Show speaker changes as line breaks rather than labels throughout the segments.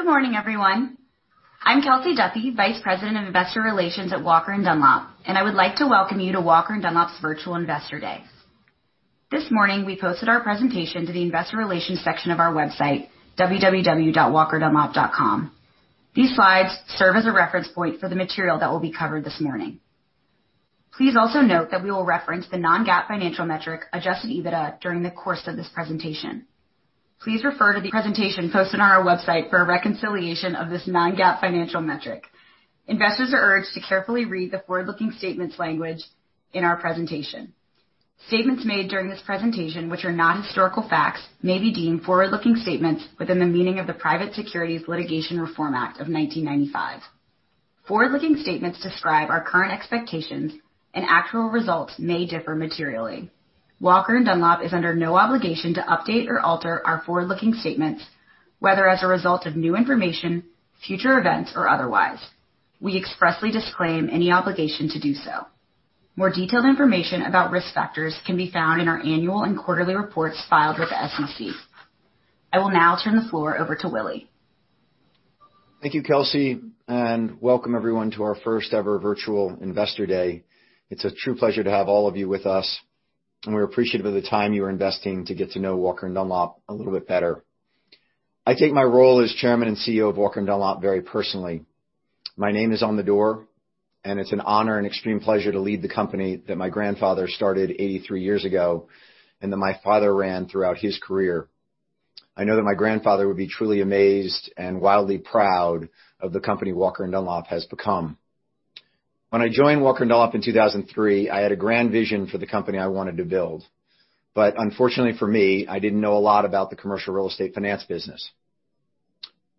Good morning, everyone. I'm Kelsey Duffey, Vice President of Investor Relations at Walker & Dunlop, and I would like to welcome you to Walker & Dunlop's Virtual Investor Day. This morning, we posted our presentation to the Investor Relations section of our website, www.walkeranddunlop.com. These slides serve as a reference point for the material that will be covered this morning. Please also note that we will reference the non-GAAP financial metric, Adjusted EBITDA, during the course of this presentation. Please refer to the presentation posted on our website for a reconciliation of this non-GAAP financial metric. Investors are urged to carefully read the forward-looking statements language in our presentation. Statements made during this presentation, which are not historical facts, may be deemed forward-looking statements within the meaning of the Private Securities Litigation Reform Act of 1995. Forward-looking statements describe our current expectations, and actual results may differ materially. Walker & Dunlop is under no obligation to update or alter our forward-looking statements, whether as a result of new information, future events, or otherwise. We expressly disclaim any obligation to do so. More detailed information about risk factors can be found in our annual and quarterly reports filed with the SEC. I will now turn the floor over to Willy.
Thank you, Kelsey, and welcome everyone to our first-ever Virtual Investor Day. It's a true pleasure to have all of you with us, and we're appreciative of the time you are investing to get to know Walker & Dunlop a little bit better. I take my role as Chairman and CEO of Walker & Dunlop very personally. My name is on the door, and it's an honor and extreme pleasure to lead the company that my grandfather started 83 years ago and that my father ran throughout his career. I know that my grandfather would be truly amazed and wildly proud of the company Walker & Dunlop has become. When I joined Walker & Dunlop in 2003, I had a grand vision for the company I wanted to build, but unfortunately for me, I didn't know a lot about the commercial real estate finance business.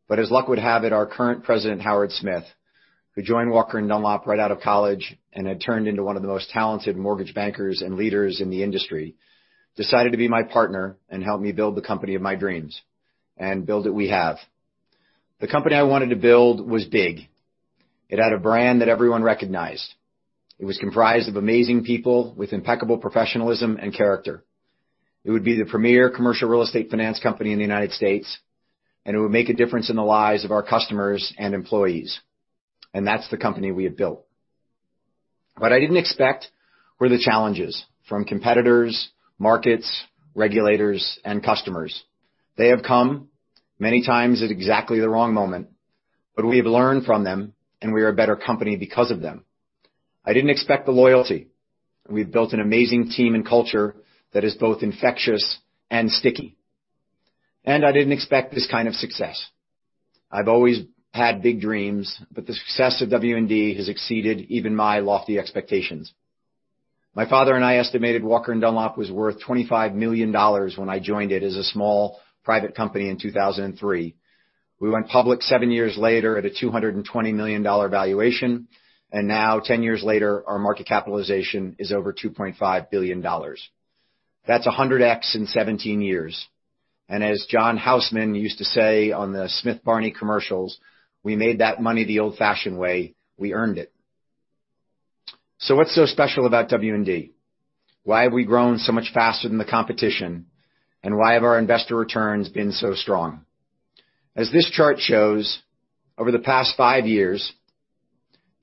But as luck would have it, our current President, Howard Smith, who joined Walker & Dunlop right out of college and had turned into one of the most talented mortgage bankers and leaders in the industry, decided to be my partner and help me build the company of my dreams and build it we have. The company I wanted to build was big. It had a brand that everyone recognized. It was comprised of amazing people with impeccable professionalism and character. It would be the premier commercial real estate finance company in the United States, and it would make a difference in the lives of our customers and employees. And that's the company we had built. What I didn't expect were the challenges from competitors, markets, regulators, and customers. They have come many times at exactly the wrong moment, but we have learned from them, and we are a better company because of them. I didn't expect the loyalty. We've built an amazing team and culture that is both infectious and sticky. And I didn't expect this kind of success. I've always had big dreams, but the success of W&D has exceeded even my lofty expectations. My father and I estimated Walker & Dunlop was worth $25 million when I joined it as a small private company in 2003. We went public seven years later at a $220 million valuation, and now, ten years later, our market capitalization is over $2.5 billion. That's 100x in 17 years. And as John Houseman used to say on the Smith Barney commercials, "We made that money the old-fashioned way, we earned it." So what's so special about W&D? Why have we grown so much faster than the competition, and why have our investor returns been so strong? As this chart shows, over the past five years,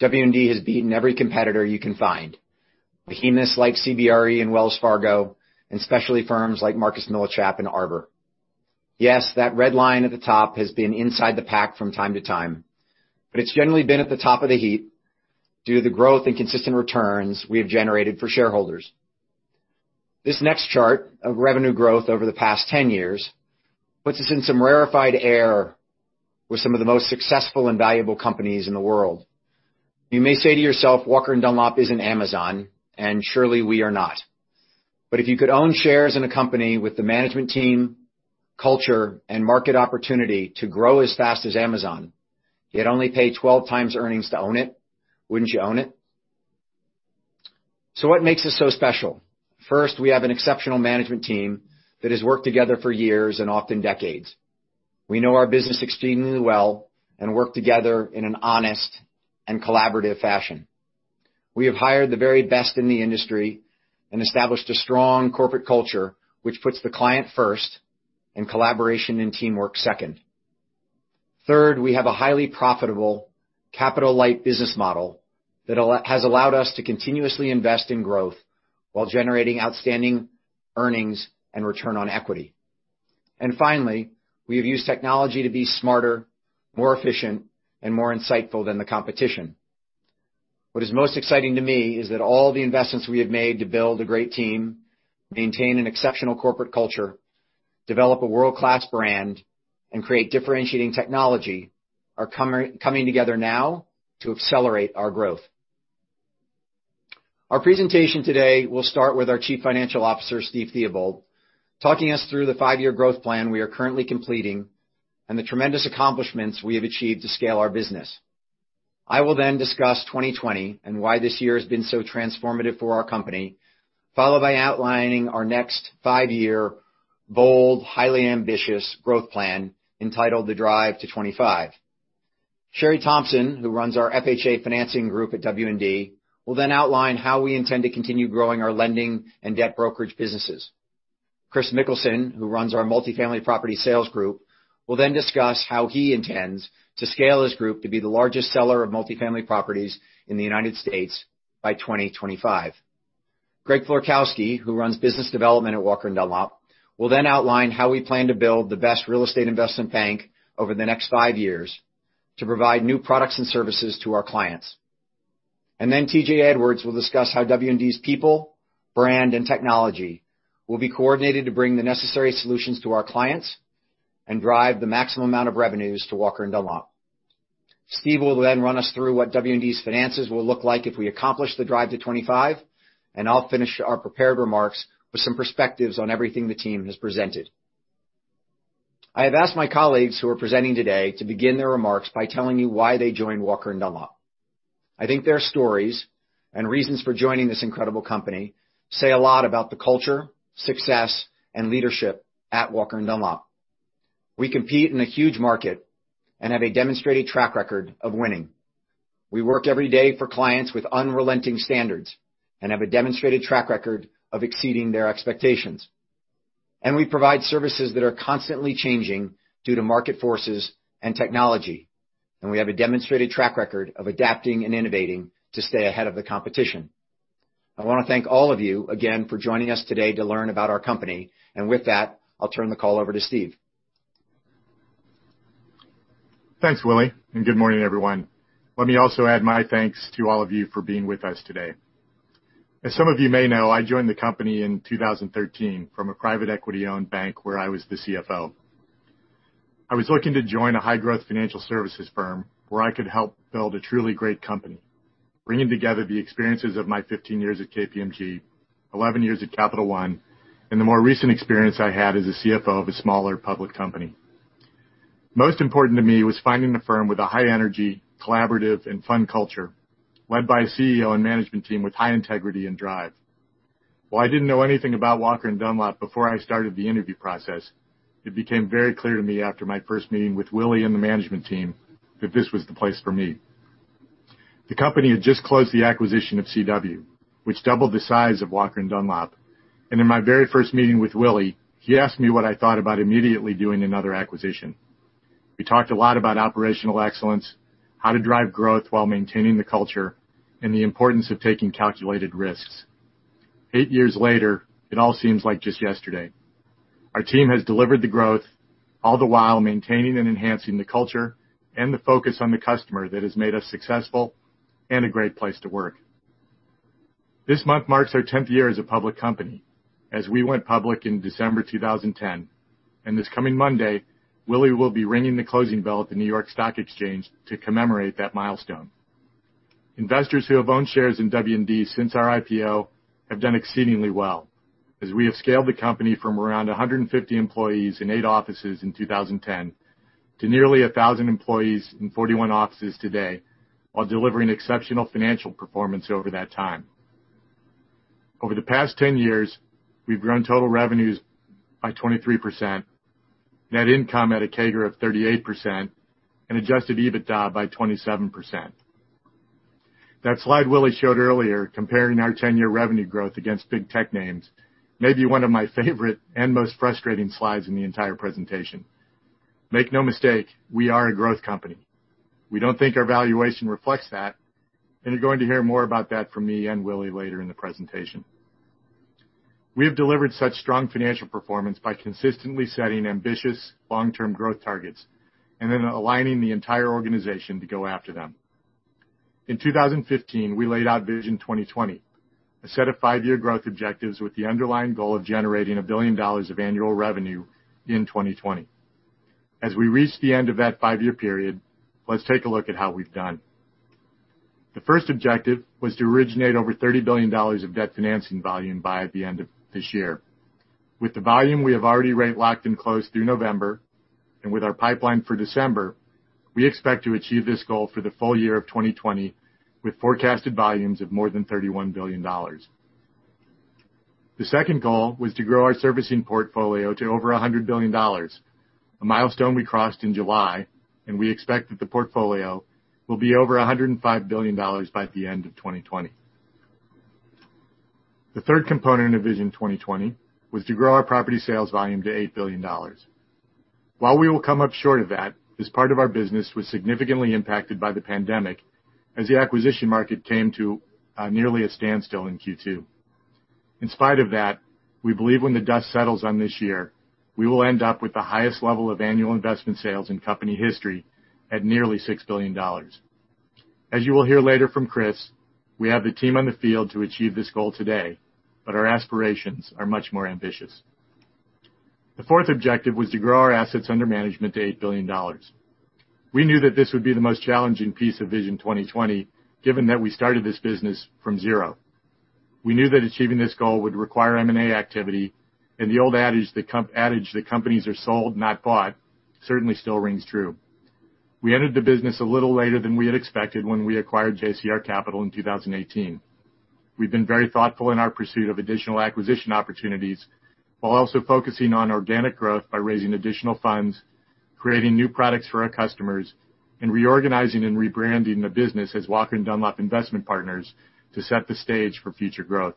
W&D has beaten every competitor you can find, behemoths like CBRE and Wells Fargo, and specialty firms like Marcus & Millichap and Arbor Realty Trust. Yes, that red line at the top has been inside the pack from time to time, but it's generally been at the top of the heap due to the growth and consistent returns we have generated for shareholders. This next chart of revenue growth over the past 10 years puts us in some rarefied air with some of the most successful and valuable companies in the world. You may say to yourself, "Walker & Dunlop isn't Amazon," and surely we are not. But if you could own shares in a company with the management team, culture, and market opportunity to grow as fast as Amazon, yet only pay 12 times earnings to own it, wouldn't you own it? So what makes us so special? First, we have an exceptional management team that has worked together for years and often decades. We know our business extremely well and work together in an honest and collaborative fashion. We have hired the very best in the industry and established a strong corporate culture, which puts the client first and collaboration and teamwork second. Third, we have a highly profitable, capital-light business model that has allowed us to continuously invest in growth while generating outstanding earnings and return on equity. And finally, we have used technology to be smarter, more efficient, and more insightful than the competition. What is most exciting to me is that all the investments we have made to build a great team, maintain an exceptional corporate culture, develop a world-class brand, and create differentiating technology are coming together now to accelerate our growth. Our presentation today will start with our Chief Financial Officer, Steve Theobald, talking us through the five-year growth plan we are currently completing and the tremendous accomplishments we have achieved to scale our business. I will then discuss 2020 and why this year has been so transformative for our company, followed by outlining our next five-year bold, highly ambitious growth plan entitled The Drive to '25. Sheri Thompson, who runs our FHA financing group at W&D, will then outline how we intend to continue growing our lending and debt brokerage businesses. Kris Mikkelsen, who runs our multifamily property sales group, will then discuss how he intends to scale his group to be the largest seller of multifamily properties in the United States by 2025. Greg Florkowski, who runs business development at Walker & Dunlop, will then outline how we plan to build the best real estate investment bank over the next five years to provide new products and services to our clients. And then T.J. Edwards will discuss how W&D's people, brand, and technology will be coordinated to bring the necessary solutions to our clients and drive the maximum amount of revenues to Walker & Dunlop. Steve will then run us through what W&D's finances will look like if we accomplish the Drive to '25, and I'll finish our prepared remarks with some perspectives on everything the team has presented. I have asked my colleagues who are presenting today to begin their remarks by telling you why they joined Walker & Dunlop. I think their stories and reasons for joining this incredible company say a lot about the culture, success, and leadership at Walker & Dunlop. We compete in a huge market and have a demonstrated track record of winning. We work every day for clients with unrelenting standards and have a demonstrated track record of exceeding their expectations, and we provide services that are constantly changing due to market forces and technology, and we have a demonstrated track record of adapting and innovating to stay ahead of the competition. I want to thank all of you again for joining us today to learn about our company, and with that, I'll turn the call over to Steve.
Thanks, Willy, and good morning, everyone. Let me also add my thanks to all of you for being with us today. As some of you may know, I joined the company in 2013 from a private equity-owned bank where I was the CFO. I was looking to join a high-growth financial services firm where I could help build a truly great company, bringing together the experiences of my 15 years at KPMG, 11 years at Capital One, and the more recent experience I had as a CFO of a smaller public company. Most important to me was finding a firm with a high-energy, collaborative, and fun culture, led by a CEO and management team with high integrity and drive. While I didn't know anything about Walker & Dunlop before I started the interview process, it became very clear to me after my first meeting with Willy and the management team that this was the place for me. The company had just closed the acquisition of CW, which doubled the size of Walker & Dunlop, and in my very first meeting with Willy, he asked me what I thought about immediately doing another acquisition. We talked a lot about operational excellence, how to drive growth while maintaining the culture, and the importance of taking calculated risks. Eight years later, it all seems like just yesterday. Our team has delivered the growth, all the while maintaining and enhancing the culture and the focus on the customer that has made us successful and a great place to work. This month marks our 10th year as a public company, as we went public in December 2010, and this coming Monday, Willy will be ringing the closing bell at the New York Stock Exchange to commemorate that milestone. Investors who have owned shares in W&D since our IPO have done exceedingly well, as we have scaled the company from around 150 employees in eight offices in 2010 to nearly 1,000 employees in 41 offices today, while delivering exceptional financial performance over that time. Over the past ten years, we've grown total revenues by 23%, net income at a CAGR of 38%, and Adjusted EBITDA by 27%. That slide Willy showed earlier, comparing our 10-year revenue growth against big tech names, may be one of my favorite and most frustrating slides in the entire presentation. Make no mistake, we are a growth company. We don't think our valuation reflects that, and you're going to hear more about that from me and Willy later in the presentation. We have delivered such strong financial performance by consistently setting ambitious, long-term growth targets and then aligning the entire organization to go after them. In 2015, we laid out Vision 2020, a set of five-year growth objectives with the underlying goal of generating a billion dollars of annual revenue in 2020. As we reach the end of that five-year period, let's take a look at how we've done. The first objective was to originate over $30 billion of debt financing volume by the end of this year. With the volume we have already rate-locked and closed through November, and with our pipeline for December, we expect to achieve this goal for the full year of 2020 with forecasted volumes of more than $31 billion. The second goal was to grow our servicing portfolio to over $100 billion, a milestone we crossed in July, and we expect that the portfolio will be over $105 billion by the end of 2020. The third component of Vision 2020 was to grow our property sales volume to $8 billion. While we will come up short of that, this part of our business was significantly impacted by the pandemic as the acquisition market came to nearly a standstill in Q2. In spite of that, we believe when the dust settles on this year, we will end up with the highest level of annual investment sales in company history at nearly $6 billion. As you will hear later from Kris, we have the team on the field to achieve this goal today, but our aspirations are much more ambitious. The fourth objective was to grow our assets under management to $8 billion. We knew that this would be the most challenging piece of Vision 2020, given that we started this business from zero. We knew that achieving this goal would require M&A activity, and the old adage that companies are sold, not bought, certainly still rings true. We entered the business a little later than we had expected when we acquired JCR Capital in 2018. We've been very thoughtful in our pursuit of additional acquisition opportunities, while also focusing on organic growth by raising additional funds, creating new products for our customers, and reorganizing and rebranding the business as Walker & Dunlop Investment Partners to set the stage for future growth.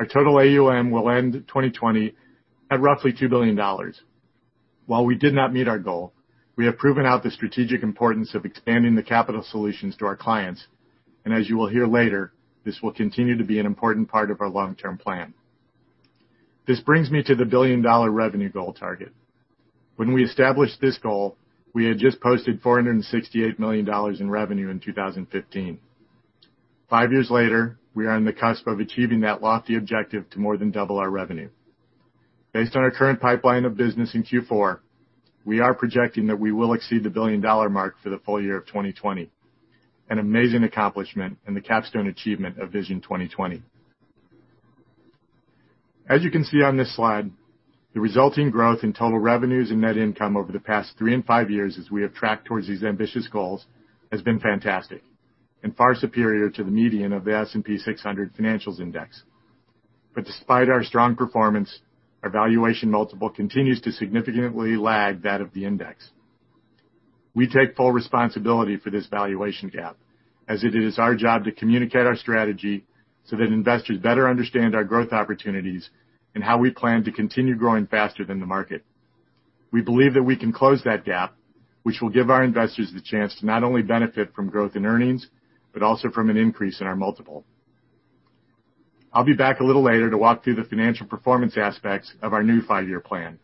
Our total AUM will end 2020 at roughly $2 billion. While we did not meet our goal, we have proven out the strategic importance of expanding the capital solutions to our clients, and as you will hear later, this will continue to be an important part of our long-term plan. This brings me to the billion-dollar revenue goal target. When we established this goal, we had just posted $468 million in revenue in 2015. Five years later, we are on the cusp of achieving that lofty objective to more than double our revenue. Based on our current pipeline of business in Q4, we are projecting that we will exceed the billion-dollar mark for the full year of 2020, an amazing accomplishment and the capstone achievement of Vision 2020. As you can see on this slide, the resulting growth in total revenues and net income over the past three and five years as we have tracked towards these ambitious goals has been fantastic and far superior to the median of the S&P 600 Financials index. But despite our strong performance, our valuation multiple continues to significantly lag that of the index. We take full responsibility for this valuation gap, as it is our job to communicate our strategy so that investors better understand our growth opportunities and how we plan to continue growing faster than the market. We believe that we can close that gap, which will give our investors the chance to not only benefit from growth in earnings, but also from an increase in our multiple. I'll be back a little later to walk through the financial performance aspects of our new five-year plan.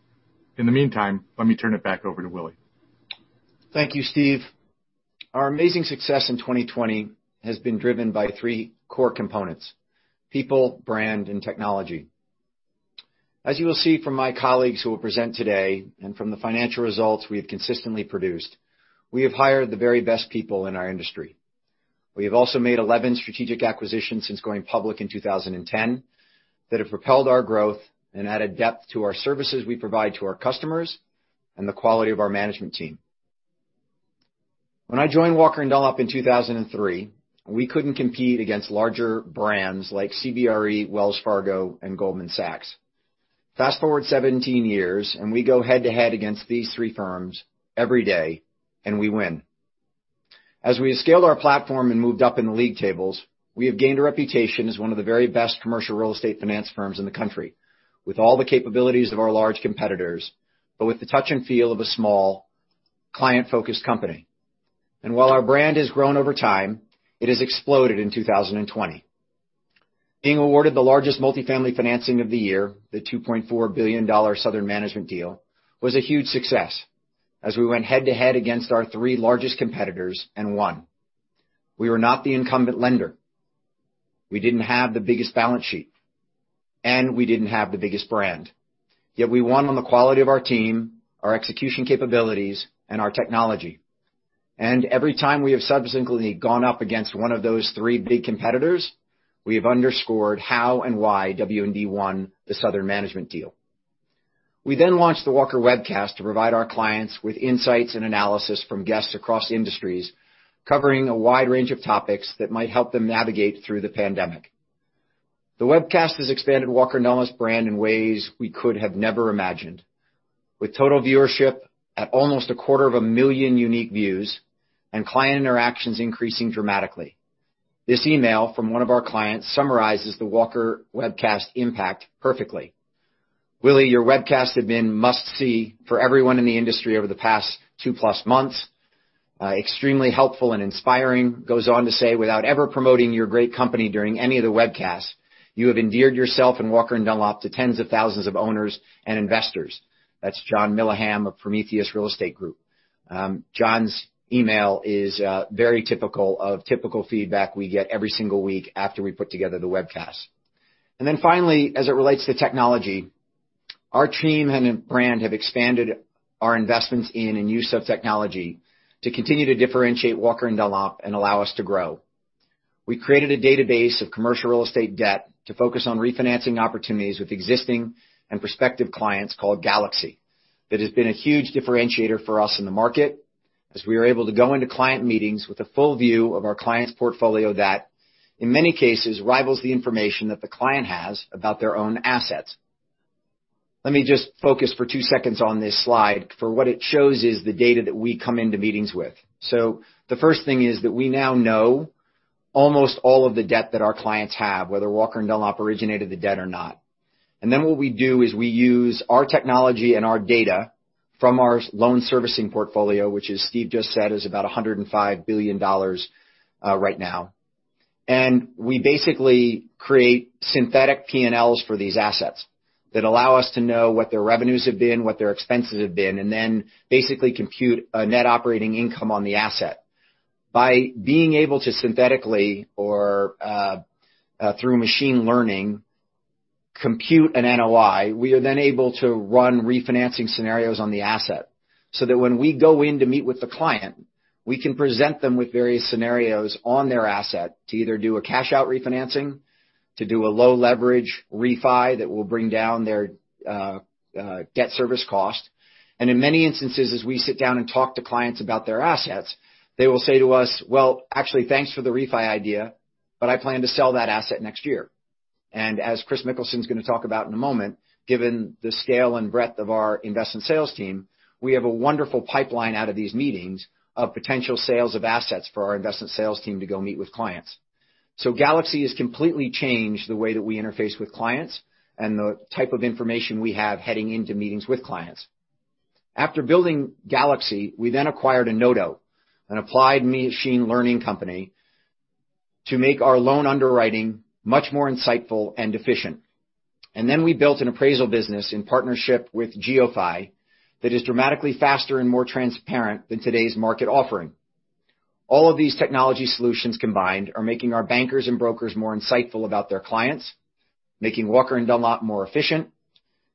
In the meantime, let me turn it back over to Willy.
Thank you, Steve. Our amazing success in 2020 has been driven by three core components: people, brand, and technology. As you will see from my colleagues who will present today and from the financial results we have consistently produced, we have hired the very best people in our industry. We have also made 11 strategic acquisitions since going public in 2010 that have propelled our growth and added depth to our services we provide to our customers and the quality of our management team. When I joined Walker & Dunlop in 2003, we couldn't compete against larger brands like CBRE, Wells Fargo, and Goldman Sachs. Fast forward 17 years, and we go head-to-head against these three firms every day, and we win. As we have scaled our platform and moved up in the league tables, we have gained a reputation as one of the very best commercial real estate finance firms in the country, with all the capabilities of our large competitors, but with the touch and feel of a small, client-focused company. And while our brand has grown over time, it has exploded in 2020. Being awarded the largest multifamily financing of the year, the $2.4 billion Southern Management Deal, was a huge success as we went head-to-head against our three largest competitors and won. We were not the incumbent lender. We didn't have the biggest balance sheet, and we didn't have the biggest brand. Yet we won on the quality of our team, our execution capabilities, and our technology. Every time we have subsequently gone up against one of those three big competitors, we have underscored how and why W&D won the Southern Management Deal. We then launched the Walker Webcast to provide our clients with insights and analysis from guests across industries, covering a wide range of topics that might help them navigate through the pandemic. The webcast has expanded Walker & Dunlop's brand in ways we could have never imagined, with total viewership at almost 250,000 unique views and client interactions increasing dramatically. This email from one of our clients summarizes the Walker Webcast impact perfectly. Willy, your webcast has been a must-see for everyone in the industry over the past two-plus months. Extremely helpful and inspiring, goes on to say, "Without ever promoting your great company during any of the webcasts, you have endeared yourself and Walker & Dunlop to tens of thousands of owners and investors." That's John Millham of Prometheus Real Estate Group. John's email is very typical of feedback we get every single week after we put together the webcast. Then finally, as it relates to technology, our team and brand have expanded our investments in and use of technology to continue to differentiate Walker & Dunlop and allow us to grow. We created a database of commercial real estate debt to focus on refinancing opportunities with existing and prospective clients called Galaxy that has been a huge differentiator for us in the market, as we are able to go into client meetings with a full view of our client's portfolio that, in many cases, rivals the information that the client has about their own assets. Let me just focus for two seconds on this slide for what it shows is the data that we come into meetings with. So the first thing is that we now know almost all of the debt that our clients have, whether Walker & Dunlop originated the debt or not. And then what we do is we use our technology and our data from our loan servicing portfolio, which, as Steve just said, is about $105 billion right now. We basically create synthetic P&Ls for these assets that allow us to know what their revenues have been, what their expenses have been, and then basically compute a net operating income on the asset. By being able to synthetically or through machine learning compute an NOI, we are then able to run refinancing scenarios on the asset so that when we go in to meet with the client, we can present them with various scenarios on their asset to either do a cash-out refinancing, to do a low-leverage refi that will bring down their debt service cost. In many instances, as we sit down and talk to clients about their assets, they will say to us, "Well, actually, thanks for the refi idea, but I plan to sell that asset next year." And as Kris Mikkelsen's going to talk about in a moment, given the scale and breadth of our investment sales team, we have a wonderful pipeline out of these meetings of potential sales of assets for our investment sales team to go meet with clients. So Galaxy has completely changed the way that we interface with clients and the type of information we have heading into meetings with clients. After building Galaxy, we then acquired Enodo, an applied machine learning company, to make our loan underwriting much more insightful and efficient. And then we built an appraisal business in partnership with GeoPhy that is dramatically faster and more transparent than today's market offering. All of these technology solutions combined are making our bankers and brokers more insightful about their clients, making Walker & Dunlop more efficient,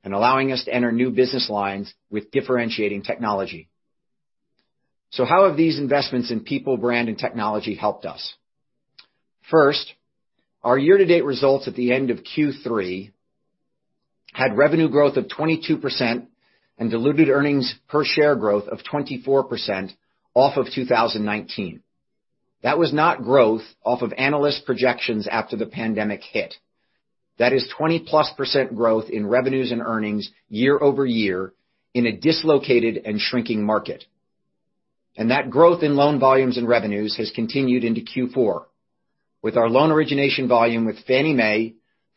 and allowing us to enter new business lines with differentiating technology. So how have these investments in people, brand, and technology helped us? First, our year-to-date results at the end of Q3 had revenue growth of 22% and diluted earnings per share growth of 24% off of 2019. That was not growth off of analyst projections after the pandemic hit. That is 20-plus% growth in revenues and earnings year over year in a dislocated and shrinking market. And that growth in loan volumes and revenues has continued into Q4, with our loan origination volume with Fannie Mae,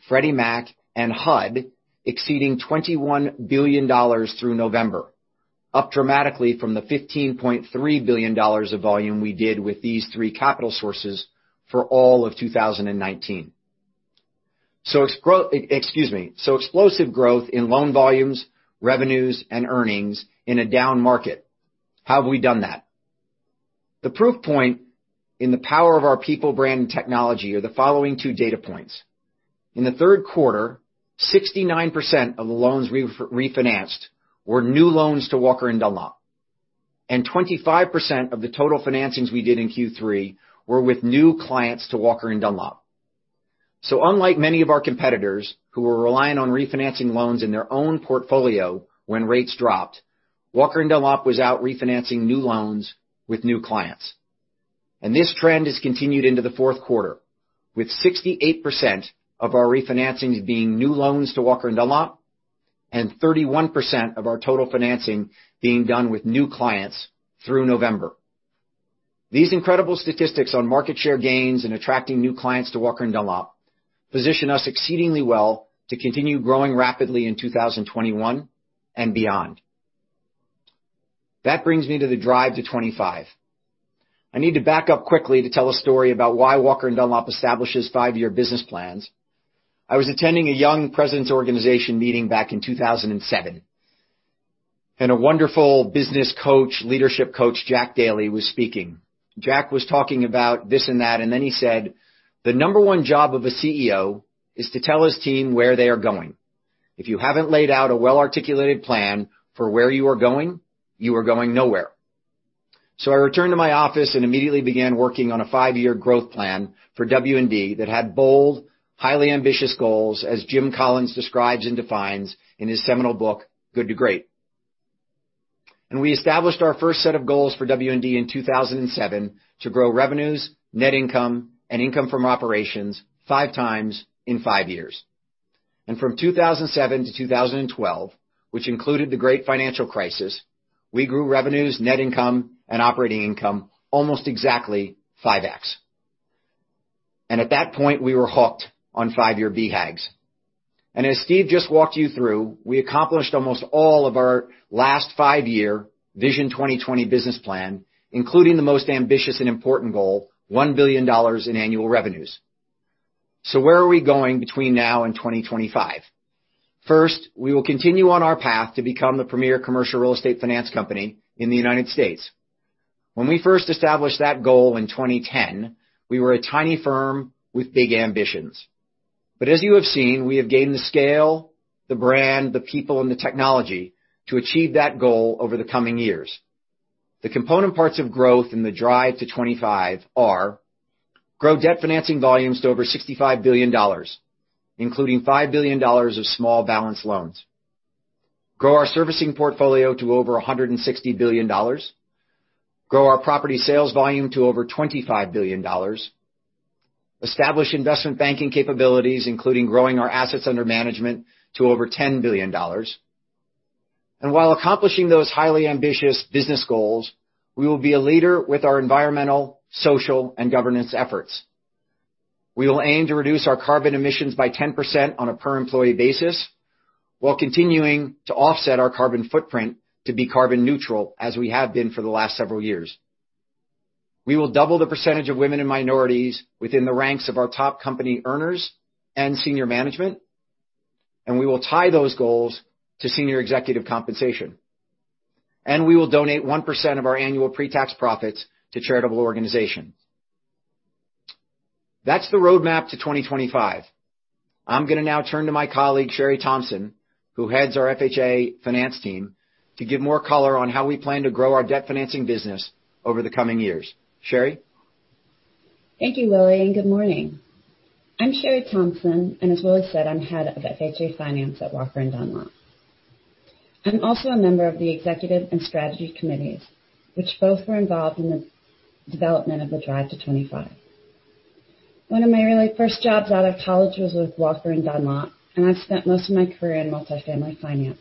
Freddie Mac, and HUD exceeding $21 billion through November, up dramatically from the $15.3 billion of volume we did with these three capital sources for all of 2019. So explosive growth in loan volumes, revenues, and earnings in a down market. How have we done that? The proof point in the power of our people, brand, and technology are the following two data points. In the third quarter, 69% of the loans refinanced were new loans to Walker & Dunlop, and 25% of the total financings we did in Q3 were with new clients to Walker & Dunlop. So unlike many of our competitors who were reliant on refinancing loans in their own portfolio when rates dropped, Walker & Dunlop was out refinancing new loans with new clients. And this trend has continued into the fourth quarter, with 68% of our refinancings being new loans to Walker & Dunlop and 31% of our total financing being done with new clients through November. These incredible statistics on market share gains and attracting new clients to Walker & Dunlop position us exceedingly well to continue growing rapidly in 2021 and beyond. That brings me to the Drive to '25. I need to back up quickly to tell a story about why Walker & Dunlop establishes five-year business plans. I was attending a Young Presidents' Organization meeting back in 2007, and a wonderful business leadership coach, Jack Daly, was speaking. Jack was talking about this and that, and then he said, "The number one job of a CEO is to tell his team where they are going. If you haven't laid out a well-articulated plan for where you are going, you are going nowhere." So I returned to my office and immediately began working on a five-year growth plan for W&D that had bold, highly ambitious goals, as Jim Collins describes and defines in his seminal book, Good to Great. And we established our first set of goals for W&D in 2007 to grow revenues, net income, and income from operations five times in five years. And from 2007 to 2012, which included the great financial crisis, we grew revenues, net income, and operating income almost exactly 5X. And at that point, we were hooked on five-year BHAGs. And as Steve just walked you through, we accomplished almost all of our last five-year Vision 2020 business plan, including the most ambitious and important goal, $1 billion in annual revenues. So where are we going between now and 2025? First, we will continue on our path to become the premier commercial real estate finance company in the United States. When we first established that goal in 2010, we were a tiny firm with big ambitions. But as you have seen, we have gained the scale, the brand, the people, and the technology to achieve that goal over the coming years. The component parts of growth in the Drive to '25 are: grow debt financing volumes to over $65 billion, including $5 billion of small balance loans. Grow our servicing portfolio to over $160 billion. Grow our property sales volume to over $25 billion. Establish investment banking capabilities, including growing our assets under management to over $10 billion, and while accomplishing those highly ambitious business goals, we will be a leader with our environmental, social, and governance efforts. We will aim to reduce our carbon emissions by 10% on a per-employee basis while continuing to offset our carbon footprint to be carbon neutral, as we have been for the last several years. We will double the percentage of women and minorities within the ranks of our top company earners and senior management, and we will tie those goals to senior executive compensation. And we will donate 1% of our annual pre-tax profits to charitable organizations. That's the roadmap to 2025. I'm going to now turn to my colleague, Sherri Thompson, who heads our FHA finance team, to give more color on how we plan to grow our debt financing business over the coming years. Sherri?
Thank you, Willy, and good morning. I'm Sheri Thompson, and as Willy said, I'm Head of FHA Finance at Walker & Dunlop. I'm also a member of the Executive and Strategy Committees, which both were involved in the development of the Drive to '25. One of my really first jobs out of college was with Walker & Dunlop, and I've spent most of my career in multifamily finance.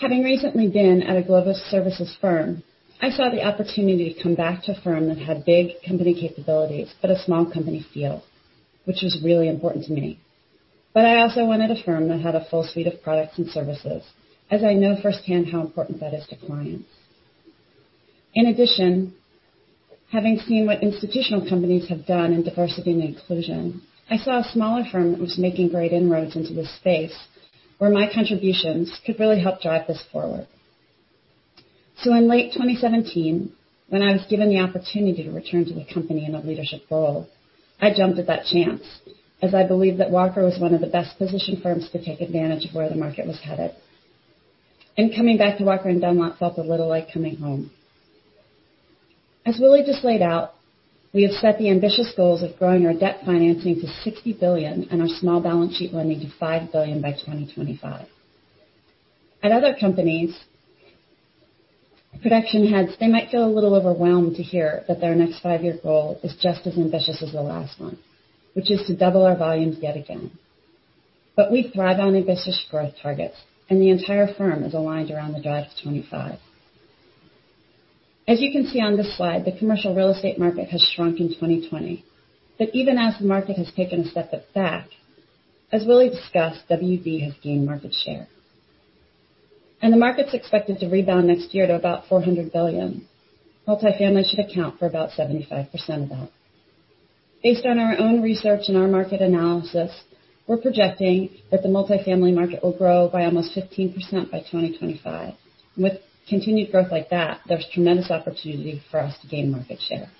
Having recently been at a global services firm, I saw the opportunity to come back to a firm that had big company capabilities but a small company feel, which was really important to me. But I also wanted a firm that had a full suite of products and services, as I know firsthand how important that is to clients. In addition, having seen what institutional companies have done in diversity and inclusion, I saw a smaller firm that was making great inroads into this space where my contributions could really help drive this forward. So in late 2017, when I was given the opportunity to return to the company in a leadership role, I jumped at that chance, as I believed that Walker was one of the best-positioned firms to take advantage of where the market was headed. Coming back to Walker & Dunlop felt a little like coming home. As Willy just laid out, we have set the ambitious goals of growing our debt financing to $60 billion and our small balance lending to $5 billion by 2025. At other companies, production heads, they might feel a little overwhelmed to hear that their next five-year goal is just as ambitious as the last one, which is to double our volumes yet again, but we thrive on ambitious growth targets, and the entire firm is aligned around the Drive to '25. As you can see on this slide, the commercial real estate market has shrunk in 2020, but even as the market has taken a step back, as Willy discussed, W&D has gained market share, and the market's expected to rebound next year to about $400 billion. Multifamily should account for about 75% of that. Based on our own research and our market analysis, we're projecting that the multifamily market will grow by almost 15% by 2025. With continued growth like that, there's tremendous opportunity for us to gain market share.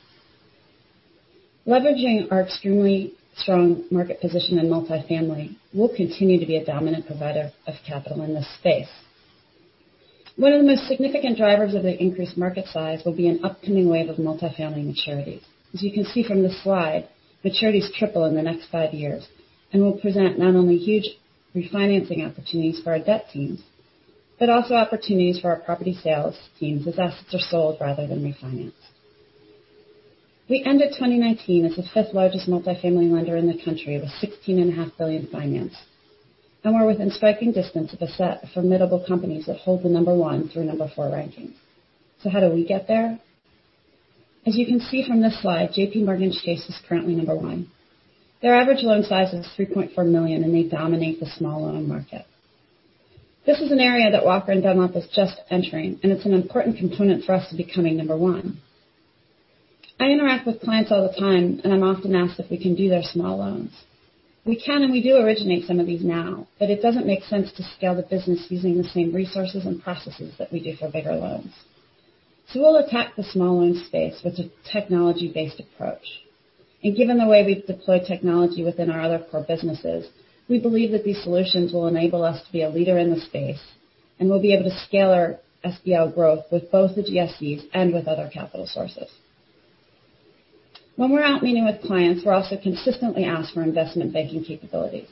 Leveraging our extremely strong market position in multifamily, we'll continue to be a dominant provider of capital in this space. One of the most significant drivers of the increased market size will be an upcoming wave of multifamily maturities. As you can see from the slide, maturities triple in the next five years and will present not only huge refinancing opportunities for our debt teams, but also opportunities for our property sales teams as assets are sold rather than refinanced. We ended 2019 as the fifth largest multifamily lender in the country with $16.5 billion financed, and we're within striking distance of a set of formidable companies that hold the number one through number four rankings. So how do we get there? As you can see from this slide, JPMorgan Chase is currently number one. Their average loan size is $3.4 million, and they dominate the small loan market. This is an area that Walker & Dunlop is just entering, and it's an important component for us to becoming number one. I interact with clients all the time, and I'm often asked if we can do their small loans. We can, and we do originate some of these now, but it doesn't make sense to scale the business using the same resources and processes that we do for bigger loans. So we'll attack the small loan space with a technology-based approach. And given the way we've deployed technology within our other core businesses, we believe that these solutions will enable us to be a leader in the space and will be able to scale our SBL growth with both the GSEs and with other capital sources. When we're out meeting with clients, we're also consistently asked for investment banking capabilities.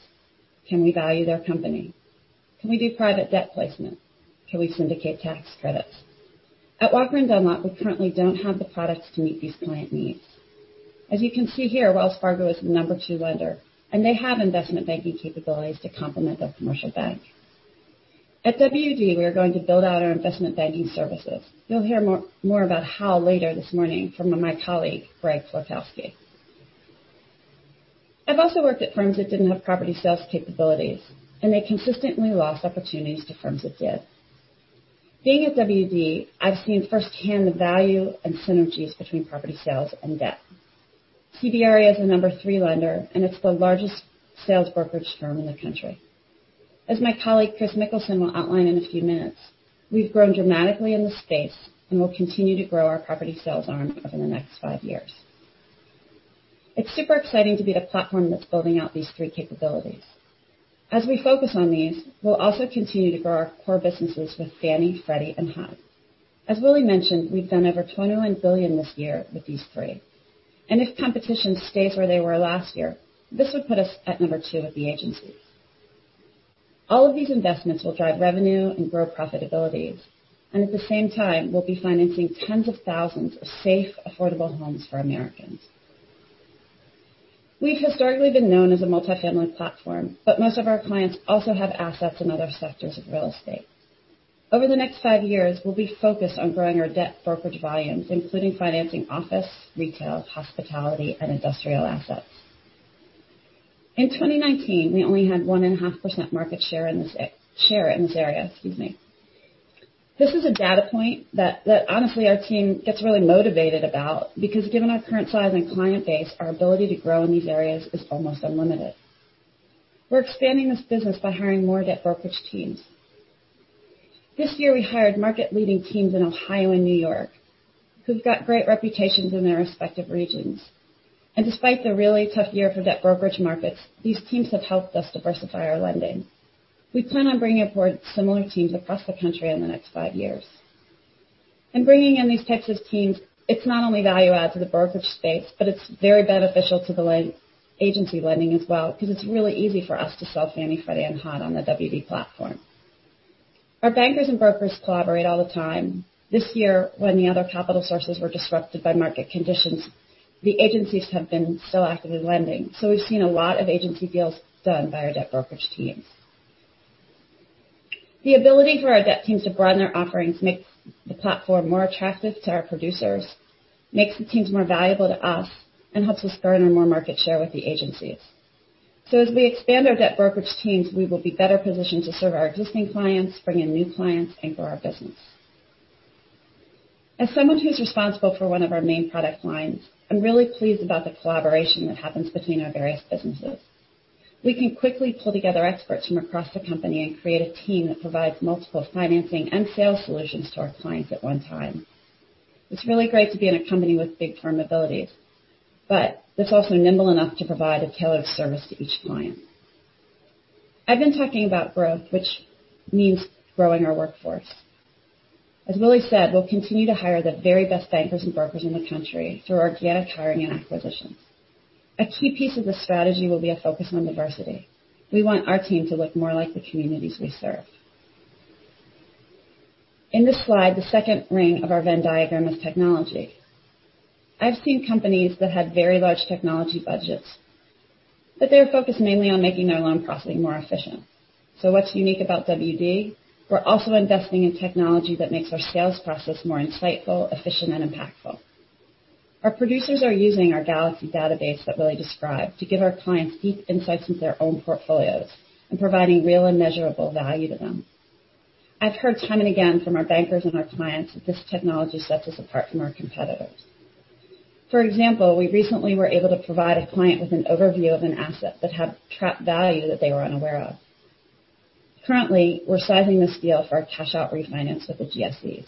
Can we value their company? Can we do private debt placement? Can we syndicate tax credits? At Walker & Dunlop, we currently don't have the products to meet these client needs. As you can see here, Wells Fargo is the number two lender, and they have investment banking capabilities to complement their commercial bank. At W&D, we are going to build out our investment banking services. You'll hear more about how later this morning from my colleague, Greg Florkowski. I've also worked at firms that didn't have property sales capabilities, and they consistently lost opportunities to firms that did. Being at W&D, I've seen firsthand the value and synergies between property sales and debt. CBRE is a number three lender, and it's the largest sales brokerage firm in the country. As my colleague, Kris Mikkelsen, will outline in a few minutes, we've grown dramatically in the space and will continue to grow our property sales arm over the next five years. It's super exciting to be the platform that's building out these three capabilities. As we focus on these, we'll also continue to grow our core businesses with Fannie, Freddie, and HUD. As Willy mentioned, we've done over $21 billion this year with these three, and if competition stays where they were last year, this would put us at number two with the agencies. All of these investments will drive revenue and grow profitabilities, and at the same time, we'll be financing tens of thousands of safe, affordable homes for Americans. We've historically been known as a multifamily platform, but most of our clients also have assets in other sectors of real estate. Over the next five years, we'll be focused on growing our debt brokerage volumes, including financing office, retail, hospitality, and industrial assets. In 2019, we only had 1.5% market share in this area. Excuse me. This is a data point that, honestly, our team gets really motivated about because, given our current size and client base, our ability to grow in these areas is almost unlimited. We're expanding this business by hiring more debt brokerage teams. This year, we hired market-leading teams in Ohio and New York who've got great reputations in their respective regions. And despite the really tough year for debt brokerage markets, these teams have helped us diversify our lending. We plan on bringing on board similar teams across the country in the next five years. And bringing in these types of teams, it's not only value-add to the brokerage space, but it's very beneficial to the agency lending as well because it's really easy for us to sell Fannie, Freddie, and HUD on the W&D platform. Our bankers and brokers collaborate all the time. This year, when the other capital sources were disrupted by market conditions, the agencies have been still actively lending. So we've seen a lot of agency deals done by our debt brokerage teams. The ability for our debt teams to broaden their offerings makes the platform more attractive to our producers, makes the teams more valuable to us, and helps us garner more market share with the agencies. So as we expand our debt brokerage teams, we will be better positioned to serve our existing clients, bring in new clients, and grow our business. As someone who's responsible for one of our main product lines, I'm really pleased about the collaboration that happens between our various businesses. We can quickly pull together experts from across the company and create a team that provides multiple financing and sales solutions to our clients at one time. It's really great to be in a company with big firm abilities, but that's also nimble enough to provide a tailored service to each client. I've been talking about growth, which means growing our workforce. As Willy said, we'll continue to hire the very best bankers and brokers in the country through organic hiring and acquisitions. A key piece of the strategy will be a focus on diversity. We want our team to look more like the communities we serve. In this slide, the second ring of our Venn diagram is technology. I've seen companies that had very large technology budgets, but they're focused mainly on making their loan processing more efficient. So what's unique about W&D? We're also investing in technology that makes our sales process more insightful, efficient, and impactful. Our producers are using our Galaxy database that Willy described to give our clients deep insights into their own portfolios and providing real and measurable value to them. I've heard time and again from our bankers and our clients that this technology sets us apart from our competitors. For example, we recently were able to provide a client with an overview of an asset that had trapped value that they were unaware of. Currently, we're sizing this deal for a cash-out refinance with the GSEs.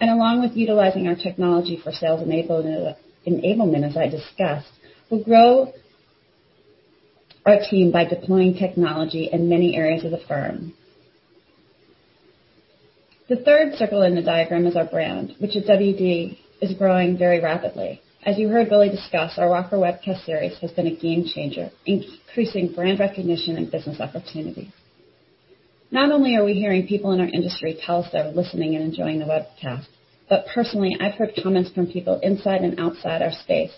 And along with utilizing our technology for sales enablement, as I discussed, we'll grow our team by deploying technology in many areas of the firm. The third circle in the diagram is our brand, which at W&D is growing very rapidly. As you heard Willy discuss, our Walker Webcast series has been a game changer, increasing brand recognition and business opportunity. Not only are we hearing people in our industry tell us they're listening and enjoying the webcast, but personally, I've heard comments from people inside and outside our space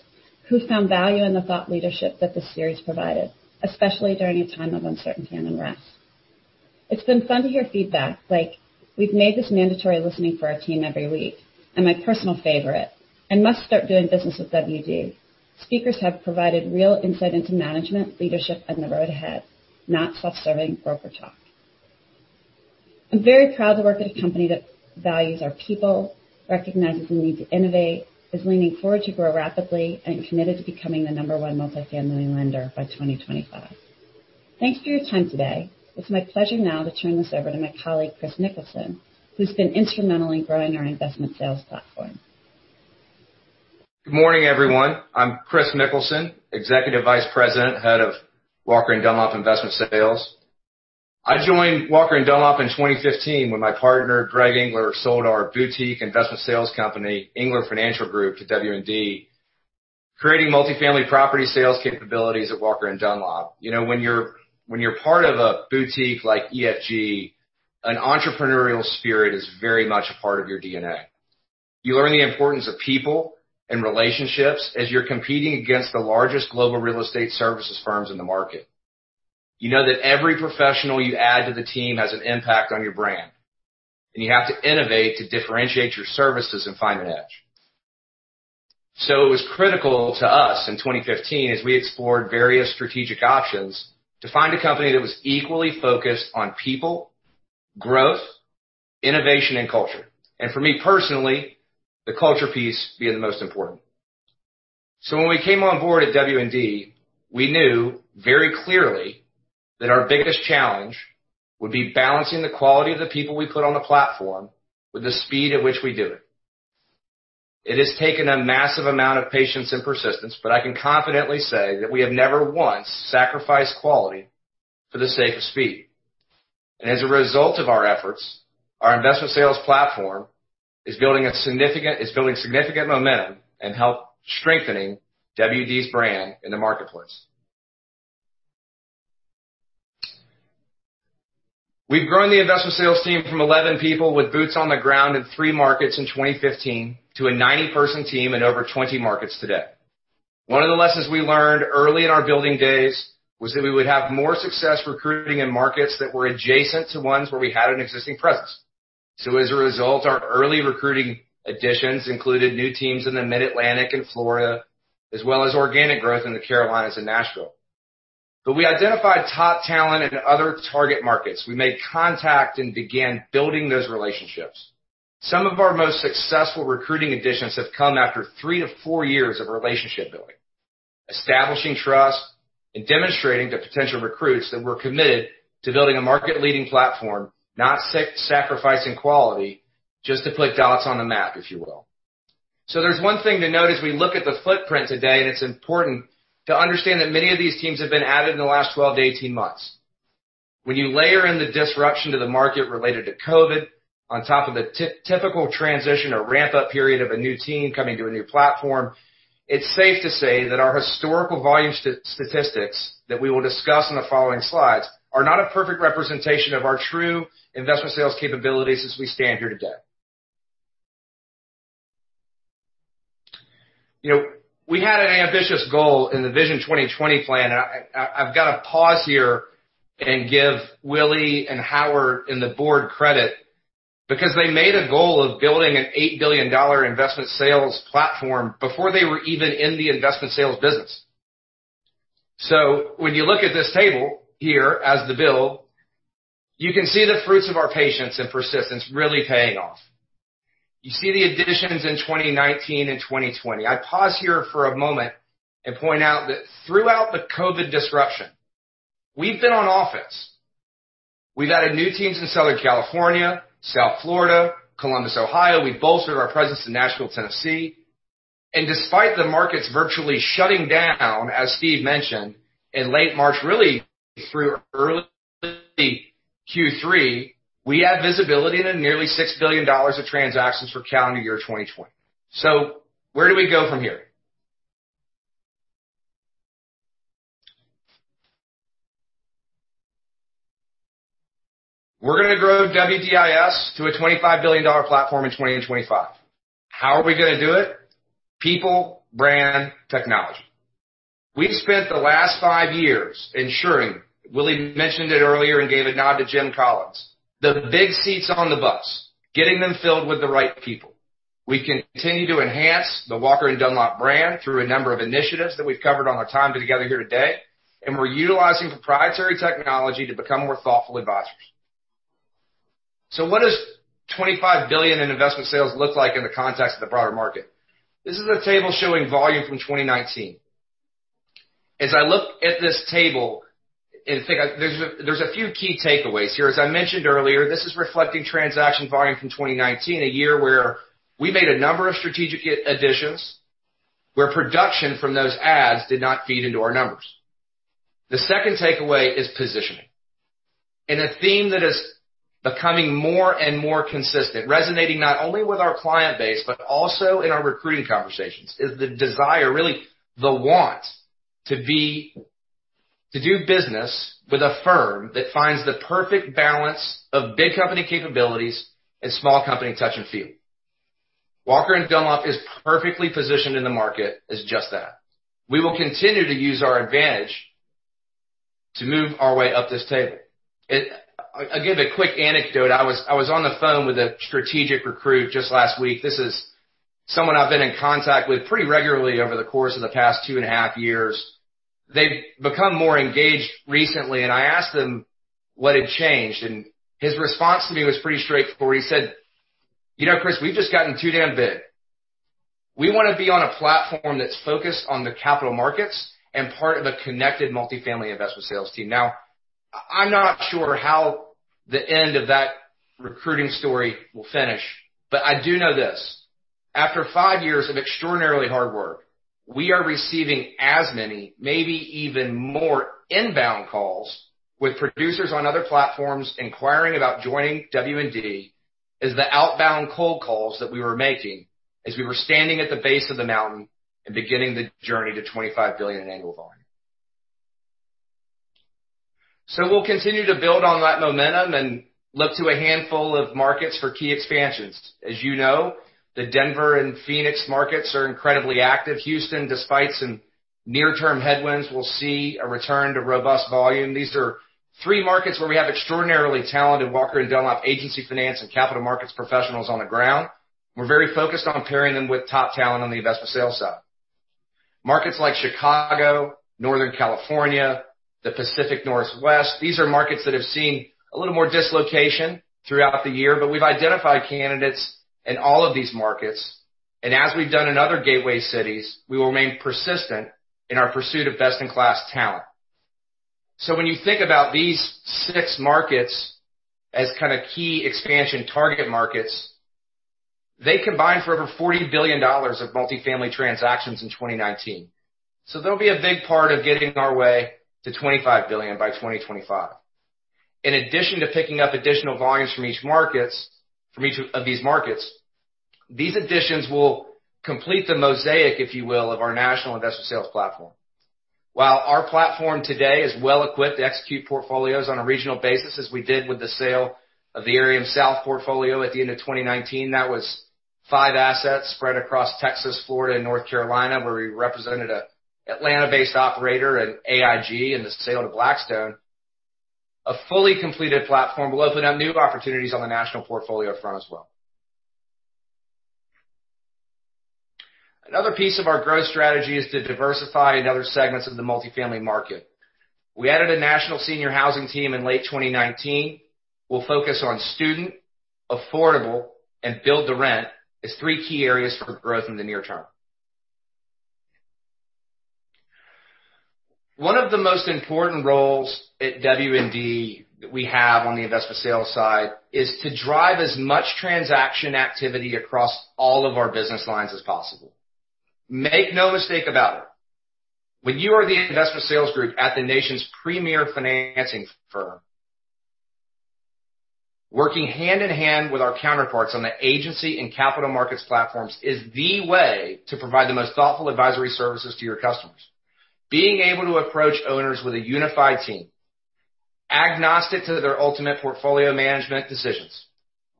who found value in the thought leadership that this series provided, especially during a time of uncertainty and unrest. It's been fun to hear feedback like we've made this mandatory listening for our team every week, and my personal favorite, I must start doing business with W&D. Speakers have provided real insight into management, leadership, and the road ahead, not self-serving broker talk. I'm very proud to work at a company that values our people, recognizes the need to innovate, is leaning forward to grow rapidly, and committed to becoming the number one multifamily lender by 2025. Thanks for your time today. It's my pleasure now to turn this over to my colleague, Kris Mikkelsen, who's been instrumental in growing our investment sales platform.
Good morning, everyone. I'm Kris Mikkelsen, Executive Vice President, Head of Walker & Dunlop Investment Sales. I joined Walker & Dunlop in 2015 when my partner, Greg Engler, sold our boutique investment sales company, Engler Financial Group, to W&D, creating multifamily property sales capabilities at Walker & Dunlop. When you're part of a boutique like EFG, an entrepreneurial spirit is very much a part of your DNA. You learn the importance of people and relationships as you're competing against the largest global real estate services firms in the market. You know that every professional you add to the team has an impact on your brand, and you have to innovate to differentiate your services and find an edge. So it was critical to us in 2015 as we explored various strategic options to find a company that was equally focused on people, growth, innovation, and culture. For me personally, the culture piece being the most important. So when we came on board at W&D, we knew very clearly that our biggest challenge would be balancing the quality of the people we put on the platform with the speed at which we do it. It has taken a massive amount of patience and persistence, but I can confidently say that we have never once sacrificed quality for the sake of speed. As a result of our efforts, our investment sales platform is building significant momentum and helping strengthen W&D's brand in the marketplace. We've grown the investment sales team from 11 people with boots on the ground in three markets in 2015 to a 90-person team in over 20 markets today. One of the lessons we learned early in our building days was that we would have more success recruiting in markets that were adjacent to ones where we had an existing presence. So as a result, our early recruiting additions included new teams in the Mid-Atlantic and Florida, as well as organic growth in the Carolinas and Nashville. But we identified top talent in other target markets. We made contact and began building those relationships. Some of our most successful recruiting additions have come after three to four years of relationship building, establishing trust, and demonstrating to potential recruits that we're committed to building a market-leading platform, not sacrificing quality, just to put dots on the map, if you will. So there's one thing to note as we look at the footprint today, and it's important to understand that many of these teams have been added in the last 12-18 months. When you layer in the disruption to the market related to COVID on top of the typical transition or ramp-up period of a new team coming to a new platform, it's safe to say that our historical volume statistics that we will discuss in the following slides are not a perfect representation of our true investment sales capabilities as we stand here today. We had an ambitious goal in the Vision 2020 plan, and I've got to pause here and give Willy and Howard and the board credit because they made a goal of building an $8 billion investment sales platform before they were even in the investment sales business. So when you look at this table here as well, you can see the fruits of our patience and persistence really paying off. You see the additions in 2019 and 2020. I pause here for a moment and point out that throughout the COVID disruption, we've been on offense. We've added new teams in Southern California, South Florida, Columbus, Ohio. We've bolstered our presence in Nashville, Tennessee. And despite the markets virtually shutting down, as Steve mentioned, in late March, really through early Q3, we had visibility into nearly $6 billion of transactions for calendar year 2020. So where do we go from here? We're going to grow WDIS to a $25 billion platform in 2025. How are we going to do it? People, brand, technology. We've spent the last five years ensuring Willy mentioned it earlier and gave a nod to Jim Collins, the big seats on the bus, getting them filled with the right people. We continue to enhance the Walker & Dunlop brand through a number of initiatives that we've covered on our time together here today, and we're utilizing proprietary technology to become more thoughtful advisors. So what does $25 billion in investment sales look like in the context of the broader market? This is a table showing volume from 2019. As I look at this table, there's a few key takeaways here. As I mentioned earlier, this is reflecting transaction volume from 2019, a year where we made a number of strategic additions, where production from those adds did not feed into our numbers. The second takeaway is positioning. And a theme that is becoming more and more consistent, resonating not only with our client base, but also in our recruiting conversations, is the desire, really the want to do business with a firm that finds the perfect balance of big company capabilities and small company touch and feel. Walker & Dunlop is perfectly positioned in the market as just that. We will continue to use our advantage to move our way up this table. I'll give a quick anecdote. I was on the phone with a strategic recruit just last week. This is someone I've been in contact with pretty regularly over the course of the past two and a half years. They've become more engaged recently, and I asked them what had changed, and his response to me was pretty straightforward. He said, "You know, kris, we've just gotten too damn big. We want to be on a platform that's focused on the capital markets and part of a connected multifamily investment sales team." Now, I'm not sure how the end of that recruiting story will finish, but I do know this: after five years of extraordinarily hard work, we are receiving as many, maybe even more inbound calls with producers on other platforms inquiring about joining W&D as the outbound cold calls that we were making as we were standing at the base of the mountain and beginning the journey to $25 billion in annual volume. So we'll continue to build on that momentum and look to a handful of markets for key expansions. As you know, the Denver and Phoenix markets are incredibly active. Houston, despite some near-term headwinds, will see a return to robust volume. These are three markets where we have extraordinarily talented Walker & Dunlop agency finance and capital markets professionals on the ground. We're very focused on pairing them with top talent on the investment sales side. Markets like Chicago, Northern California, the Pacific Northwest, these are markets that have seen a little more dislocation throughout the year, but we've identified candidates in all of these markets, and as we've done in other gateway cities, we will remain persistent in our pursuit of best-in-class talent, so when you think about these six markets as kind of key expansion target markets, they combined for over $40 billion of multifamily transactions in 2019, so they'll be a big part of getting our way to $25 billion by 2025. In addition to picking up additional volumes from each of these markets, these additions will complete the mosaic, if you will, of our national investment sales platform. While our platform today is well-equipped to execute portfolios on a regional basis, as we did with the sale of the Arium portfolio at the end of 2019, that was five assets spread across Texas, Florida, and North Carolina, where we represented an Atlanta-based operator, and AIG, and the sale to Blackstone. A fully completed platform will open up new opportunities on the national portfolio front as well. Another piece of our growth strategy is to diversify in other segments of the multifamily market. We added a national senior housing team in late 2019. We'll focus on student, affordable, and build-to-rent as three key areas for growth in the near term. One of the most important roles at W&D that we have on the investment sales side is to drive as much transaction activity across all of our business lines as possible. Make no mistake about it. When you are the investment sales group at the nation's premier financing firm, working hand in hand with our counterparts on the agency and capital markets platforms is the way to provide the most thoughtful advisory services to your customers. Being able to approach owners with a unified team, agnostic to their ultimate portfolio management decisions,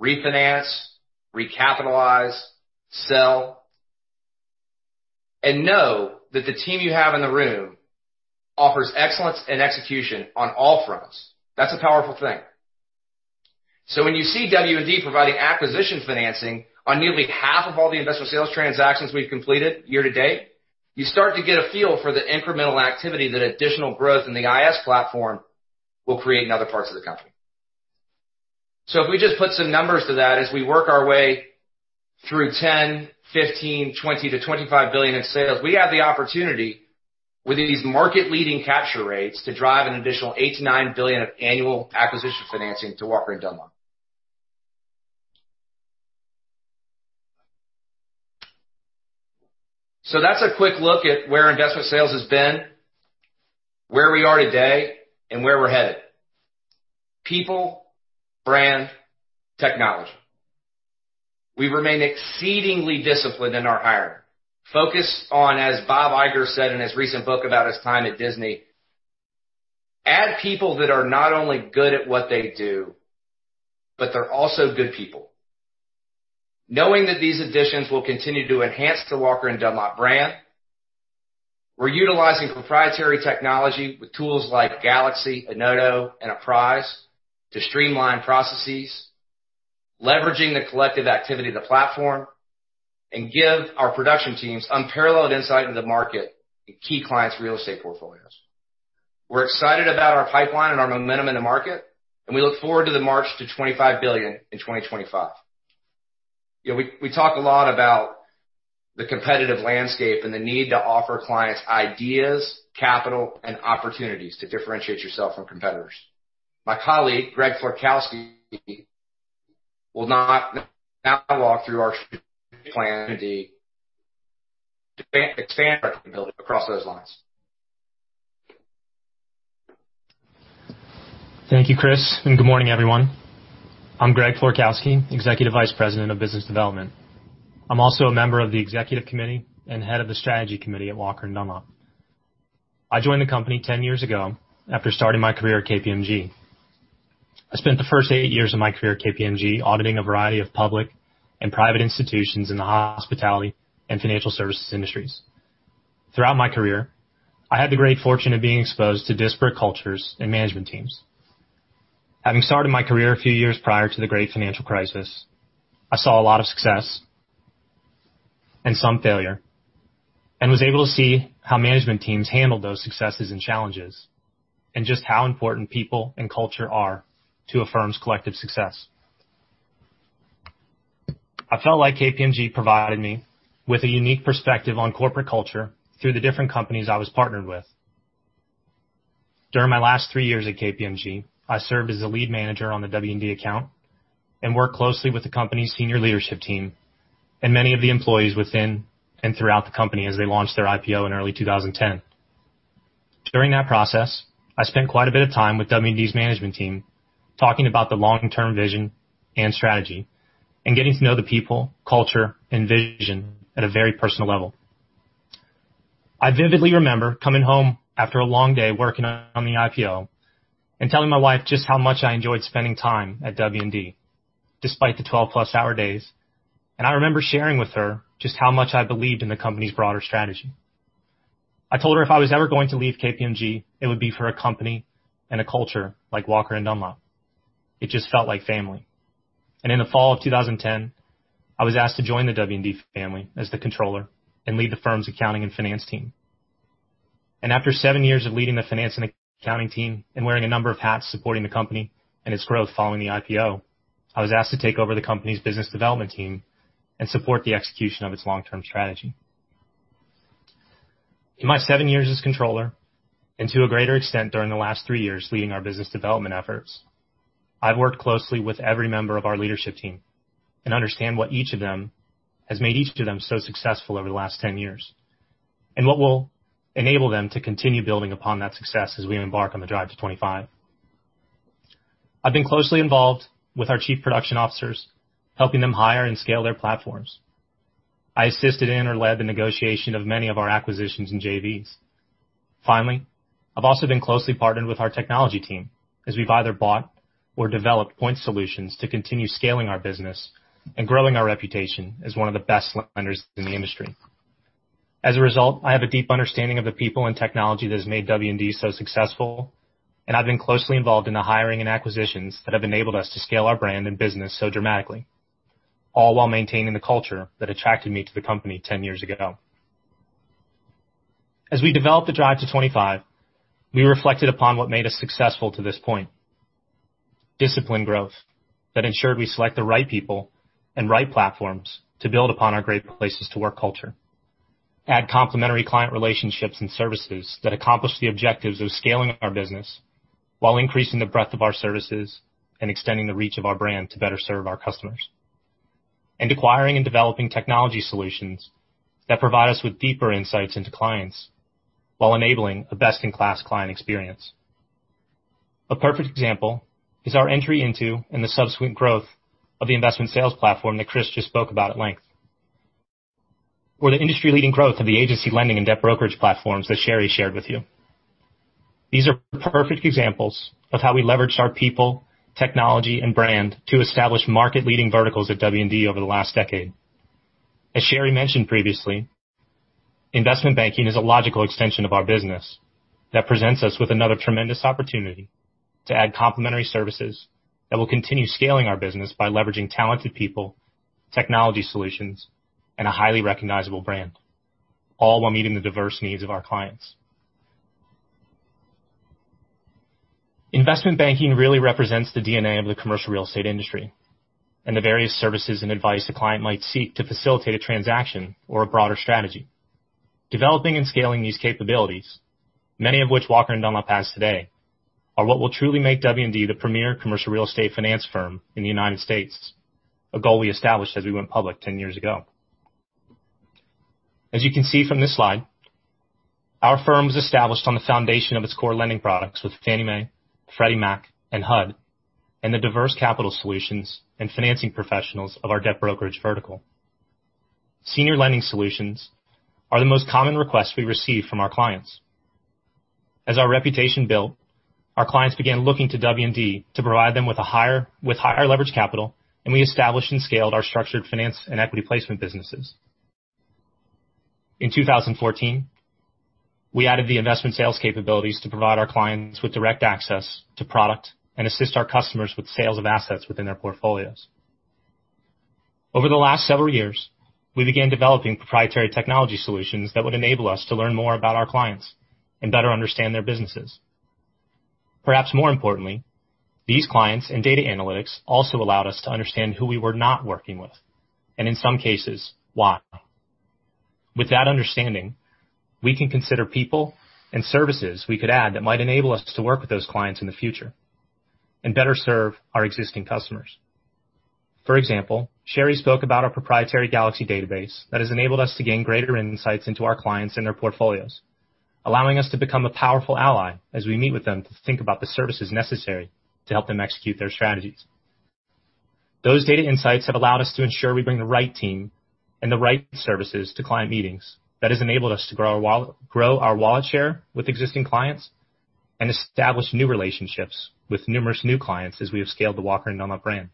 refinance, recapitalize, sell, and know that the team you have in the room offers excellence and execution on all fronts. That's a powerful thing. When you see W&D providing acquisition financing on nearly half of all the investment sales transactions we've completed year to date, you start to get a feel for the incremental activity that additional growth in the IS platform will create in other parts of the company. If we just put some numbers to that, as we work our way through $10, $15, $20, to $25 billion in sales, we have the opportunity, with these market-leading capture rates, to drive an additional $8-$9 billion of annual acquisition financing to Walker & Dunlop. That's a quick look at where investment sales has been, where we are today, and where we're headed: people, brand, technology. We remain exceedingly disciplined in our hiring. Focus on, as Bob Iger said in his recent book about his time at Disney, add people that are not only good at what they do, but they're also good people. Knowing that these additions will continue to enhance the Walker & Dunlop brand, we're utilizing proprietary technology with tools like Galaxy, Enodo, and Apprise to streamline processes, leveraging the collective activity of the platform, and give our production teams unparalleled insight into the market and key clients' real estate portfolios. We're excited about our pipeline and our momentum in the market, and we look forward to the Drive to $25 billion in 2025. We talk a lot about the competitive landscape and the need to offer clients ideas, capital, and opportunities to differentiate yourself from competitors. My colleague, Greg Florkowski, will now walk through our strategic plan to expand our capability across those lines. Thank you, Chris, and good morning, everyone. I'm Greg Florkowski, Executive Vice President of Business Development. I'm also a member of the Executive Committee and head of the Strategy Committee at Walker & Dunlop. I joined the company 10 years ago after starting my career at KPMG. I spent the first eight years of my career at KPMG auditing a variety of public and private institutions in the hospitality and financial services industries. Throughout my career, I had the great fortune of being exposed to disparate cultures and management teams. Having started my career a few years prior to the great financial crisis, I saw a lot of success and some failure and was able to see how management teams handled those successes and challenges and just how important people and culture are to a firm's collective success. I felt like KPMG provided me with a unique perspective on corporate culture through the different companies I was partnered with. During my last three years at KPMG, I served as the lead manager on the W&D account and worked closely with the company's senior leadership team and many of the employees within and throughout the company as they launched their IPO in early 2010. During that process, I spent quite a bit of time with W&D's management team talking about the long-term vision and strategy and getting to know the people, culture, and vision at a very personal level. I vividly remember coming home after a long day working on the IPO and telling my wife just how much I enjoyed spending time at W&D despite the 12-plus-hour days, and I remember sharing with her just how much I believed in the company's broader strategy. I told her if I was ever going to leave KPMG, it would be for a company and a culture like Walker & Dunlop. It just felt like family. And in the fall of 2010, I was asked to join the W&D family as the controller and lead the firm's accounting and finance team. And after seven years of leading the finance and accounting team and wearing a number of hats supporting the company and its growth following the IPO, I was asked to take over the company's business development team and support the execution of its long-term strategy. In my seven years as controller and to a greater extent during the last three years leading our business development efforts, I've worked closely with every member of our leadership team and understand what each of them has made each of them so successful over the last 10 years and what will enable them to continue building upon that success as we embark on the Drive to '25. I've been closely involved with our Chief Production Officers, helping them hire and scale their platforms. I assisted in or led the negotiation of many of our acquisitions and JVs. Finally, I've also been closely partnered with our technology team as we've either bought or developed point solutions to continue scaling our business and growing our reputation as one of the best lenders in the industry. As a result, I have a deep understanding of the people and technology that has made W&D so successful, and I've been closely involved in the hiring and acquisitions that have enabled us to scale our brand and business so dramatically, all while maintaining the culture that attracted me to the company 10 years ago. As we developed the Drive to '25, we reflected upon what made us successful to this point: disciplined growth that ensured we select the right people and right platforms to build upon our great places to work culture, add complementary client relationships and services that accomplish the objectives of scaling our business while increasing the breadth of our services and extending the reach of our brand to better serve our customers, and acquiring and developing technology solutions that provide us with deeper insights into clients while enabling a best-in-class client experience. A perfect example is our entry into and the subsequent growth of the investment sales platform that Chris just spoke about at length, or the industry-leading growth of the agency lending and debt brokerage platforms that Sheri shared with you. These are perfect examples of how we leveraged our people, technology, and brand to establish market-leading verticals at W&D over the last decade. As Sherry mentioned previously, investment banking is a logical extension of our business that presents us with another tremendous opportunity to add complementary services that will continue scaling our business by leveraging talented people, technology solutions, and a highly recognizable brand, all while meeting the diverse needs of our clients. Investment banking really represents the DNA of the commercial real estate industry and the various services and advice a client might seek to facilitate a transaction or a broader strategy. Developing and scaling these capabilities, many of which Walker & Dunlop has today, are what will truly make W&D the premier commercial real estate finance firm in the United States, a goal we established as we went public 10 years ago. As you can see from this slide, our firm was established on the foundation of its core lending products with Fannie Mae, Freddie Mac, and HUD, and the diverse capital solutions and financing professionals of our debt brokerage vertical. Senior lending solutions are the most common requests we receive from our clients. As our reputation built, our clients began looking to W&D to provide them with higher leverage capital, and we established and scaled our structured finance and equity placement businesses. In 2014, we added the investment sales capabilities to provide our clients with direct access to product and assist our customers with sales of assets within their portfolios. Over the last several years, we began developing proprietary technology solutions that would enable us to learn more about our clients and better understand their businesses. Perhaps more importantly, these clients and data analytics also allowed us to understand who we were not working with and, in some cases, why. With that understanding, we can consider people and services we could add that might enable us to work with those clients in the future and better serve our existing customers. For example, Sherry spoke about our proprietary Galaxy database that has enabled us to gain greater insights into our clients and their portfolios, allowing us to become a powerful ally as we meet with them to think about the services necessary to help them execute their strategies. Those data insights have allowed us to ensure we bring the right team and the right services to client meetings. That has enabled us to grow our wallet share with existing clients and establish new relationships with numerous new clients as we have scaled the Walker & Dunlop brand.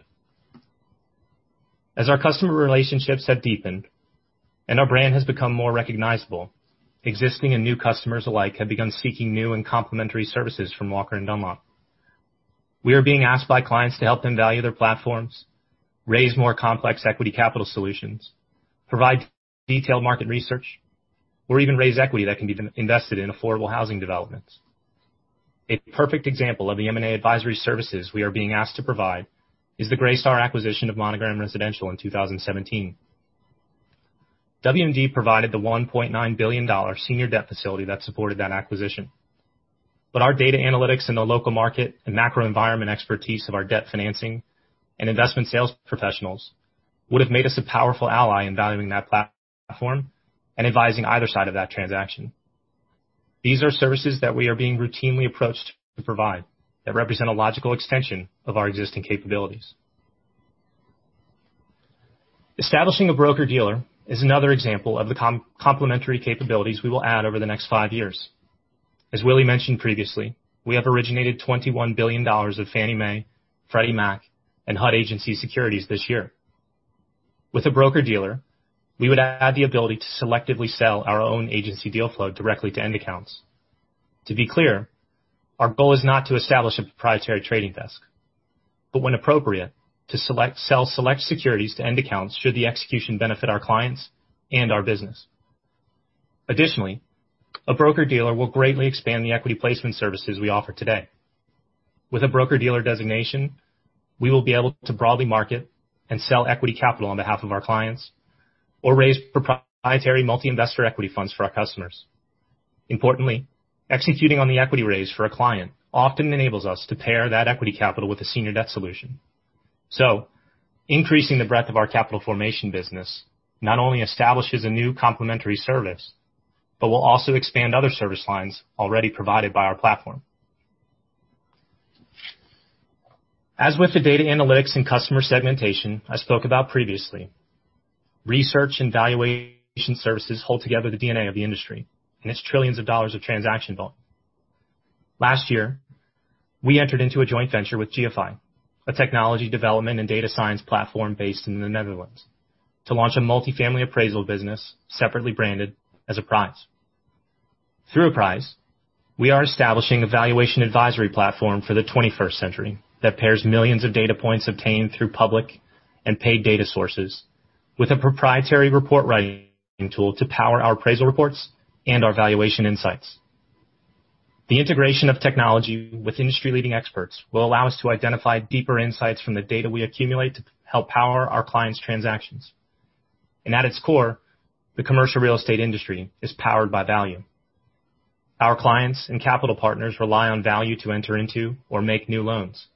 As our customer relationships have deepened and our brand has become more recognizable, existing and new customers alike have begun seeking new and complementary services from Walker & Dunlop. We are being asked by clients to help them value their platforms, raise more complex equity capital solutions, provide detailed market research, or even raise equity that can be invested in affordable housing developments. A perfect example of the M&A advisory services we are being asked to provide is the Greystar acquisition of Monogram Residential in 2017. W&D provided the $1.9 billion senior debt facility that supported that acquisition. But our data analytics and the local market and macro environment expertise of our debt financing and investment sales professionals would have made us a powerful ally in valuing that platform and advising either side of that transaction. These are services that we are being routinely approached to provide that represent a logical extension of our existing capabilities. Establishing a broker-dealer is another example of the complementary capabilities we will add over the next five years. As Willy mentioned previously, we have originated $21 billion of Fannie Mae, Freddie Mac, and HUD agency securities this year. With a broker-dealer, we would add the ability to selectively sell our own agency deal flow directly to end accounts. To be clear, our goal is not to establish a proprietary trading desk, but when appropriate, to sell select securities to end accounts should the execution benefit our clients and our business. Additionally, a broker-dealer will greatly expand the equity placement services we offer today. With a broker-dealer designation, we will be able to broadly market and sell equity capital on behalf of our clients or raise proprietary multi-investor equity funds for our customers. Importantly, executing on the equity raise for a client often enables us to pair that equity capital with a senior debt solution. So increasing the breadth of our capital formation business not only establishes a new complementary service, but will also expand other service lines already provided by our platform. As with the data analytics and customer segmentation I spoke about previously, research and valuation services hold together the DNA of the industry and its trillions of dollars of transaction volume. Last year, we entered into a joint venture with GeoPhy, a technology development and data science platform based in the Netherlands, to launch a multifamily appraisal business separately branded as Apprise. Through Apprise, we are establishing a valuation advisory platform for the 21st century that pairs millions of data points obtained through public and paid data sources with a proprietary report writing tool to power our appraisal reports and our valuation insights. The integration of technology with industry-leading experts will allow us to identify deeper insights from the data we accumulate to help power our clients' transactions. And at its core, the commercial real estate industry is powered by value. Our clients and capital partners rely on value to enter into or make new loans,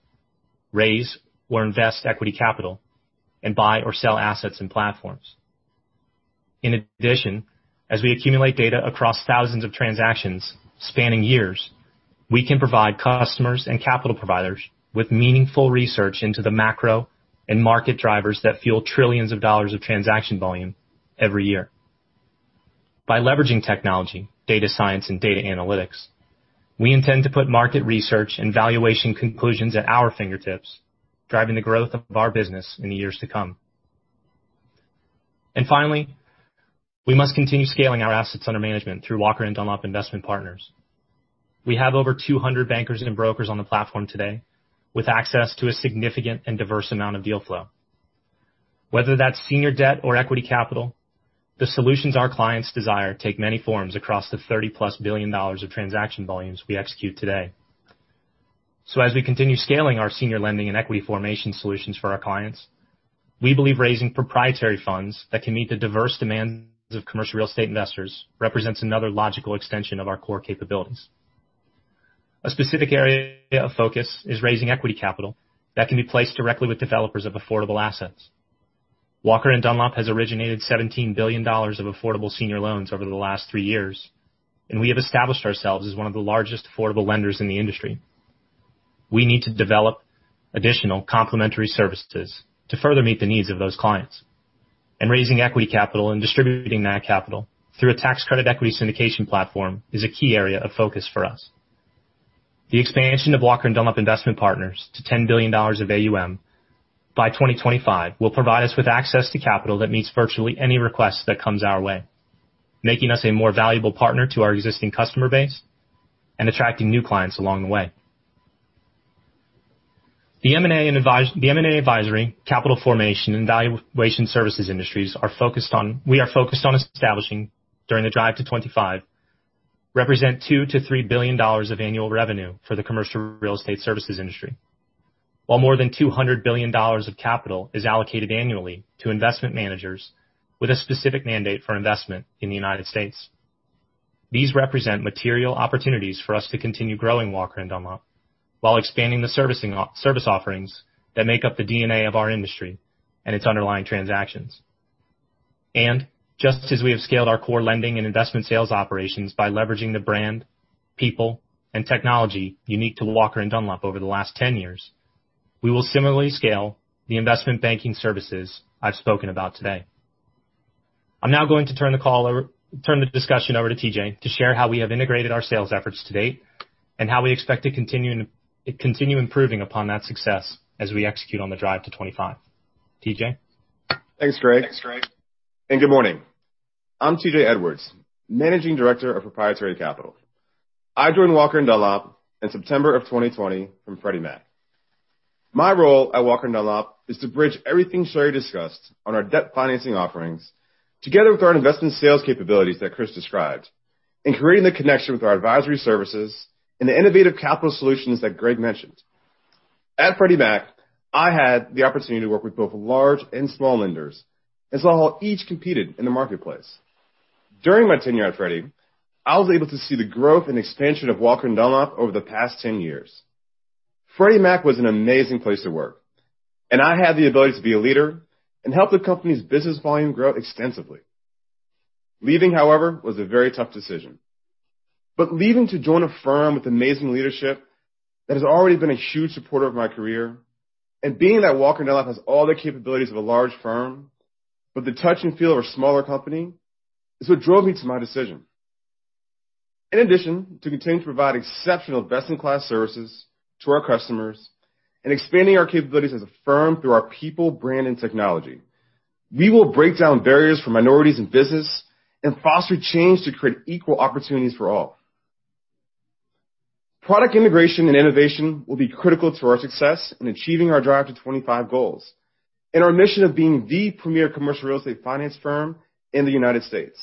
raise or invest equity capital, and buy or sell assets and platforms. In addition, as we accumulate data across thousands of transactions spanning years, we can provide customers and capital providers with meaningful research into the macro and market drivers that fuel trillions of dollars of transaction volume every year. By leveraging technology, data science, and data analytics, we intend to put market research and valuation conclusions at our fingertips, driving the growth of our business in the years to come. And finally, we must continue scaling our assets under management through Walker & Dunlop Investment Partners. We have over 200 bankers and brokers on the platform today with access to a significant and diverse amount of deal flow. Whether that's senior debt or equity capital, the solutions our clients desire take many forms across the $30-plus billion of transaction volumes we execute today. So as we continue scaling our senior lending and equity formation solutions for our clients, we believe raising proprietary funds that can meet the diverse demands of commercial real estate investors represents another logical extension of our core capabilities. A specific area of focus is raising equity capital that can be placed directly with developers of affordable assets. Walker & Dunlop has originated $17 billion of affordable senior loans over the last three years, and we have established ourselves as one of the largest affordable lenders in the industry. We need to develop additional complementary services to further meet the needs of those clients. And raising equity capital and distributing that capital through a tax credit equity syndication platform is a key area of focus for us. The expansion of Walker & Dunlop Investment Partners to $10 billion of AUM by 2025 will provide us with access to capital that meets virtually any request that comes our way, making us a more valuable partner to our existing customer base and attracting new clients along the way. The M&A advisory, capital formation, and valuation services industries we are focused on establishing during the Drive to '25 represent $2-$3 billion of annual revenue for the commercial real estate services industry, while more than $200 billion of capital is allocated annually to investment managers with a specific mandate for investment in the United States. These represent material opportunities for us to continue growing Walker & Dunlop while expanding the service offerings that make up the DNA of our industry and its underlying transactions. And just as we have scaled our core lending and investment sales operations by leveraging the brand, people, and technology unique to Walker & Dunlop over the last 10 years, we will similarly scale the investment banking services I've spoken about today. I'm now going to turn the discussion over to TJ to share how we have integrated our sales efforts to date and how we expect to continue improving upon that success as we execute on the Drive to '25. TJ.
Thanks, Greg.
Thanks, Greg.
Good morning. I'm T.J. Edwards, Managing Director of Proprietary Capital. I joined Walker & Dunlop in September of 2020 from Freddie Mac. My role at Walker & Dunlop is to bridge everything Sherry discussed on our debt financing offerings together with our investment sales capabilities that Chris described and creating the connection with our advisory services and the innovative capital solutions that Greg mentioned. At Freddie Mac, I had the opportunity to work with both large and small lenders as well as how each competed in the marketplace. During my tenure at Freddie, I was able to see the growth and expansion of Walker & Dunlop over the past 10 years. Freddie Mac was an amazing place to work, and I had the ability to be a leader and help the company's business volume grow extensively. Leaving, however, was a very tough decision. But leaving to join a firm with amazing leadership that has already been a huge supporter of my career and being that Walker & Dunlop has all the capabilities of a large firm, but the touch and feel of a smaller company is what drove me to my decision. In addition to continuing to provide exceptional best-in-class services to our customers and expanding our capabilities as a firm through our people, brand, and technology, we will break down barriers for minorities in business and foster change to create equal opportunities for all. Product integration and innovation will be critical to our success in achieving our Drive to '25 goals and our mission of being the premier commercial real estate finance firm in the United States.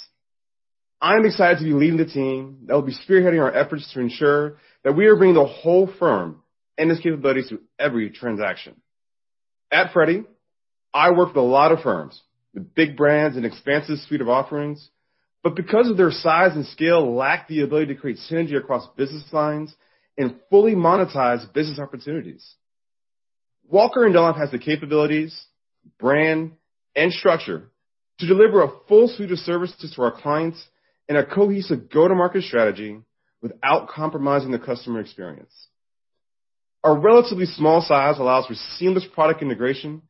I am excited to be leading the team that will be spearheading our efforts to ensure that we are bringing the whole firm and its capabilities to every transaction. At Freddie, I work with a lot of firms with big brands and expansive suites of offerings, but because of their size and scale, lack the ability to create synergy across business lines and fully monetize business opportunities. Walker & Dunlop has the capabilities, brand, and structure to deliver a full suite of services to our clients and a cohesive go-to-market strategy without compromising the customer experience. Our relatively small size allows for seamless product integration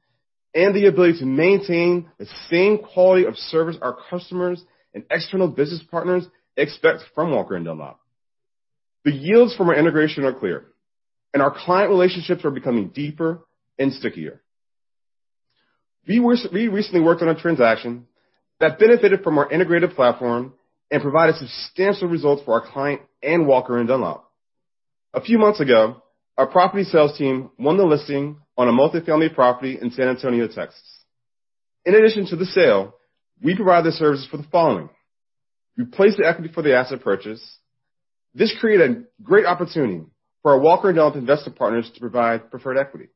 and the ability to maintain the same quality of service our customers and external business partners expect from Walker & Dunlop. The yields from our integration are clear, and our client relationships are becoming deeper and stickier. We recently worked on a transaction that benefited from our integrated platform and provided substantial results for our client and Walker & Dunlop. A few months ago, our property sales team won the listing on a multifamily property in San Antonio, Texas. In addition to the sale, we provide the services for the following. We placed the equity for the asset purchase. This created a great opportunity for our Walker & Dunlop investor partners to provide preferred equity,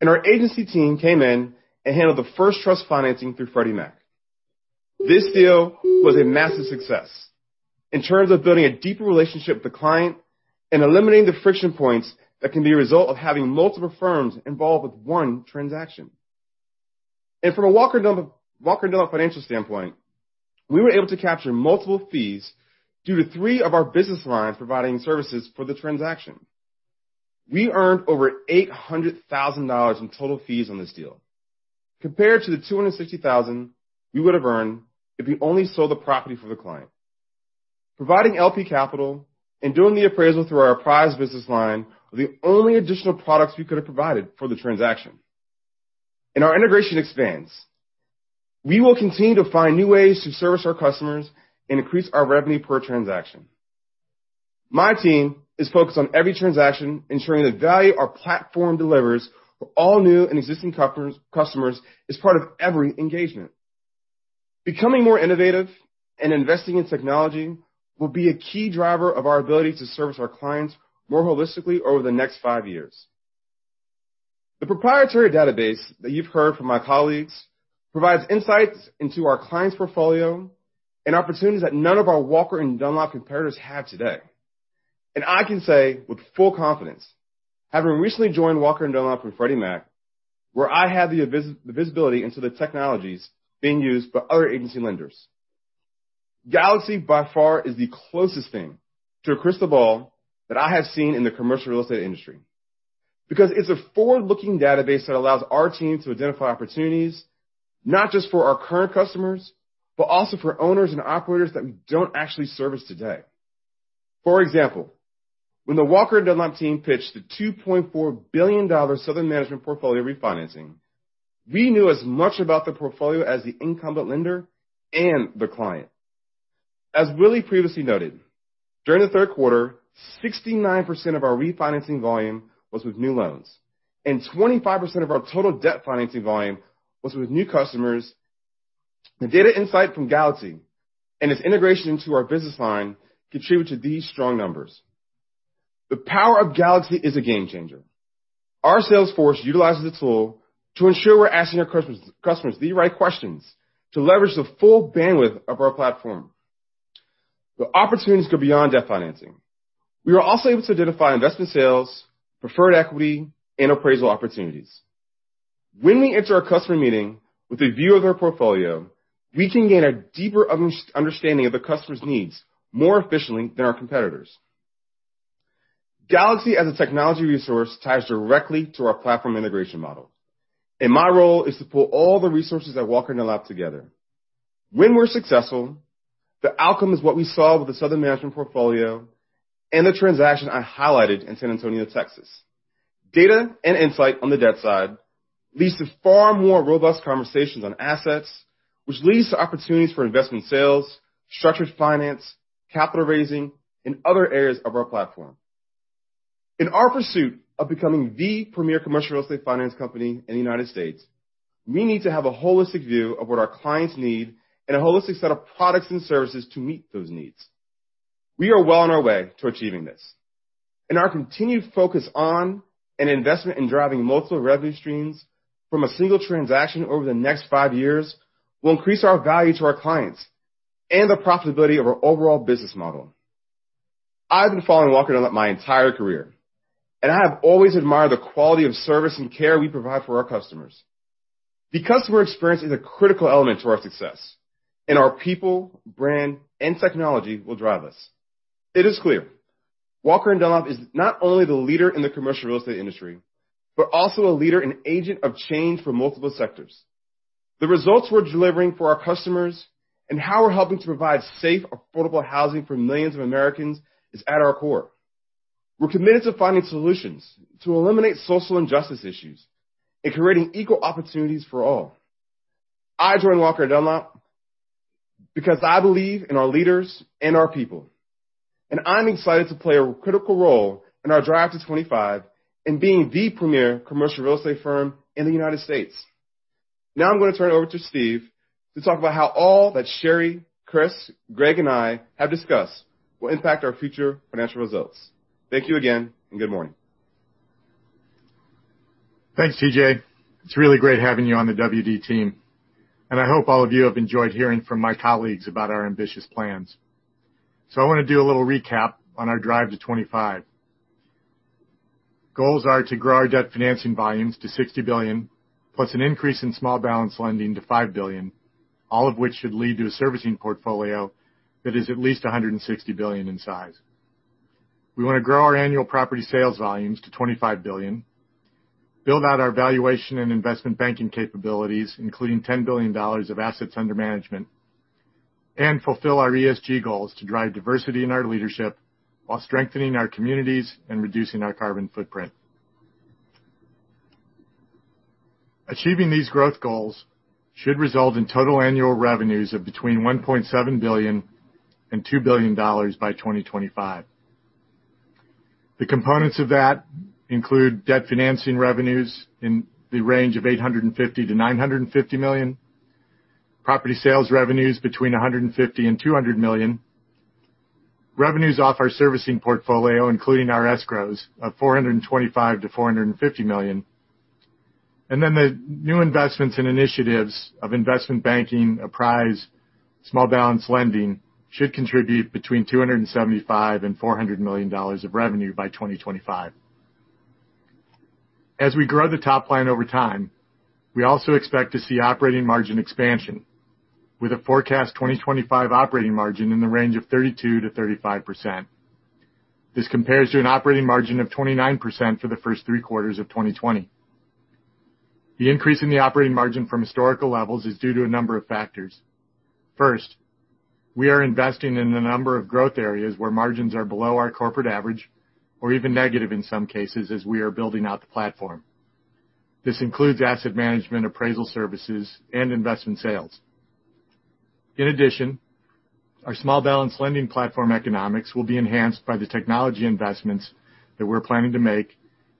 and our agency team came in and handled the first trust financing through Freddie Mac. This deal was a massive success in terms of building a deeper relationship with the client and eliminating the friction points that can be a result of having multiple firms involved with one transaction. From a Walker & Dunlop financial standpoint, we were able to capture multiple fees due to three of our business lines providing services for the transaction. We earned over $800,000 in total fees on this deal, compared to the $260,000 we would have earned if we only sold the property for the client. Providing LP Capital and doing the appraisal through our Apprise business line were the only additional products we could have provided for the transaction. Our integration expands. We will continue to find new ways to service our customers and increase our revenue per transaction. My team is focused on every transaction, ensuring the value our platform delivers for all new and existing customers is part of every engagement. Becoming more innovative and investing in technology will be a key driver of our ability to service our clients more holistically over the next five years. The proprietary database that you've heard from my colleagues provides insights into our clients' portfolio and opportunities that none of our Walker & Dunlop competitors have today. And I can say with full confidence, having recently joined Walker & Dunlop from Freddie Mac, where I had the visibility into the technologies being used by other agency lenders. Galaxy, by far, is the closest thing to a crystal ball that I have seen in the commercial real estate industry because it's a forward-looking database that allows our team to identify opportunities not just for our current customers, but also for owners and operators that we don't actually service today. For example, when the Walker & Dunlop team pitched the $2.4 billion Southern Management portfolio refinancing, we knew as much about the portfolio as the incumbent lender and the client. As Willy previously noted, during the third quarter, 69% of our refinancing volume was with new loans, and 25% of our total debt financing volume was with new customers. The data insight from Galaxy and its integration into our business line contribute to these strong numbers. The power of Galaxy is a game changer. Our sales force utilizes the tool to ensure we're asking our customers the right questions to leverage the full bandwidth of our platform. The opportunities go beyond debt financing. We are also able to identify investment sales, preferred equity, and appraisal opportunities. When we enter a customer meeting with a view of their portfolio, we can gain a deeper understanding of the customer's needs more efficiently than our competitors. Galaxy, as a technology resource, ties directly to our platform integration model, and my role is to pull all the resources at Walker & Dunlop together. When we're successful, the outcome is what we saw with the Southern Management portfolio and the transaction I highlighted in San Antonio, Texas. Data and insight on the debt side leads to far more robust conversations on assets, which leads to opportunities for investment sales, structured finance, capital raising, and other areas of our platform. In our pursuit of becoming the premier commercial real estate finance company in the United States, we need to have a holistic view of what our clients need and a holistic set of products and services to meet those needs. We are well on our way to achieving this, and our continued focus on and investment in driving multiple revenue streams from a single transaction over the next five years will increase our value to our clients and the profitability of our overall business model. I've been following Walker & Dunlop my entire career, and I have always admired the quality of service and care we provide for our customers. The customer experience is a critical element to our success, and our people, brand, and technology will drive us. It is clear Walker & Dunlop is not only the leader in the commercial real estate industry, but also a leader and agent of change for multiple sectors. The results we're delivering for our customers and how we're helping to provide safe, affordable housing for millions of Americans is at our core. We're committed to finding solutions to eliminate social injustice issues and creating equal opportunities for all. I joined Walker & Dunlop because I believe in our leaders and our people, and I'm excited to play a critical role in our Drive to '25 and being the premier commercial real estate firm in the United States. Now I'm going to turn it over to Steve to talk about how all that Sherry, Kris, Greg, and I have discussed will impact our future financial results. Thank you again, and good morning. Thanks, TJ. It's really great having you on the WD team, and I hope all of you have enjoyed hearing from my colleagues about our ambitious plans. So I want to do a little recap on our Drive to '25. Goals are to grow our debt financing volumes to $60 billion, plus an increase in small balance lending to $5 billion, all of which should lead to a servicing portfolio that is at least $160 billion in size. We want to grow our annual property sales volumes to $25 billion, build out our valuation and investment banking capabilities, including $10 billion of assets under management, and fulfill our ESG goals to drive diversity in our leadership while strengthening our communities and reducing our carbon footprint. Achieving these growth goals should result in total annual revenues of between $1.7 billion and $2 billion by 2025. The components of that include debt financing revenues in the range of $850-$950 million, property sales revenues between $150 and $200 million, revenues off our servicing portfolio, including our escrows of $425-$450 million, and then the new investments and initiatives of investment banking, Apprise, small balance lending should contribute between $275 and $400 million of revenue by 2025. As we grow the top line over time, we also expect to see operating margin expansion with a forecast 2025 operating margin in the range of 32%-35%. This compares to an operating margin of 29% for the first three quarters of 2020. The increase in the operating margin from historical levels is due to a number of factors. First, we are investing in a number of growth areas where margins are below our corporate average or even negative in some cases as we are building out the platform. This includes asset management, appraisal services, and investment sales. In addition, our small balance lending platform economics will be enhanced by the technology investments that we're planning to make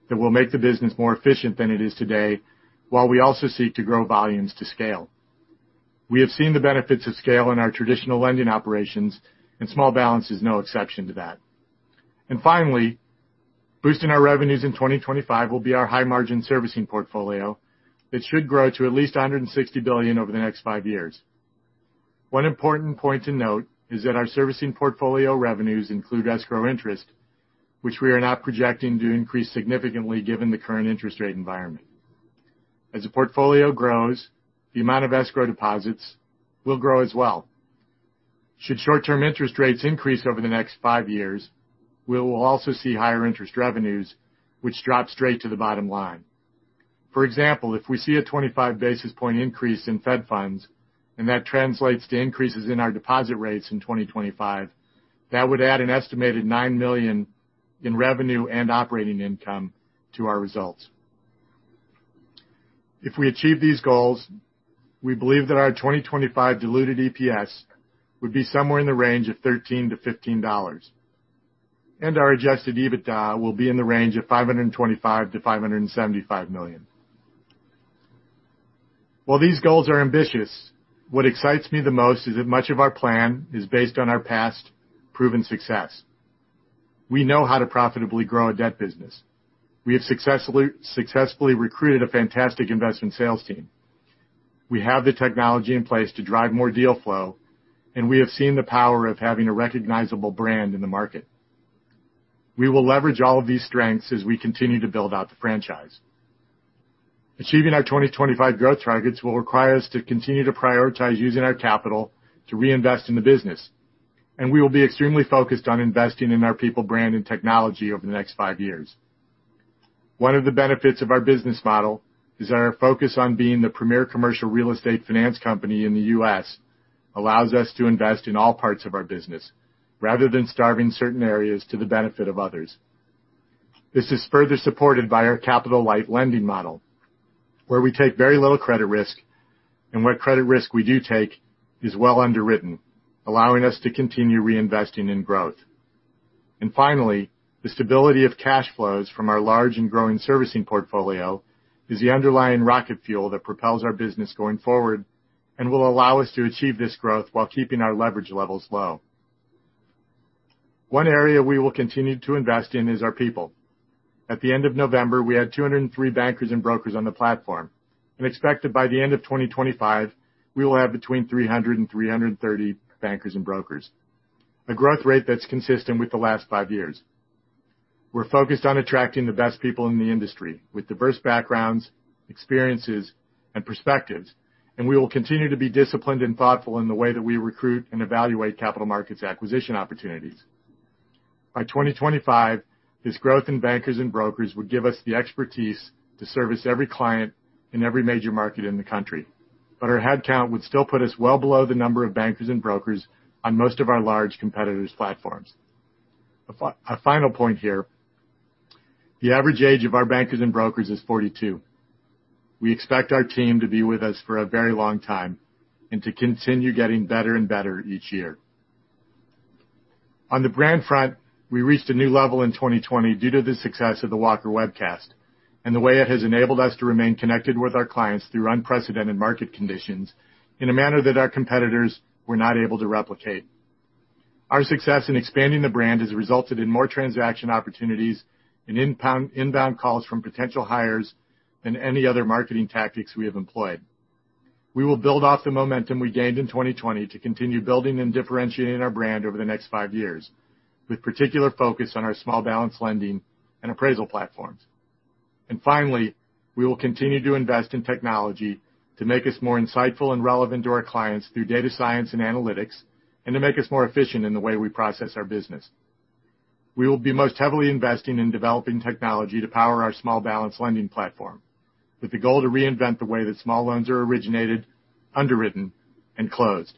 that will make the business more efficient than it is today, while we also seek to grow volumes to scale. We have seen the benefits of scale in our traditional lending operations, and small balance is no exception to that. And finally, boosting our revenues in 2025 will be our high-margin servicing portfolio that should grow to at least $160 billion over the next five years. One important point to note is that our servicing portfolio revenues include escrow interest, which we are not projecting to increase significantly given the current interest rate environment. As the portfolio grows, the amount of escrow deposits will grow as well. Should short-term interest rates increase over the next five years, we will also see higher interest revenues, which drop straight to the bottom line. For example, if we see a 25 basis point increase in Fed funds and that translates to increases in our deposit rates in 2025, that would add an estimated $9 million in revenue and operating income to our results. If we achieve these goals, we believe that our 2025 diluted EPS would be somewhere in the range of $13-$15, and our Adjusted EBITDA will be in the range of $525-$575 million. While these goals are ambitious, what excites me the most is that much of our plan is based on our past proven success. We know how to profitably grow a debt business. We have successfully recruited a fantastic investment sales team. We have the technology in place to drive more deal flow, and we have seen the power of having a recognizable brand in the market. We will leverage all of these strengths as we continue to build out the franchise. Achieving our 2025 growth targets will require us to continue to prioritize using our capital to reinvest in the business, and we will be extremely focused on investing in our people, brand, and technology over the next five years. One of the benefits of our business model is that our focus on being the premier commercial real estate finance company in the U.S. allows us to invest in all parts of our business rather than starving certain areas to the benefit of others. This is further supported by our capital-light lending model, where we take very little credit risk, and where credit risk we do take is well underwritten, allowing us to continue reinvesting in growth. And finally, the stability of cash flows from our large and growing servicing portfolio is the underlying rocket fuel that propels our business going forward and will allow us to achieve this growth while keeping our leverage levels low. One area we will continue to invest in is our people. At the end of November, we had 203 bankers and brokers on the platform, and we expect by the end of 2025, we will have between 300 and 330 bankers and brokers, a growth rate that's consistent with the last five years. We're focused on attracting the best people in the industry with diverse backgrounds, experiences, and perspectives, and we will continue to be disciplined and thoughtful in the way that we recruit and evaluate capital markets acquisition opportunities. By 2025, this growth in bankers and brokers would give us the expertise to service every client in every major market in the country, but our headcount would still put us well below the number of bankers and brokers on most of our large competitors' platforms. A final point here. The average age of our bankers and brokers is 42. We expect our team to be with us for a very long time and to continue getting better and better each year. On the brand front, we reached a new level in 2020 due to the success of the Walker Webcast and the way it has enabled us to remain connected with our clients through unprecedented market conditions in a manner that our competitors were not able to replicate. Our success in expanding the brand has resulted in more transaction opportunities and inbound calls from potential hires than any other marketing tactics we have employed. We will build off the momentum we gained in 2020 to continue building and differentiating our brand over the next five years, with particular focus on our small balance lending and appraisal platforms. Finally, we will continue to invest in technology to make us more insightful and relevant to our clients through data science and analytics, and to make us more efficient in the way we process our business. We will be most heavily investing in developing technology to power our small balance lending platform with the goal to reinvent the way that small loans are originated, underwritten, and closed.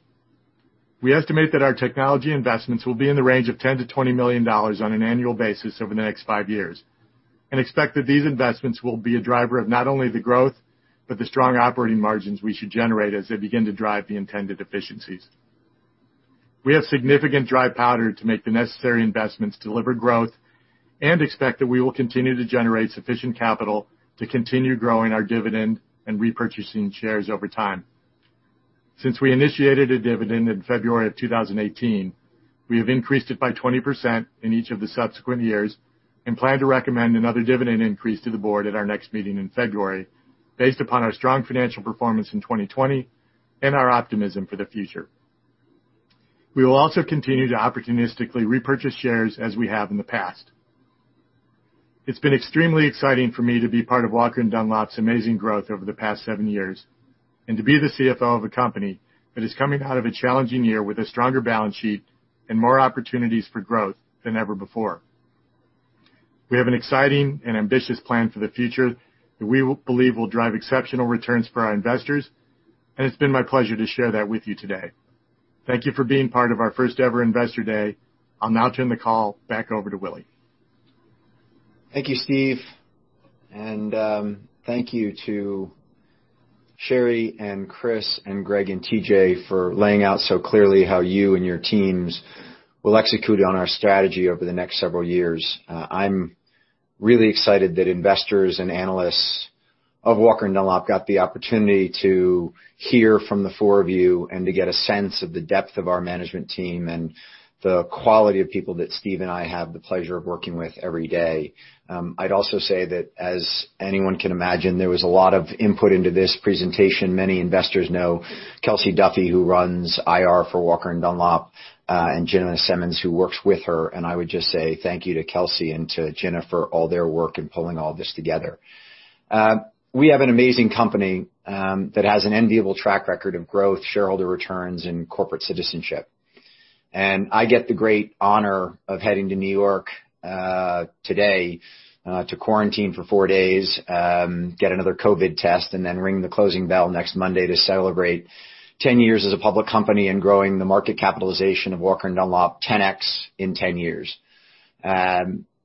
We estimate that our technology investments will be in the range of $10-$20 million on an annual basis over the next five years and expect that these investments will be a driver of not only the growth, but the strong operating margins we should generate as they begin to drive the intended efficiencies. We have significant dry powder to make the necessary investments to deliver growth and expect that we will continue to generate sufficient capital to continue growing our dividend and repurchasing shares over time. Since we initiated a dividend in February of 2018, we have increased it by 20% in each of the subsequent years and plan to recommend another dividend increase to the board at our next meeting in February based upon our strong financial performance in 2020 and our optimism for the future. We will also continue to opportunistically repurchase shares as we have in the past. It's been extremely exciting for me to be part of Walker & Dunlop's amazing growth over the past seven years and to be the CFO of a company that is coming out of a challenging year with a stronger balance sheet and more opportunities for growth than ever before. We have an exciting and ambitious plan for the future that we believe will drive exceptional returns for our investors, and it's been my pleasure to share that with you today. Thank you for being part of our first-ever Investor Day. I'll now turn the call back over to Willy.
Thank you, Steve, and thank you to Sherry and Kris and Greg and TJ for laying out so clearly how you and your teams will execute on our strategy over the next several years. I'm really excited that investors and analysts of Walker & Dunlop got the opportunity to hear from the four of you and to get a sense of the depth of our management team and the quality of people that Steve and I have the pleasure of working with every day. I'd also say that, as anyone can imagine, there was a lot of input into this presentation. Many investors know Kelsey Duffey, who runs IR for Walker & Dunlop, and Jenna Simmonds, who works with her, and I would just say thank you to Kelsey and to Jenna for all their work in pulling all this together. We have an amazing company that has an enviable track record of growth, shareholder returns, and corporate citizenship. I get the great honor of heading to New York today to quarantine for four days, get another COVID test, and then ring the closing bell next Monday to celebrate 10 years as a public company and growing the market capitalization of Walker & Dunlop 10X in 10 years.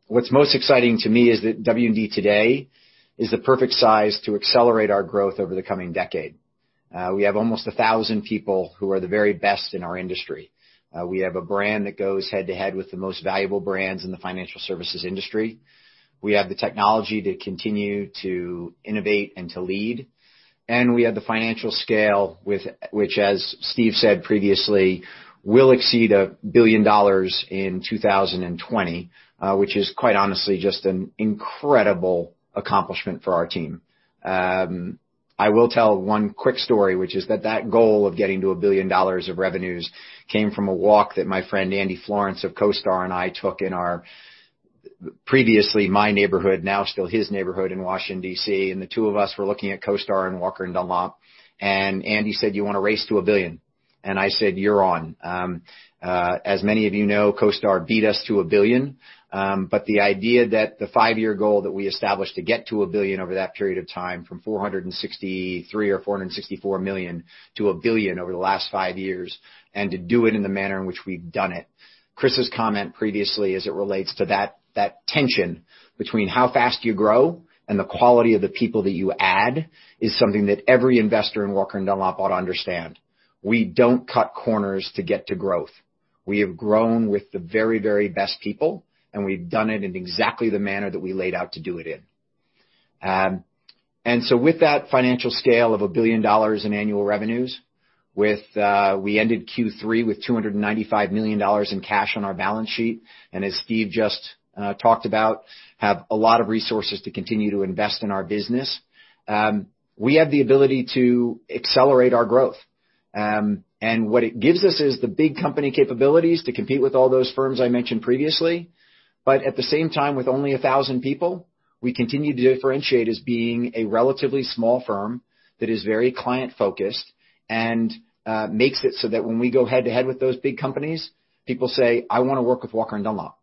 What's most exciting to me is that W&D today is the perfect size to accelerate our growth over the coming decade. We have almost 1,000 people who are the very best in our industry. We have a brand that goes head-to-head with the most valuable brands in the financial services industry. We have the technology to continue to innovate and to lead, and we have the financial scale with which, as Steve said previously, will exceed $1 billion in 2020, which is, quite honestly, just an incredible accomplishment for our team. I will tell one quick story, which is that that goal of getting to $1 billion of revenues came from a walk that my friend Andy Florance of CoStar and I took in our previously my neighborhood, now still his neighborhood in Washington, D.C. The two of us were looking at CoStar and Walker & Dunlop, and Andy said, "You want to race to a billion?" And I said, "You're on." As many of you know, CoStar beat us to a billion, but the idea that the five-year goal that we established to get to a billion over that period of time from $463 million or $464 million to $1 billion over the last five years and to do it in the manner in which we've done it. Kris's comment previously as it relates to that tension between how fast you grow and the quality of the people that you add is something that every investor in Walker & Dunlop ought to understand. We don't cut corners to get to growth. We have grown with the very, very best people, and we've done it in exactly the manner that we laid out to do it in, and so with that financial scale of $1 billion in annual revenues, we ended Q3 with $295 million in cash on our balance sheet, and as Steve just talked about, have a lot of resources to continue to invest in our business. We have the ability to accelerate our growth, and what it gives us is the big company capabilities to compete with all those firms I mentioned previously. But at the same time, with only 1,000 people, we continue to differentiate as being a relatively small firm that is very client-focused and makes it so that when we go head-to-head with those big companies, people say, "I want to work with Walker & Dunlop."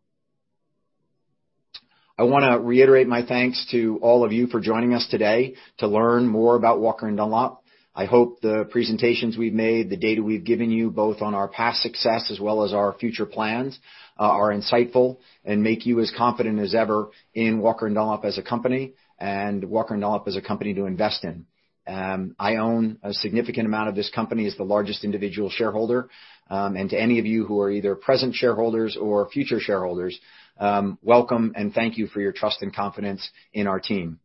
I want to reiterate my thanks to all of you for joining us today to learn more about Walker & Dunlop. I hope the presentations we've made, the data we've given you, both on our past success as well as our future plans, are insightful and make you as confident as ever in Walker & Dunlop as a company and Walker & Dunlop as a company to invest in. I own a significant amount of this company as the largest individual shareholder, and to any of you who are either present shareholders or future shareholders, welcome and thank you for your trust and confidence in our team.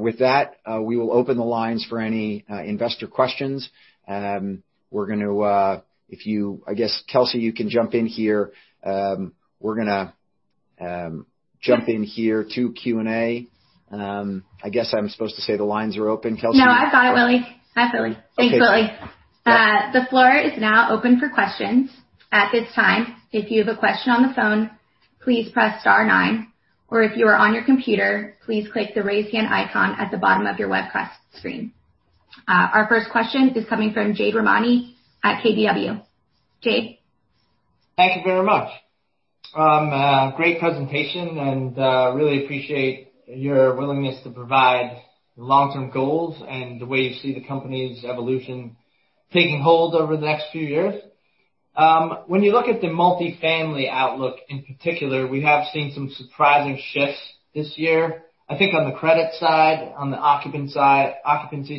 With that, we will open the lines for any investor questions. We're going to, if you, I guess, Kelsey, you can jump in here. We're going to jump in here to Q&A. I guess I'm supposed to say the lines are open. Kelsey.
No, I've got it, Willy. I have Willy. Thanks, Willy. The floor is now open for questions. At this time, if you have a question on the phone, please press star nine, or if you are on your computer, please click the raise hand icon at the bottom of your webcast screen. Our first question is coming from Jade Rahmani at KBW. Jade.
Thank you very much. Great presentation, and I really appreciate your willingness to provide long-term goals and the way you see the company's evolution taking hold over the next few years. When you look at the multifamily outlook in particular, we have seen some surprising shifts this year. I think on the credit side, on the occupancy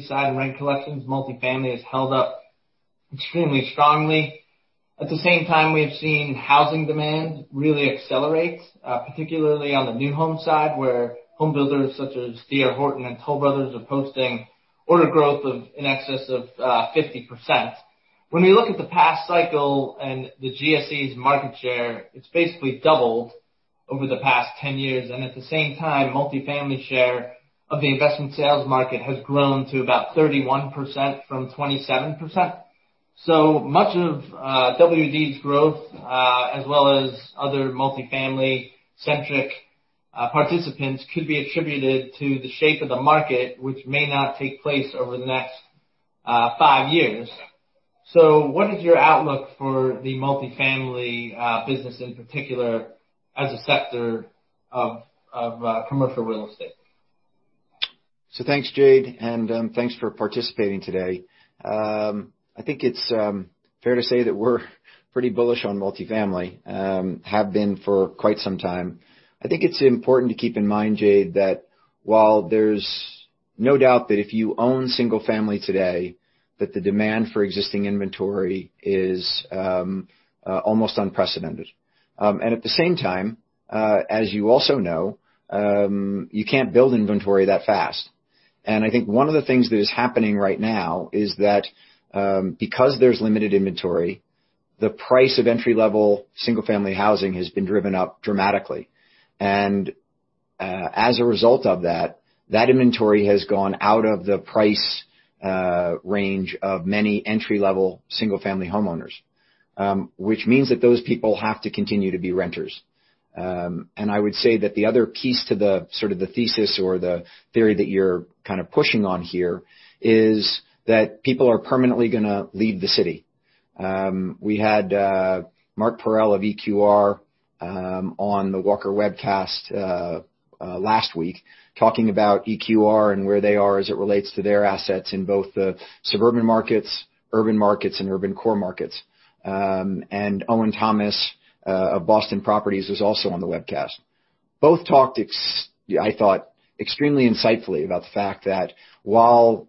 side and rent collections, multifamily has held up extremely strongly. At the same time, we have seen housing demand really accelerate, particularly on the new home side where homebuilders such as D.R. Horton and Toll Brothers are posting order growth of in excess of 50%. When we look at the past cycle and the GSE's market share, it's basically doubled over the past 10 years, and at the same time, multifamily share of the investment sales market has grown to about 31% from 27%. So much of W&D's growth, as well as other multifamily-centric participants, could be attributed to the shape of the market, which may not take place over the next five years. So what is your outlook for the multifamily business in particular as a sector of commercial real estate?
So thanks, Jade, and thanks for participating today. I think it's fair to say that we're pretty bullish on multifamily, have been for quite some time. I think it's important to keep in mind, Jade, that while there's no doubt that if you own single family today, that the demand for existing inventory is almost unprecedented. And at the same time, as you also know, you can't build inventory that fast. And I think one of the things that is happening right now is that because there's limited inventory, the price of entry-level single-family housing has been driven up dramatically. And as a result of that, that inventory has gone out of the price range of many entry-level single-family homeowners, which means that those people have to continue to be renters. I would say that the other piece to the sort of the thesis or the theory that you're kind of pushing on here is that people are permanently going to leave the city. We had Mark Parrell of EQR on the Walker Webcast last week talking about EQR and where they are as it relates to their assets in both the suburban markets, urban markets, and urban core markets. Owen Thomas of Boston Properties was also on the Webcast. Both talked, I thought, extremely insightfully about the fact that while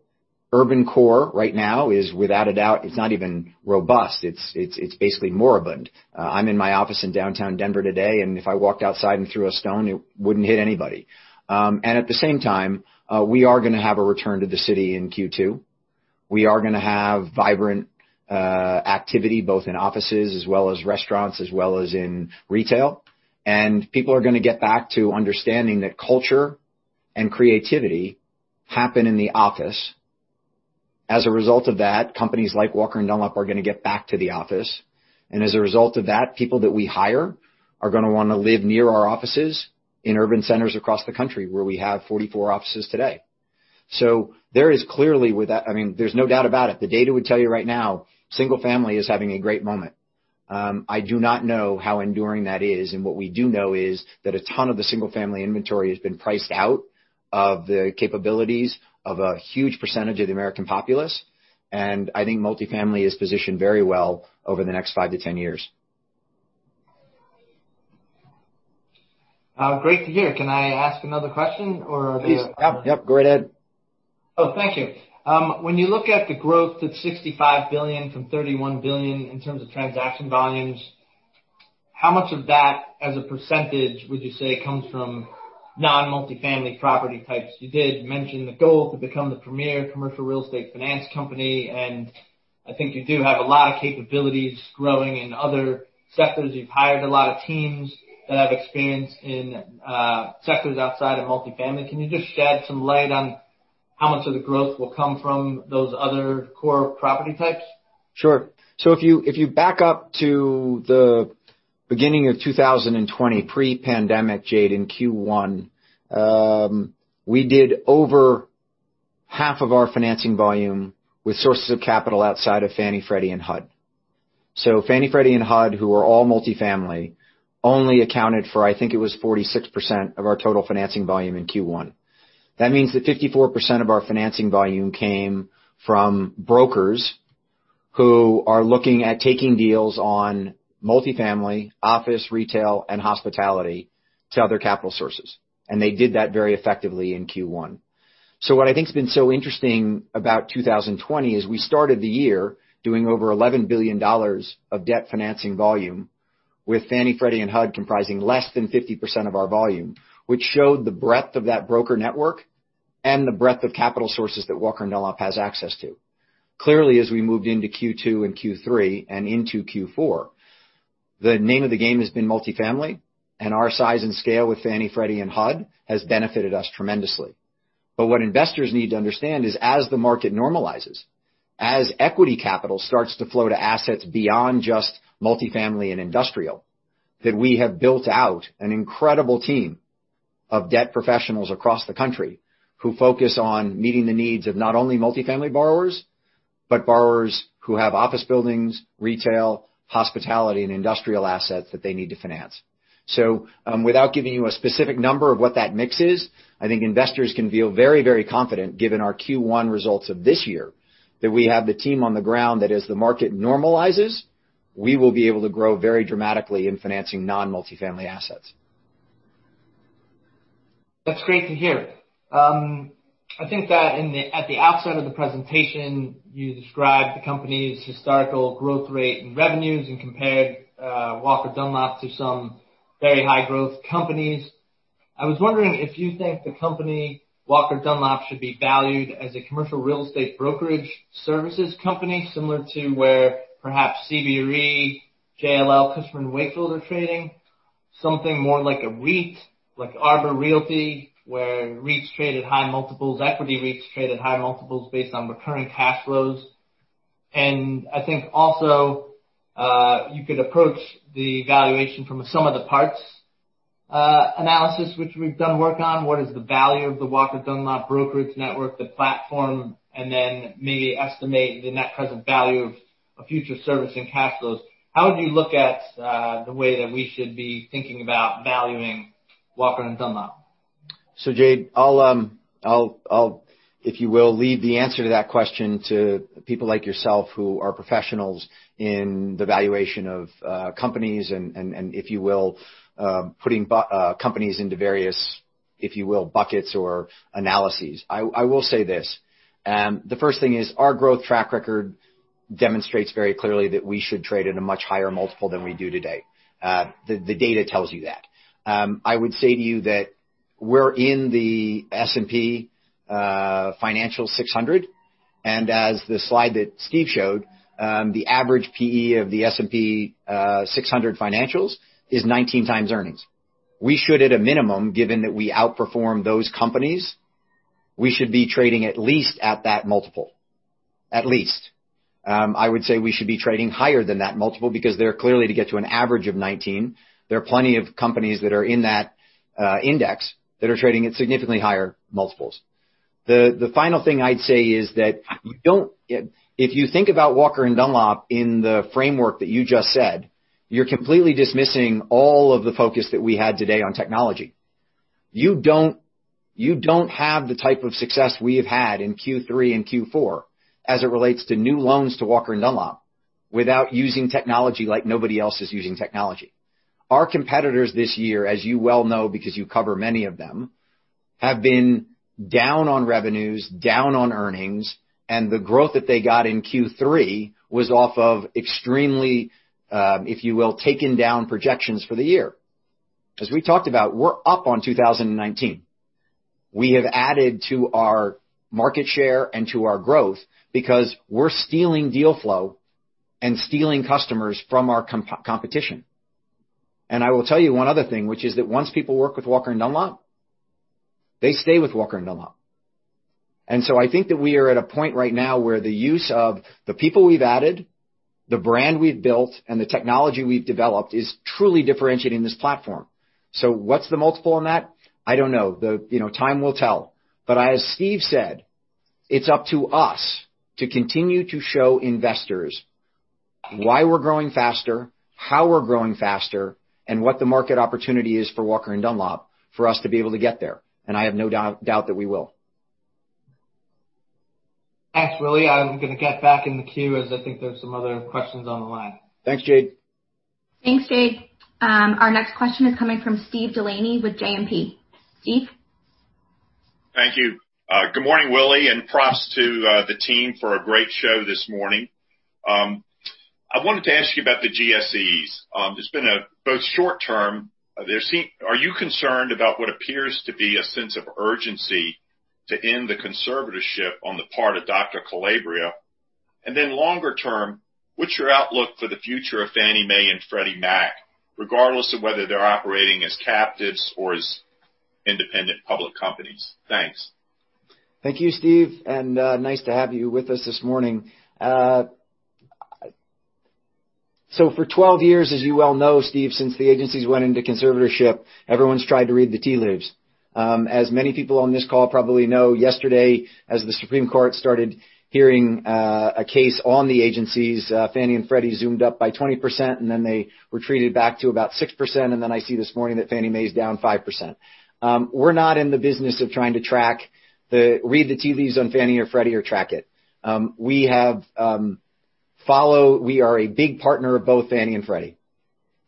urban core right now is, without a doubt, it's not even robust, it's basically moribund. I'm in my office in downtown Denver today, and if I walked outside and threw a stone, it wouldn't hit anybody. At the same time, we are going to have a return to the city in Q2. We are going to have vibrant activity both in offices as well as restaurants as well as in retail, and people are going to get back to understanding that culture and creativity happen in the office. As a result of that, companies like Walker & Dunlop are going to get back to the office, and as a result of that, people that we hire are going to want to live near our offices in urban centers across the country where we have 44 offices today. So there is clearly, I mean, there's no doubt about it. The data would tell you right now single family is having a great moment. I do not know how enduring that is, and what we do know is that a ton of the single-family inventory has been priced out of the capabilities of a huge percentage of the American populace, and I think multifamily is positioned very well over the next five to 10 years.
Great to hear. Can I ask another question or?
Yep, yep. Go right ahead.
Oh, thank you. When you look at the growth to $65 billion from $31 billion in terms of transaction volumes, how much of that as a percentage would you say comes from non-multifamily property types? You did mention the goal to become the premier commercial real estate finance company, and I think you do have a lot of capabilities growing in other sectors. You've hired a lot of teams that have experience in sectors outside of multifamily. Can you just shed some light on how much of the growth will come from those other core property types?
Sure. So if you back up to the beginning of 2020, pre-pandemic, Jade, in Q1, we did over half of our financing volume with sources of capital outside of Fannie, Freddie, and HUD. So Fannie, Freddie, and HUD, who are all multifamily, only accounted for, I think it was 46% of our total financing volume in Q1. That means that 54% of our financing volume came from brokers who are looking at taking deals on multifamily, office, retail, and hospitality to other capital sources, and they did that very effectively in Q1. So what I think has been so interesting about 2020 is we started the year doing over $11 billion of debt financing volume with Fannie, Freddie, and HUD comprising less than 50% of our volume, which showed the breadth of that broker network and the breadth of capital sources that Walker & Dunlop has access to. Clearly, as we moved into Q2 and Q3 and into Q4, the name of the game has been multifamily, and our size and scale with Fannie, Freddie, and HUD has benefited us tremendously. But what investors need to understand is, as the market normalizes, as equity capital starts to flow to assets beyond just multifamily and industrial, that we have built out an incredible team of debt professionals across the country who focus on meeting the needs of not only multifamily borrowers, but borrowers who have office buildings, retail, hospitality, and industrial assets that they need to finance. So without giving you a specific number of what that mix is, I think investors can feel very, very confident, given our Q1 results of this year, that we have the team on the ground that, as the market normalizes, we will be able to grow very dramatically in financing non-multifamily assets.
That's great to hear. I think that at the outset of the presentation, you described the company's historical growth rate and revenues and compared Walker & Dunlop to some very high-growth companies. I was wondering if you think the company Walker & Dunlop should be valued as a commercial real estate brokerage services company similar to where perhaps CBRE, JLL, Cushman & Wakefield are trading, something more like a REIT, like Arbor Realty, where REITs trade at high multiples, equity REITs trade at high multiples based on recurring cash flows. And I think also you could approach the valuation from a sum of the parts analysis, which we've done work on. What is the value of the Walker & Dunlop brokerage network, the platform, and then maybe estimate the net present value of future service and cash flows? How would you look at the way that we should be thinking about valuing Walker & Dunlop?
So, Jade, I'll, if you will, leave the answer to that question to people like yourself who are professionals in the valuation of companies and, if you will, putting companies into various, if you will, buckets or analyses. I will say this. The first thing is our growth track record demonstrates very clearly that we should trade at a much higher multiple than we do today. The data tells you that. I would say to you that we're in the S&P Financial 600, and as the slide that Steve showed, the average PE of the S&P 600 financials is 19 times earnings. We should, at a minimum, given that we outperform those companies, we should be trading at least at that multiple. At least. I would say we should be trading higher than that multiple because they're clearly to get to an average of 19. There are plenty of companies that are in that index that are trading at significantly higher multiples. The final thing I'd say is that if you think about Walker & Dunlop in the framework that you just said, you're completely dismissing all of the focus that we had today on technology. You don't have the type of success we have had in Q3 and Q4 as it relates to new loans to Walker & Dunlop without using technology like nobody else is using technology. Our competitors this year, as you well know because you cover many of them, have been down on revenues, down on earnings, and the growth that they got in Q3 was off of extremely, if you will, taken-down projections for the year. As we talked about, we're up on 2019. We have added to our market share and to our growth because we're stealing deal flow and stealing customers from our competition. And I will tell you one other thing, which is that once people work with Walker & Dunlop, they stay with Walker & Dunlop. And so I think that we are at a point right now where the use of the people we've added, the brand we've built, and the technology we've developed is truly differentiating this platform. So what's the multiple on that? I don't know. Time will tell. But as Steve said, it's up to us to continue to show investors why we're growing faster, how we're growing faster, and what the market opportunity is for Walker & Dunlop for us to be able to get there. And I have no doubt that we will.
Thanks, Willy. I'm going to get back in the queue as I think there's some other questions on the line.
Thanks, Jade.
Thanks, Jade. Our next question is coming from Steve Delaney with JMP. Steve?
Thank you. Good morning, Willie, and props to the team for a great show this morning. I wanted to ask you about the GSEs. There's been a both short-term, are you concerned about what appears to be a sense of urgency to end the conservatorship on the part of Dr. Calabria? And then longer-term, what's your outlook for the future of Fannie Mae and Freddie Mac, regardless of whether they're operating as captives or as independent public companies? Thanks.
Thank you, Steve, and nice to have you with us this morning. So for 12 years, as you well know, Steve, since the agencies went into conservatorship, everyone's tried to read the tea leaves. As many people on this call probably know, yesterday, as the Supreme Court started hearing a case on the agencies, Fannie and Freddie zoomed up by 20%, and then they were traded back to about 6%, and then I see this morning that Fannie Mae is down 5%. We're not in the business of trying to read the tea leaves on Fannie or Freddie or track it. We are a big partner of both Fannie and Freddie.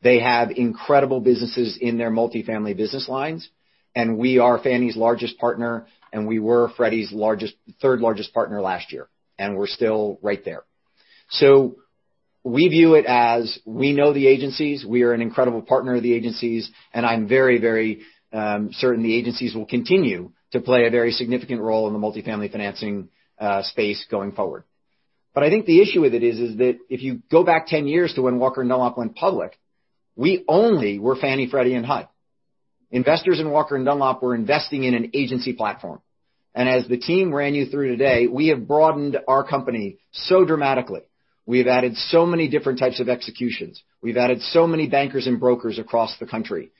They have incredible businesses in their multifamily business lines, and we are Fannie's largest partner, and we were Freddie's third-largest partner last year, and we're still right there. So we view it as we know the agencies, we are an incredible partner of the agencies, and I'm very, very certain the agencies will continue to play a very significant role in the multifamily financing space going forward. But I think the issue with it is that if you go back 10 years to when Walker & Dunlop went public, we only were Fannie, Freddie, and HUD. Investors in Walker & Dunlop were investing in an agency platform. And as the team ran you through today, we have broadened our company so dramatically. We have added so many different types of executions. We've added so many bankers and brokers across the country.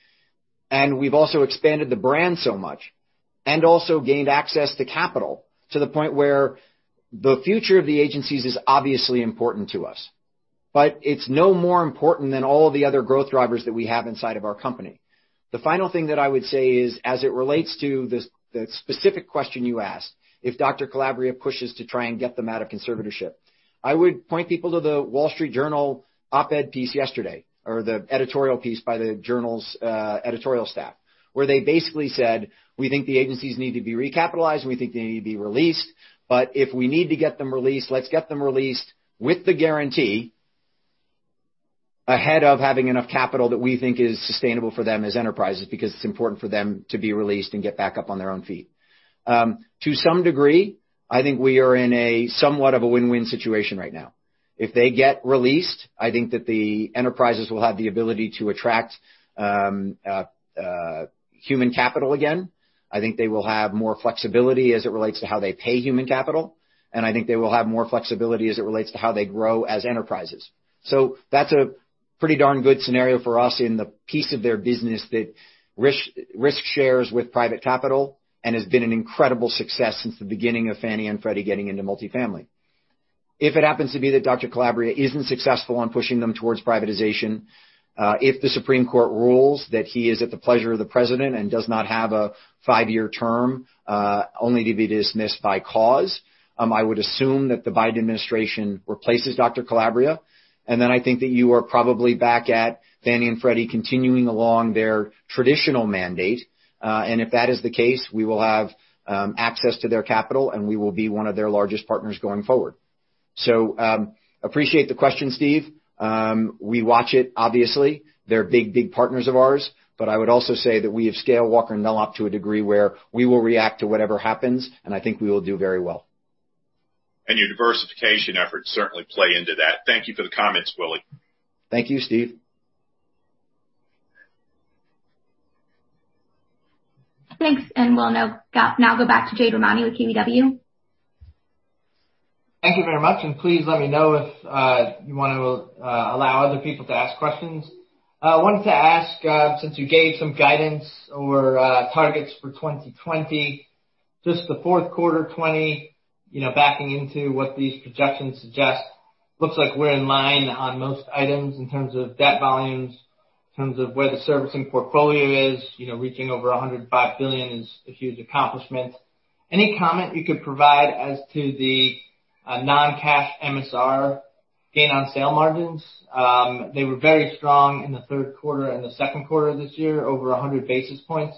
And we've also expanded the brand so much and also gained access to capital to the point where the future of the agencies is obviously important to us. But it's no more important than all of the other growth drivers that we have inside of our company. The final thing that I would say is, as it relates to the specific question you asked, if Dr. Calabria pushes to try and get them out of conservatorship, I would point people to the Wall Street Journal op-ed piece yesterday or the editorial piece by the journal's editorial staff, where they basically said, "We think the agencies need to be recapitalized, and we think they need to be released, but if we need to get them released, let's get them released with the guarantee ahead of having enough capital that we think is sustainable for them as enterprises because it's important for them to be released and get back up on their own feet." To some degree, I think we are in somewhat of a win-win situation right now. If they get released, I think that the enterprises will have the ability to attract human capital again. I think they will have more flexibility as it relates to how they pay human capital, and I think they will have more flexibility as it relates to how they grow as enterprises. So that's a pretty darn good scenario for us in the piece of their business that risk shares with private capital and has been an incredible success since the beginning of Fannie and Freddie getting into multifamily. If it happens to be that Dr. Calabria isn't successful on pushing them towards privatization, if the Supreme Court rules that he is at the pleasure of the president and does not have a five-year term only to be dismissed by cause, I would assume that the Biden administration replaces Dr. Calabria. Then I think that you are probably back at Fannie and Freddie continuing along their traditional mandate, and if that is the case, we will have access to their capital, and we will be one of their largest partners going forward. So appreciate the question, Steve. We watch it, obviously. They're big, big partners of ours, but I would also say that we have scaled Walker & Dunlop to a degree where we will react to whatever happens, and I think we will do very well.
Your diversification efforts certainly play into that. Thank you for the comments, Willy.
Thank you, Steve.
Thanks. We'll now go back to Jade Rahmani with KBW.
Thank you very much, and please let me know if you want to allow other people to ask questions. I wanted to ask, since you gave some guidance or targets for 2020, just the fourth quarter 2020, backing into what these projections suggest, looks like we're in line on most items in terms of debt volumes, in terms of where the servicing portfolio is, reaching over $105 billion is a huge accomplishment. Any comment you could provide as to the non-cash MSR gain on sale margins? They were very strong in the third quarter and the second quarter of this year, over 100 basis points.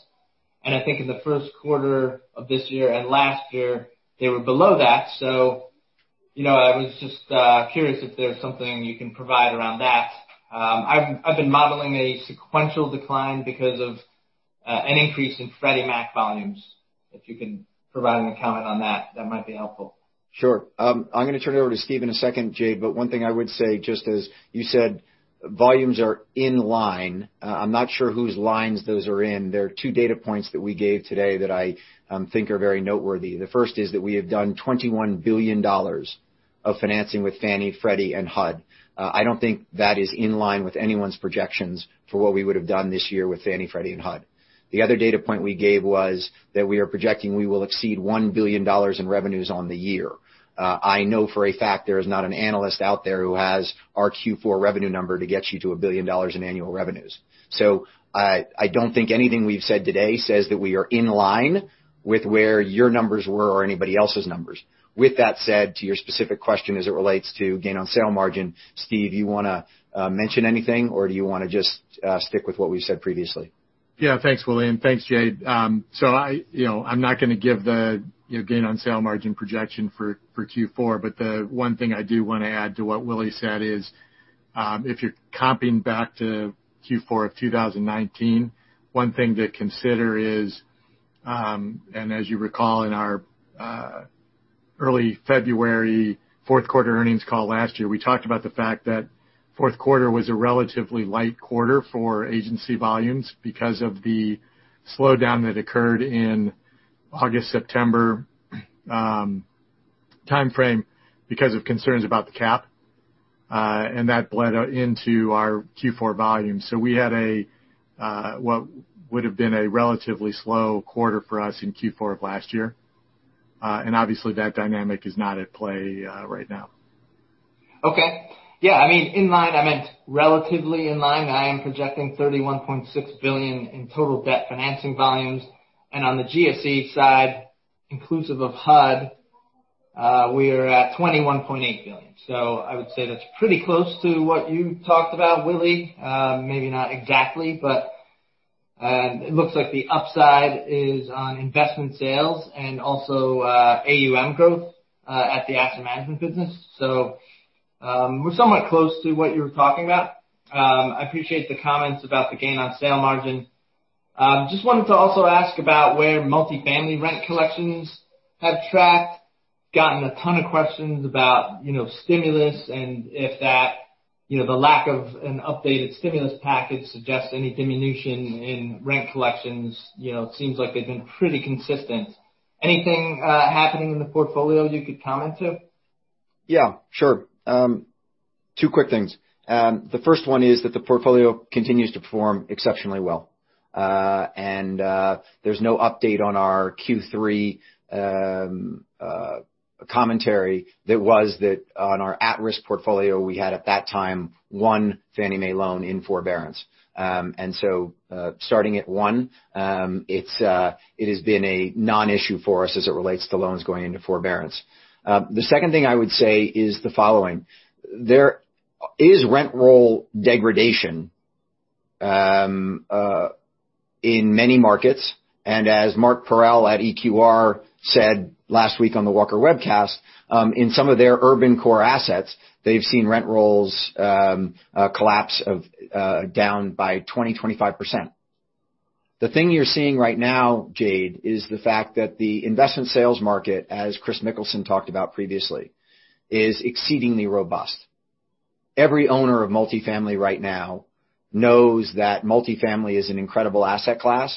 And I think in the first quarter of this year and last year, they were below that. So I was just curious if there's something you can provide around that. I've been modeling a sequential decline because of an increase in Freddie Mac volumes. If you could provide a comment on that, that might be helpful.
Sure. I'm going to turn it over to Steve in a second, Jade, but one thing I would say, just as you said, volumes are in line. I'm not sure whose lines those are in. There are two data points that we gave today that I think are very noteworthy. The first is that we have done $21 billion of financing with Fannie, Freddie, and HUD. I don't think that is in line with anyone's projections for what we would have done this year with Fannie, Freddie, and HUD. The other data point we gave was that we are projecting we will exceed $1 billion in revenues on the year. I know for a fact there is not an analyst out there who has our Q4 revenue number to get you to a billion dollars in annual revenues. I don't think anything we've said today says that we are in line with where your numbers were or anybody else's numbers. With that said, to your specific question as it relates to Gain on Sale Margin, Steve, you want to mention anything, or do you want to just stick with what we've said previously?
Yeah, thanks, Willy, and thanks, Jade, so I'm not going to give the gain on sale margin projection for Q4, but the one thing I do want to add to what Willy said is if you're comping back to Q4 of 2019, one thing to consider is, and as you recall in our early February fourth quarter earnings call last year, we talked about the fact that fourth quarter was a relatively light quarter for agency volumes because of the slowdown that occurred in August, September timeframe because of concerns about the cap, and that bled into our Q4 volumes, so we had what would have been a relatively slow quarter for us in Q4 of last year, and obviously, that dynamic is not at play right now.
Okay. Yeah. I mean, in line, I meant relatively in line. I am projecting $31.6 billion in total debt financing volumes. And on the GSE side, inclusive of HUD, we are at $21.8 billion. So I would say that's pretty close to what you talked about, Willy, maybe not exactly, but it looks like the upside is on investment sales and also AUM growth at the asset management business. So we're somewhat close to what you were talking about. I appreciate the comments about the gain on sale margin. Just wanted to also ask about where multifamily rent collections have tracked. Gotten a ton of questions about stimulus and if the lack of an updated stimulus package suggests any diminution in rent collections. It seems like they've been pretty consistent. Anything happening in the portfolio you could comment on?
Yeah, sure. Two quick things. The first one is that the portfolio continues to perform exceptionally well, and there's no update on our Q3 commentary. It was that on our at-risk portfolio, we had at that time one Fannie Mae loan in forbearance. And so starting at one, it has been a non-issue for us as it relates to loans going into forbearance. The second thing I would say is the following. There is rent roll degradation in many markets, and as Mark Parrell at EQR said last week on the Walker Webcast, in some of their urban core assets, they've seen rent rolls collapse down by 20%-25%. The thing you're seeing right now, Jade, is the fact that the investment sales market, as Kris Mikkelsen talked about previously, is exceedingly robust. Every owner of multifamily right now knows that multifamily is an incredible asset class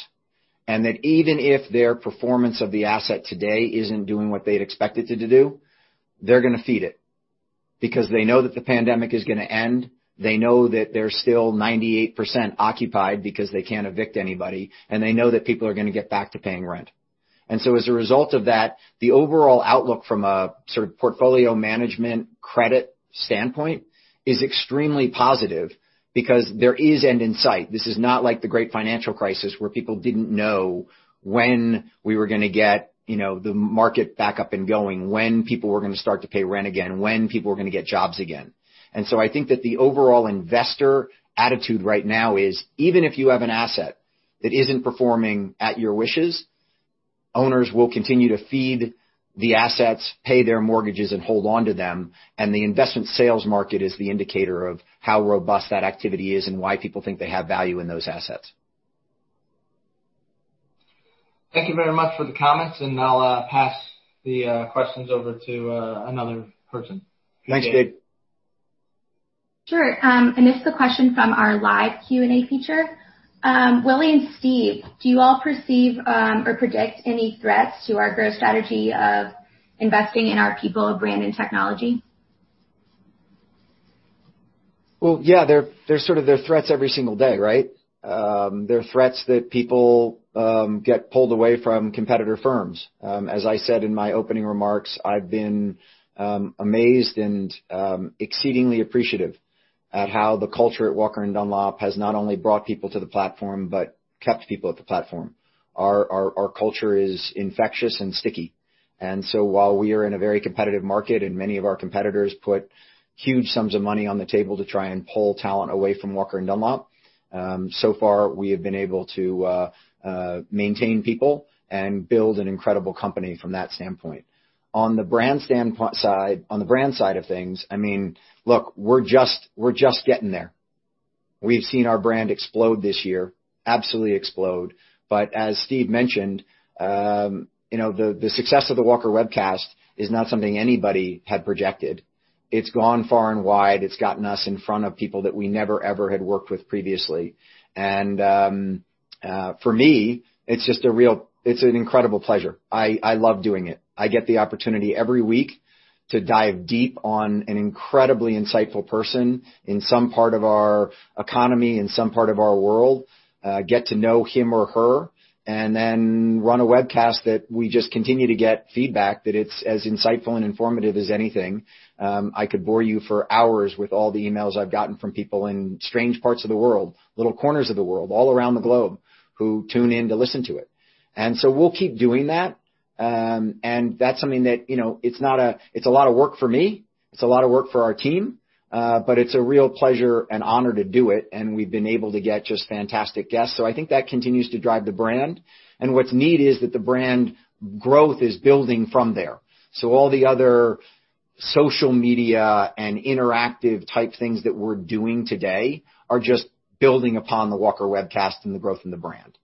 and that even if their performance of the asset today isn't doing what they'd expect it to do, they're going to feed it because they know that the pandemic is going to end. They know that they're still 98% occupied because they can't evict anybody, and they know that people are going to get back to paying rent. And so as a result of that, the overall outlook from a sort of portfolio management credit standpoint is extremely positive because there is an end in sight. This is not like the great financial crisis where people didn't know when we were going to get the market back up and going, when people were going to start to pay rent again, when people were going to get jobs again. And so I think that the overall investor attitude right now is, even if you have an asset that isn't performing at your wishes, owners will continue to feed the assets, pay their mortgages, and hold on to them. And the investment sales market is the indicator of how robust that activity is and why people think they have value in those assets.
Thank you very much for the comments, and I'll pass the questions over to another person.
Thanks, Jade.
Sure. And this is a question from our live Q&A feature. Willy and Steve, do you all perceive or predict any threats to our growth strategy of investing in our people, brand, and technology?
Yeah, there's sort of threats every single day, right? There are threats that people get pulled away from competitor firms. As I said in my opening remarks, I've been amazed and exceedingly appreciative at how the culture at Walker & Dunlop has not only brought people to the platform but kept people at the platform. Our culture is infectious and sticky. And so while we are in a very competitive market and many of our competitors put huge sums of money on the table to try and pull talent away from Walker & Dunlop, so far, we have been able to maintain people and build an incredible company from that standpoint. On the brand side of things, I mean, look, we're just getting there. We've seen our brand explode this year, absolutely explode. But as Steve mentioned, the success of the Walker Webcast is not something anybody had projected. It's gone far and wide. It's gotten us in front of people that we never, ever had worked with previously. And for me, it's just a real, it's an incredible pleasure. I love doing it. I get the opportunity every week to dive deep on an incredibly insightful person in some part of our economy, in some part of our world, get to know him or her, and then run a webcast that we just continue to get feedback that it's as insightful and informative as anything. I could bore you for hours with all the emails I've gotten from people in strange parts of the world, little corners of the world, all around the globe who tune in to listen to it. And so we'll keep doing that. And that's something that it's a lot of work for me. It's a lot of work for our team, but it's a real pleasure and honor to do it. And we've been able to get just fantastic guests. So I think that continues to drive the brand. And what's neat is that the brand growth is building from there. So all the other social media and interactive-type things that we're doing today are just building upon the Walker Webcast and the growth in the brand.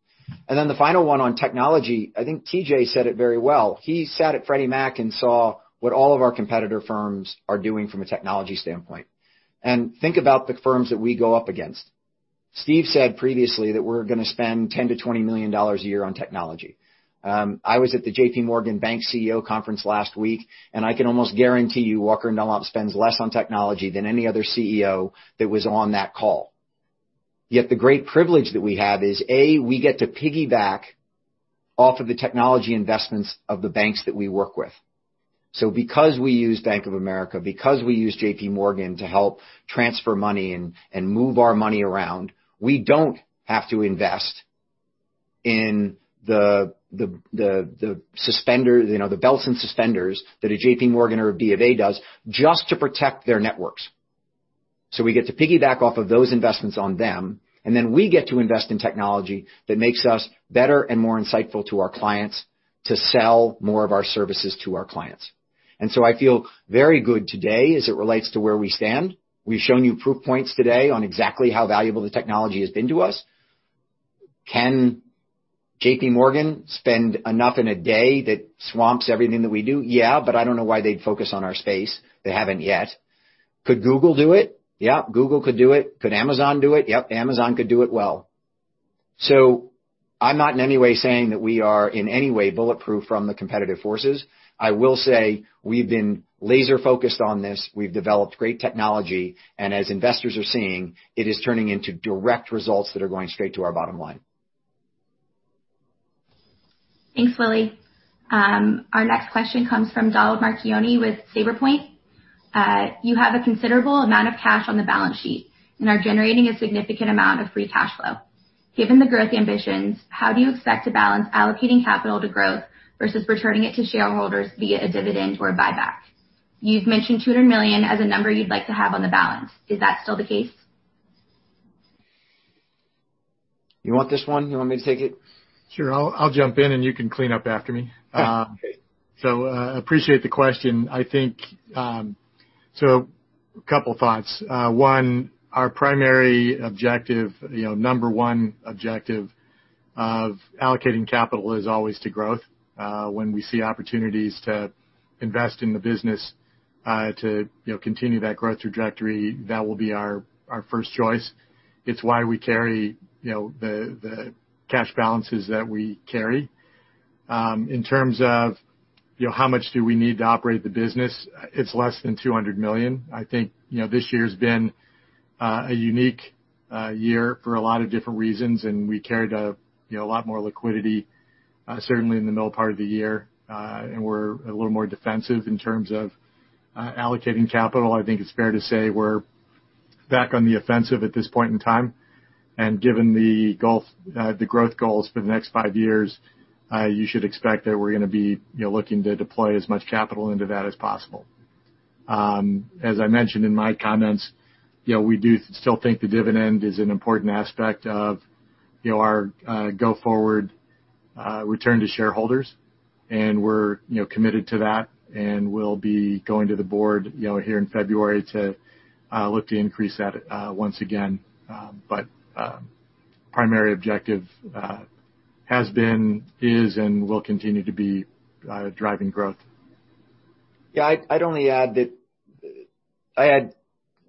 And then the final one on technology, I think T.J. said it very well. He sat at Freddie Mac and saw what all of our competitor firms are doing from a technology standpoint. And think about the firms that we go up against. Steve said previously that we're going to spend $10-$20 million a year on technology. I was at the J.P. Morgan CEO conference last week, and I can almost guarantee you Walker & Dunlop spends less on technology than any other CEO that was on that call. Yet the great privilege that we have is, A, we get to piggyback off of the technology investments of the banks that we work with. So because we use Bank of America, because we use J.P. Morgan to help transfer money and move our money around, we don't have to invest in the suspenders, the belt and suspenders that a J.P. Morgan or a B of A does just to protect their networks. So we get to piggyback off of those investments on them, and then we get to invest in technology that makes us better and more insightful to our clients to sell more of our services to our clients. And so I feel very good today as it relates to where we stand. We've shown you proof points today on exactly how valuable the technology has been to us. Can J.P. Morgan spend enough in a day that swamps everything that we do? Yeah, but I don't know why they'd focus on our space. They haven't yet. Could Google do it? Yeah, Google could do it. Could Amazon do it? Yep, Amazon could do it well. So I'm not in any way saying that we are in any way bulletproof from the competitive forces. I will say we've been laser-focused on this. We've developed great technology. And as investors are seeing, it is turning into direct results that are going straight to our bottom line.
Thanks, Willy. Our next question comes from Donald Marchioni with Sabrepoint. You have a considerable amount of cash on the balance sheet and are generating a significant amount of free cash flow. Given the growth ambitions, how do you expect to balance allocating capital to growth versus returning it to shareholders via a dividend or a buyback? You've mentioned $200 million as a number you'd like to have on the balance sheet. Is that still the case?
You want this one? You want me to take it?
Sure. I'll jump in, and you can clean up after me. So I appreciate the question. I think so a couple of thoughts. One, our primary objective, number one objective of allocating capital is always to growth. When we see opportunities to invest in the business to continue that growth trajectory, that will be our first choice. It's why we carry the cash balances that we carry. In terms of how much do we need to operate the business, it's less than $200 million. I think this year has been a unique year for a lot of different reasons, and we carried a lot more liquidity, certainly in the middle part of the year, and we're a little more defensive in terms of allocating capital. I think it's fair to say we're back on the offensive at this point in time. Given the growth goals for the next five years, you should expect that we're going to be looking to deploy as much capital into that as possible. As I mentioned in my comments, we do still think the dividend is an important aspect of our go-forward return to shareholders. We're committed to that and will be going to the board here in February to look to increase that once again. The primary objective has been, is, and will continue to be driving growth.
Yeah, I'd only add that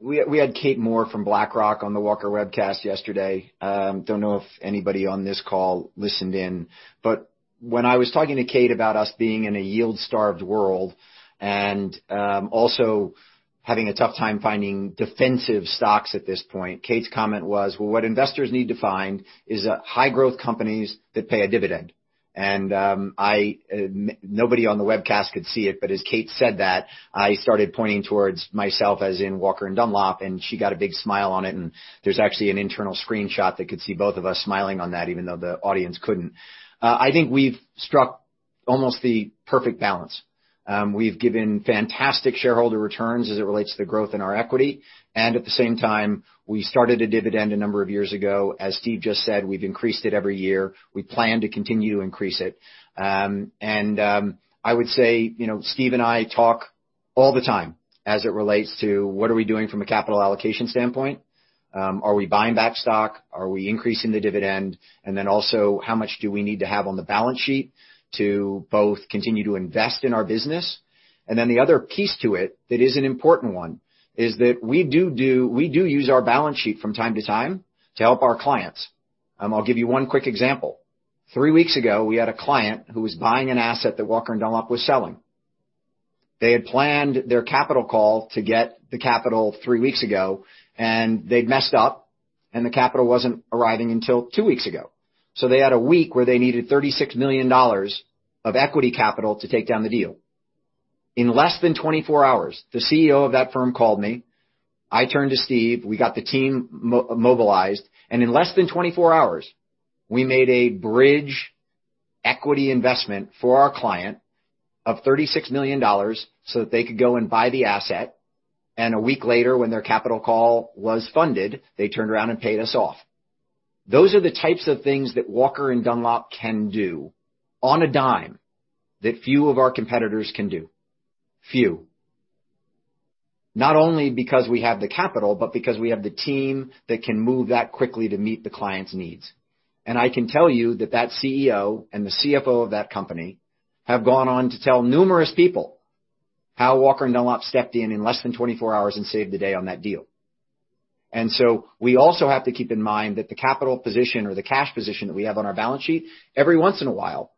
we had Kate Moore from BlackRock on the Walker Webcast yesterday. I don't know if anybody on this call listened in. But when I was talking to Kate about us being in a yield-starved world and also having a tough time finding defensive stocks at this point, Kate's comment was, "Well, what investors need to find is high-growth companies that pay a dividend." And nobody on the Walker Webcast could see it, but as Kate said that, I started pointing towards myself as in Walker & Dunlop, and she got a big smile on it. And there's actually an internal screenshot that could see both of us smiling on that, even though the audience couldn't. I think we've struck almost the perfect balance. We've given fantastic shareholder returns as it relates to the growth in our equity. And at the same time, we started a dividend a number of years ago. As Steve just said, we've increased it every year. We plan to continue to increase it. And I would say Steve and I talk all the time as it relates to what are we doing from a capital allocation standpoint? Are we buying back stock? Are we increasing the dividend? And then also, how much do we need to have on the balance sheet to both continue to invest in our business? And then the other piece to it that is an important one is that we do use our balance sheet from time to time to help our clients. I'll give you one quick example. Three weeks ago, we had a client who was buying an asset that Walker & Dunlop was selling. They had planned their capital call to get the capital three weeks ago, and they'd messed up, and the capital wasn't arriving until two weeks ago. So they had a week where they needed $36 million of equity capital to take down the deal. In less than 24 hours, the CEO of that firm called me. I turned to Steve. We got the team mobilized. And in less than 24 hours, we made a bridge equity investment for our client of $36 million so that they could go and buy the asset. And a week later, when their capital call was funded, they turned around and paid us off. Those are the types of things that Walker & Dunlop can do on a dime that few of our competitors can do. Few. Not only because we have the capital, but because we have the team that can move that quickly to meet the client's needs. And I can tell you that that CEO and the CFO of that company have gone on to tell numerous people how Walker & Dunlop stepped in in less than 24 hours and saved the day on that deal. And so we also have to keep in mind that the capital position or the cash position that we have on our balance sheet every once in a while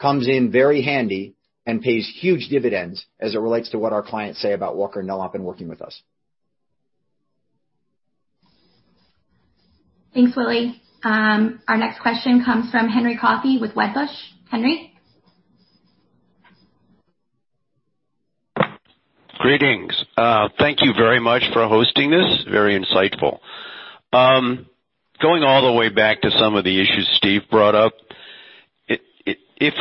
comes in very handy and pays huge dividends as it relates to what our clients say about Walker & Dunlop and working with us.
Thanks, Willie. Our next question comes from Henry Coffey with Wedbush. Henry?
Greetings. Thank you very much for hosting this. Very insightful. Going all the way back to some of the issues Steve brought up, if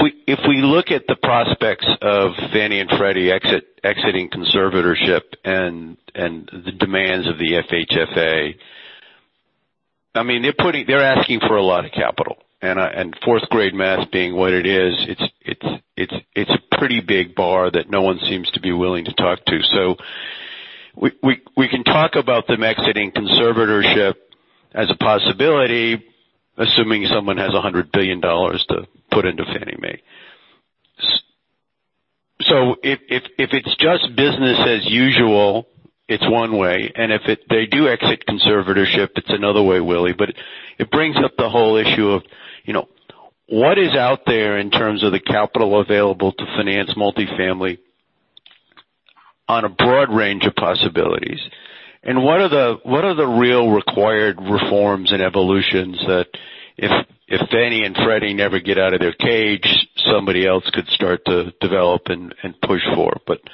we look at the prospects of Fannie and Freddie exiting conservatorship and the demands of the FHFA, I mean, they're asking for a lot of capital. And fourth-grade math being what it is, it's a pretty big bar that no one seems to be willing to talk to. So we can talk about them exiting conservatorship as a possibility, assuming someone has $100 billion to put into Fannie Mae. So if it's just business as usual, it's one way. And if they do exit conservatorship, it's another way, Willy. But it brings up the whole issue of what is out there in terms of the capital available to finance multifamily on a broad range of possibilities? What are the real required reforms and evolutions that if Fannie and Freddie never get out of their cage, somebody else could start to develop and push for? Because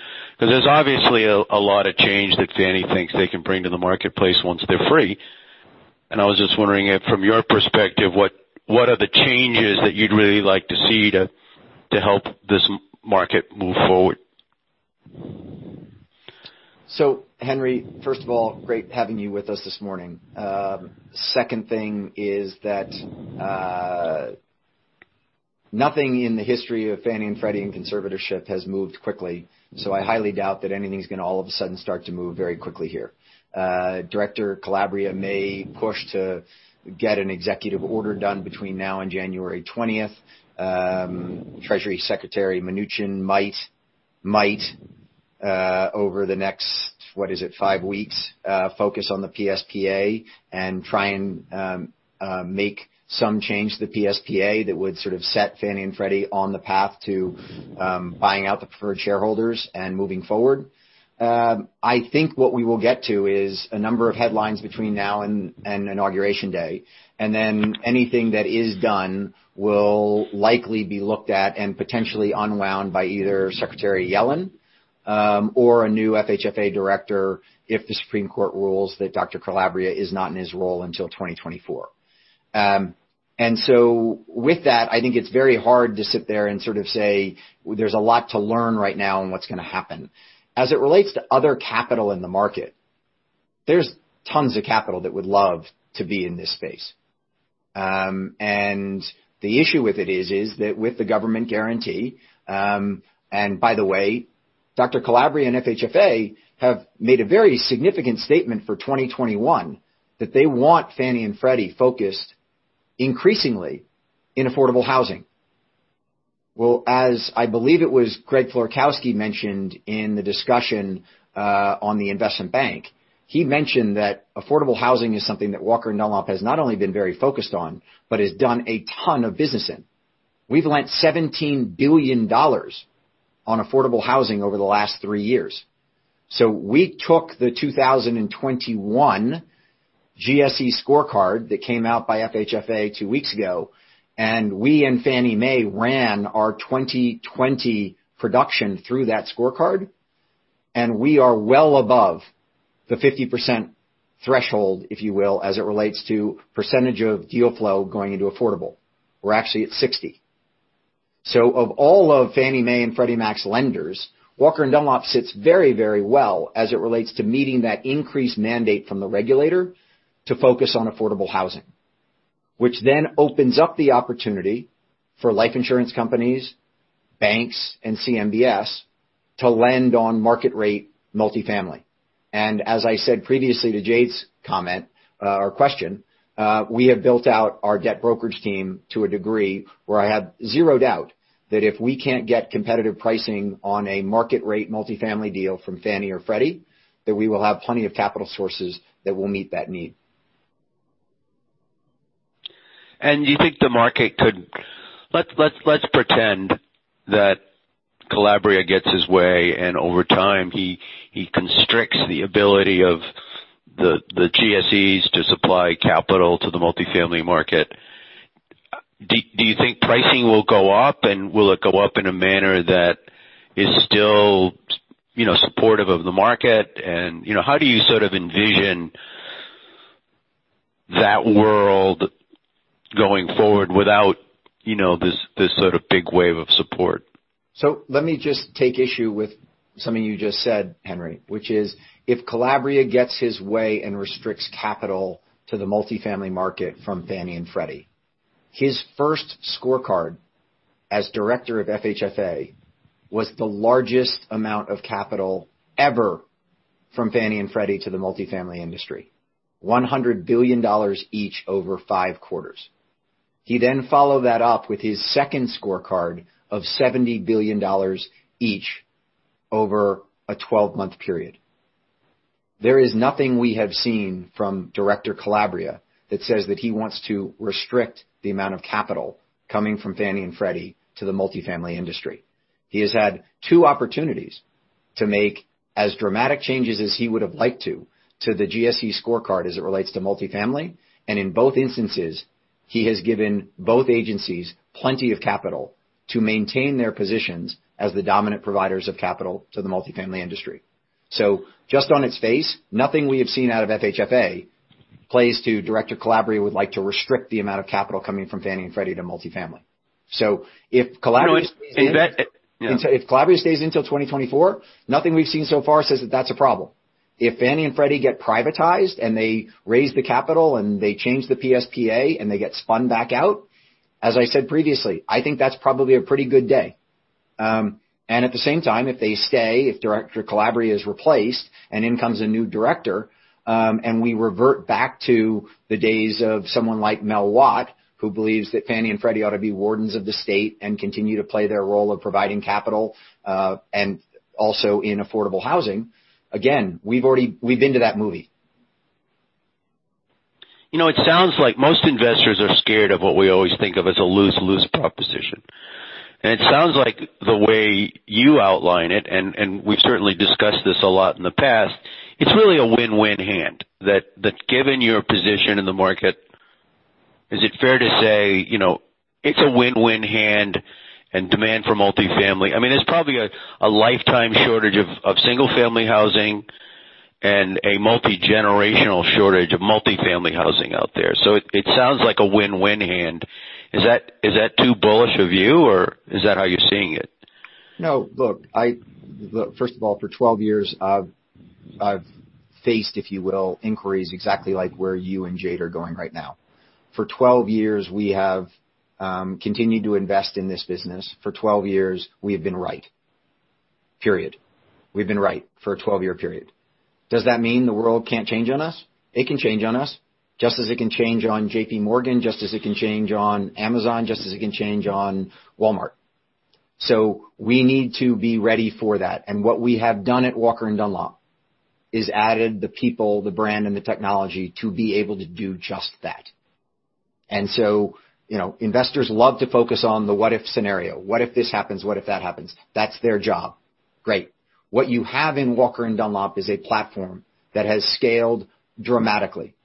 there's obviously a lot of change that Fannie thinks they can bring to the marketplace once they're free. I was just wondering, from your perspective, what are the changes that you'd really like to see to help this market move forward?
So, Henry, first of all, great having you with us this morning. Second thing is that nothing in the history of Fannie and Freddie and conservatorship has moved quickly. So I highly doubt that anything's going to all of a sudden start to move very quickly here. Director Calabria may push to get an executive order done between now and January 20th. Treasury Secretary Mnuchin might, might over the next, what is it, five weeks, focus on the PSPA and try and make some change to the PSPA that would sort of set Fannie and Freddie on the path to buying out the preferred shareholders and moving forward. I think what we will get to is a number of headlines between now and Inauguration Day. And then anything that is done will likely be looked at and potentially unwound by either Secretary Yellen or a new FHFA director if the Supreme Court rules that Dr. Calabria is not in his role until 2024. And so with that, I think it's very hard to sit there and sort of say, "There's a lot to learn right now on what's going to happen." As it relates to other capital in the market, there's tons of capital that would love to be in this space. And the issue with it is that with the government guarantee and by the way, Dr. Calabria and FHFA have made a very significant statement for 2021 that they want Fannie and Freddie focused increasingly in affordable housing. As I believe it was Greg Florkowski mentioned in the discussion on the investment banking, he mentioned that affordable housing is something that Walker & Dunlop has not only been very focused on, but has done a ton of business in. We've lent $17 billion on affordable housing over the last three years. We took the 2021 GSE scorecard that came out by FHFA two weeks ago, and we and Fannie Mae ran our 2020 production through that scorecard. We are well above the 50% threshold, if you will, as it relates to percentage of deal flow going into affordable. We're actually at 60%. So of all of Fannie Mae and Freddie Mac's lenders, Walker & Dunlop sits very, very well as it relates to meeting that increased mandate from the regulator to focus on affordable housing, which then opens up the opportunity for life insurance companies, banks, and CMBS to lend on market-rate multifamily. And as I said previously to Jade's comment or question, we have built out our debt brokerage team to a degree where I have zero doubt that if we can't get competitive pricing on a market-rate multifamily deal from Fannie or Freddie, that we will have plenty of capital sources that will meet that need.
And you think the market could, let's pretend that Calabria gets his way and over time he constricts the ability of the GSEs to supply capital to the multifamily market. Do you think pricing will go up, and will it go up in a manner that is still supportive of the market? And how do you sort of envision that world going forward without this sort of big wave of support?
So let me just take issue with something you just said, Henry, which is if Calabria gets his way and restricts capital to the multifamily market from Fannie and Freddie, his first scorecard as Director of FHFA was the largest amount of capital ever from Fannie and Freddie to the multifamily industry, $100 billion each over five quarters. He then followed that up with his second scorecard of $70 billion each over a 12-month period. There is nothing we have seen from Director Calabria that says that he wants to restrict the amount of capital coming from Fannie and Freddie to the multifamily industry. He has had two opportunities to make as dramatic changes as he would have liked to the GSE scorecard as it relates to multifamily. In both instances, he has given both agencies plenty of capital to maintain their positions as the dominant providers of capital to the multifamily industry. Just on its face, nothing we have seen out of FHFA plays to Director Calabria would like to restrict the amount of capital coming from Fannie and Freddie to multifamily. If Calabria stays until 2024, nothing we've seen so far says that that's a problem. If Fannie and Freddie get privatized and they raise the capital and they change the PSPA and they get spun back out, as I said previously, I think that's probably a pretty good day. And at the same time, if they stay, if Director Calabria is replaced and in comes a new director, and we revert back to the days of someone like Mel Watt, who believes that Fannie and Freddie ought to be wards of the state and continue to play their role of providing capital and also in affordable housing, again, we've been to that movie.
You know, it sounds like most investors are scared of what we always think of as a lose-lose proposition, and it sounds like the way you outline it, and we've certainly discussed this a lot in the past, it's really a win-win hand that, given your position in the market, is it fair to say it's a win-win hand and demand for multifamily? I mean, there's probably a lifetime shortage of single-family housing and a multi-generational shortage of multifamily housing out there, so it sounds like a win-win hand. Is that too bullish of you, or is that how you're seeing it?
No, look, first of all, for 12 years, I've faced, if you will, inquiries exactly like where you and Jade are going right now. For 12 years, we have continued to invest in this business. For 12 years, we have been right. Period. We've been right for a 12-year period. Does that mean the world can't change on us? It can change on us, just as it can change on JP Morgan, just as it can change on Amazon, just as it can change on Walmart. So we need to be ready for that. And what we have done at Walker & Dunlop is added the people, the brand, and the technology to be able to do just that. And so investors love to focus on the what-if scenario. What if this happens? What if that happens? That's their job. Great. What you have in Walker & Dunlop is a platform that has scaled dramatically,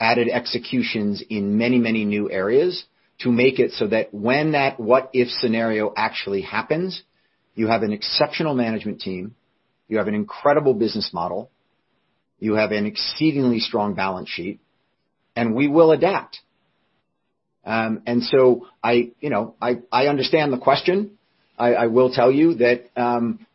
added executions in many, many new areas to make it so that when that what-if scenario actually happens, you have an exceptional management team, you have an incredible business model, you have an exceedingly strong balance sheet, and we will adapt. And so I understand the question. I will tell you that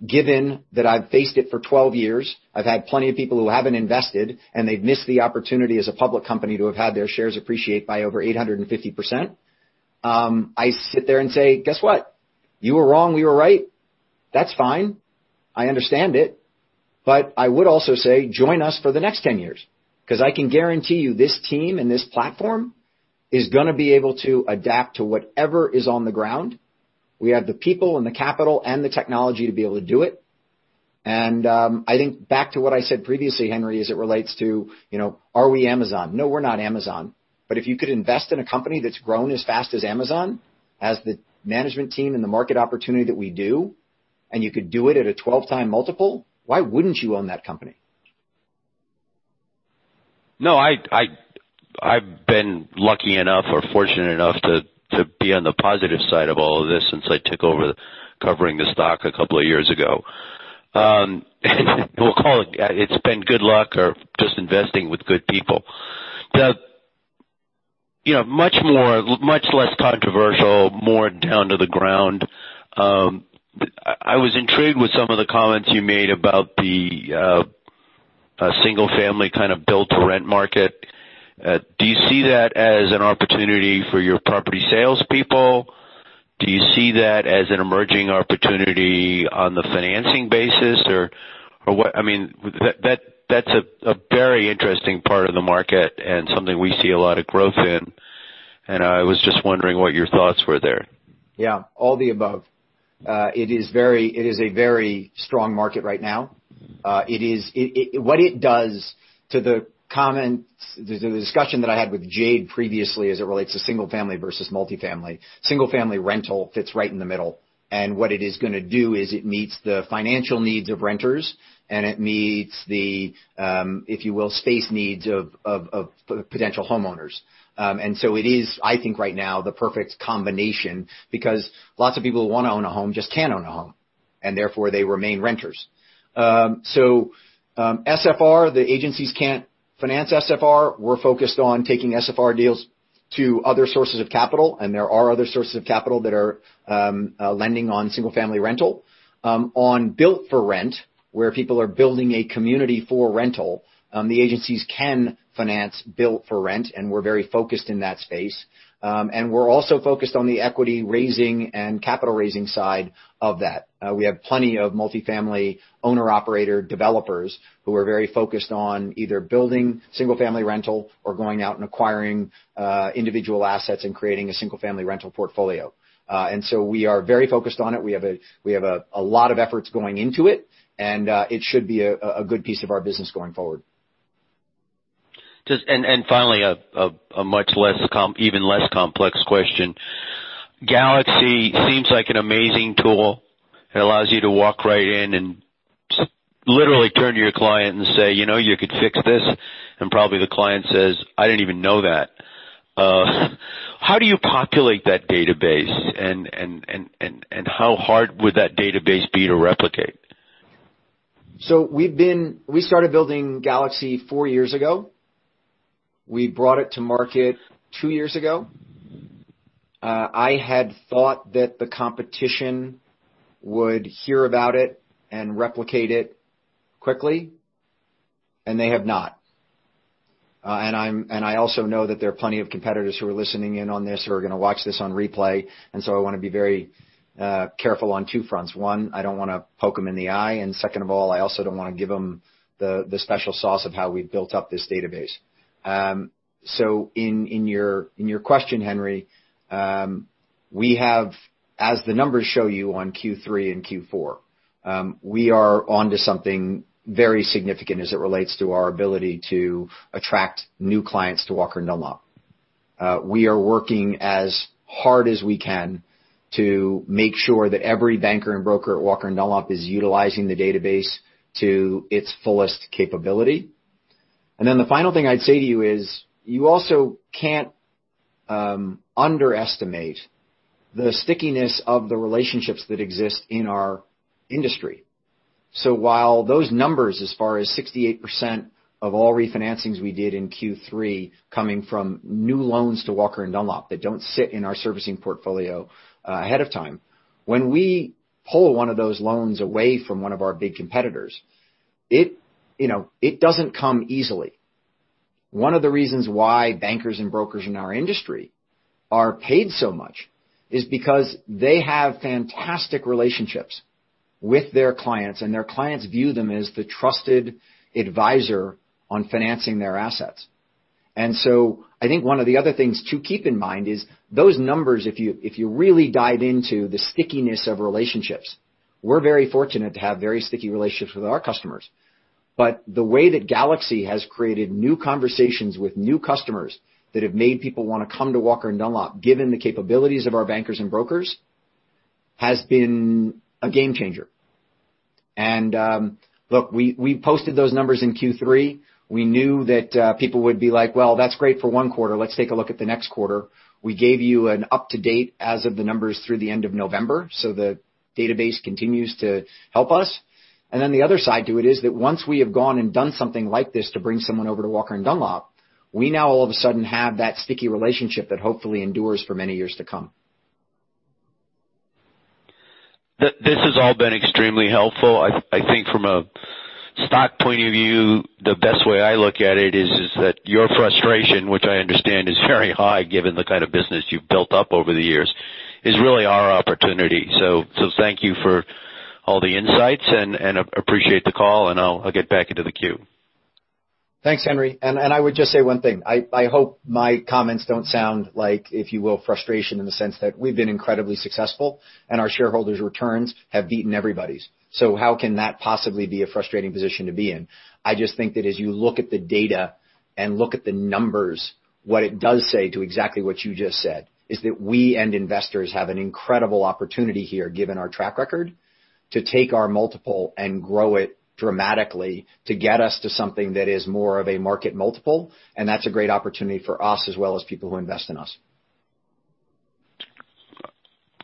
given that I've faced it for 12 years, I've had plenty of people who haven't invested, and they've missed the opportunity as a public company to have had their shares appreciate by over 850%. I sit there and say, "Guess what? You were wrong, we were right. That's fine. I understand it." But I would also say, "Join us for the next 10 years." Because I can guarantee you this team and this platform is going to be able to adapt to whatever is on the ground. We have the people and the capital and the technology to be able to do it. And I think back to what I said previously, Henry, as it relates to, "Are we Amazon?" No, we're not Amazon. But if you could invest in a company that's grown as fast as Amazon, as the management team and the market opportunity that we do, and you could do it at a 12-time multiple, why wouldn't you own that company?
No, I've been lucky enough or fortunate enough to be on the positive side of all of this since I took over covering the stock a couple of years ago. We'll call it it's been good luck or just investing with good people. Now, much less controversial, more down to the ground. I was intrigued with some of the comments you made about the single-family kind of built-to-rent market. Do you see that as an opportunity for your property salespeople? Do you see that as an emerging opportunity on the financing basis? Or I mean, that's a very interesting part of the market and something we see a lot of growth in. I was just wondering what your thoughts were there.
Yeah, all the above. It is a very strong market right now. What it does to the comment, to the discussion that I had with Jade previously as it relates to single-family versus multifamily, single-family rental fits right in the middle. And what it is going to do is it meets the financial needs of renters, and it meets the, if you will, space needs of potential homeowners. And so it is, I think, right now the perfect combination because lots of people who want to own a home just can't own a home, and therefore they remain renters. So SFR, the agencies can't finance SFR. We're focused on taking SFR deals to other sources of capital, and there are other sources of capital that are lending on single-family rental. On build-for-rent, where people are building a community for rental, the agencies can finance built-for-rent, and we're very focused in that space. And we're also focused on the equity raising and capital raising side of that. We have plenty of multifamily owner-operator developers who are very focused on either building single-family rental or going out and acquiring individual assets and creating a single-family rental portfolio. And so we are very focused on it. We have a lot of efforts going into it, and it should be a good piece of our business going forward.
Finally, a much less, even less complex question. Galaxy seems like an amazing tool. It allows you to walk right in and literally turn to your client and say, "You know, you could fix this." And probably the client says, "I didn't even know that." How do you populate that database, and how hard would that database be to replicate?
So we started building Galaxy four years ago. We brought it to market two years ago. I had thought that the competition would hear about it and replicate it quickly, and they have not. And I also know that there are plenty of competitors who are listening in on this or are going to watch this on replay. And so I want to be very careful on two fronts. One, I don't want to poke them in the eye. And second of all, I also don't want to give them the special sauce of how we've built up this database. So in your question, Henry, we have, as the numbers show you on Q3 and Q4, we are on to something very significant as it relates to our ability to attract new clients to Walker & Dunlop. We are working as hard as we can to make sure that every banker and broker at Walker & Dunlop is utilizing the database to its fullest capability, and then the final thing I'd say to you is you also can't underestimate the stickiness of the relationships that exist in our industry, so while those numbers, as far as 68% of all refinancings we did in Q3 coming from new loans to Walker & Dunlop that don't sit in our servicing portfolio ahead of time, when we pull one of those loans away from one of our big competitors, it doesn't come easily. One of the reasons why bankers and brokers in our industry are paid so much is because they have fantastic relationships with their clients, and their clients view them as the trusted advisor on financing their assets. And so I think one of the other things to keep in mind is those numbers, if you really dive into the stickiness of relationships. We're very fortunate to have very sticky relationships with our customers. But the way that Galaxy has created new conversations with new customers that have made people want to come to Walker & Dunlop, given the capabilities of our bankers and brokers, has been a game changer. And look, we posted those numbers in Q3. We knew that people would be like, "Well, that's great for one quarter. Let's take a look at the next quarter." We gave you an up-to-date as of the numbers through the end of November, so the database continues to help us. The other side to it is that once we have gone and done something like this to bring someone over to Walker & Dunlop, we now all of a sudden have that sticky relationship that hopefully endures for many years to come.
This has all been extremely helpful. I think from a stock point of view, the best way I look at it is that your frustration, which I understand is very high given the kind of business you've built up over the years, is really our opportunity. So thank you for all the insights, and appreciate the call, and I'll get back into the queue.
Thanks, Henry. And I would just say one thing. I hope my comments don't sound like, if you will, frustration in the sense that we've been incredibly successful and our shareholders' returns have beaten everybody's. So how can that possibly be a frustrating position to be in? I just think that as you look at the data and look at the numbers, what it does say to exactly what you just said is that we and investors have an incredible opportunity here, given our track record, to take our multiple and grow it dramatically to get us to something that is more of a market multiple. And that's a great opportunity for us as well as people who invest in us.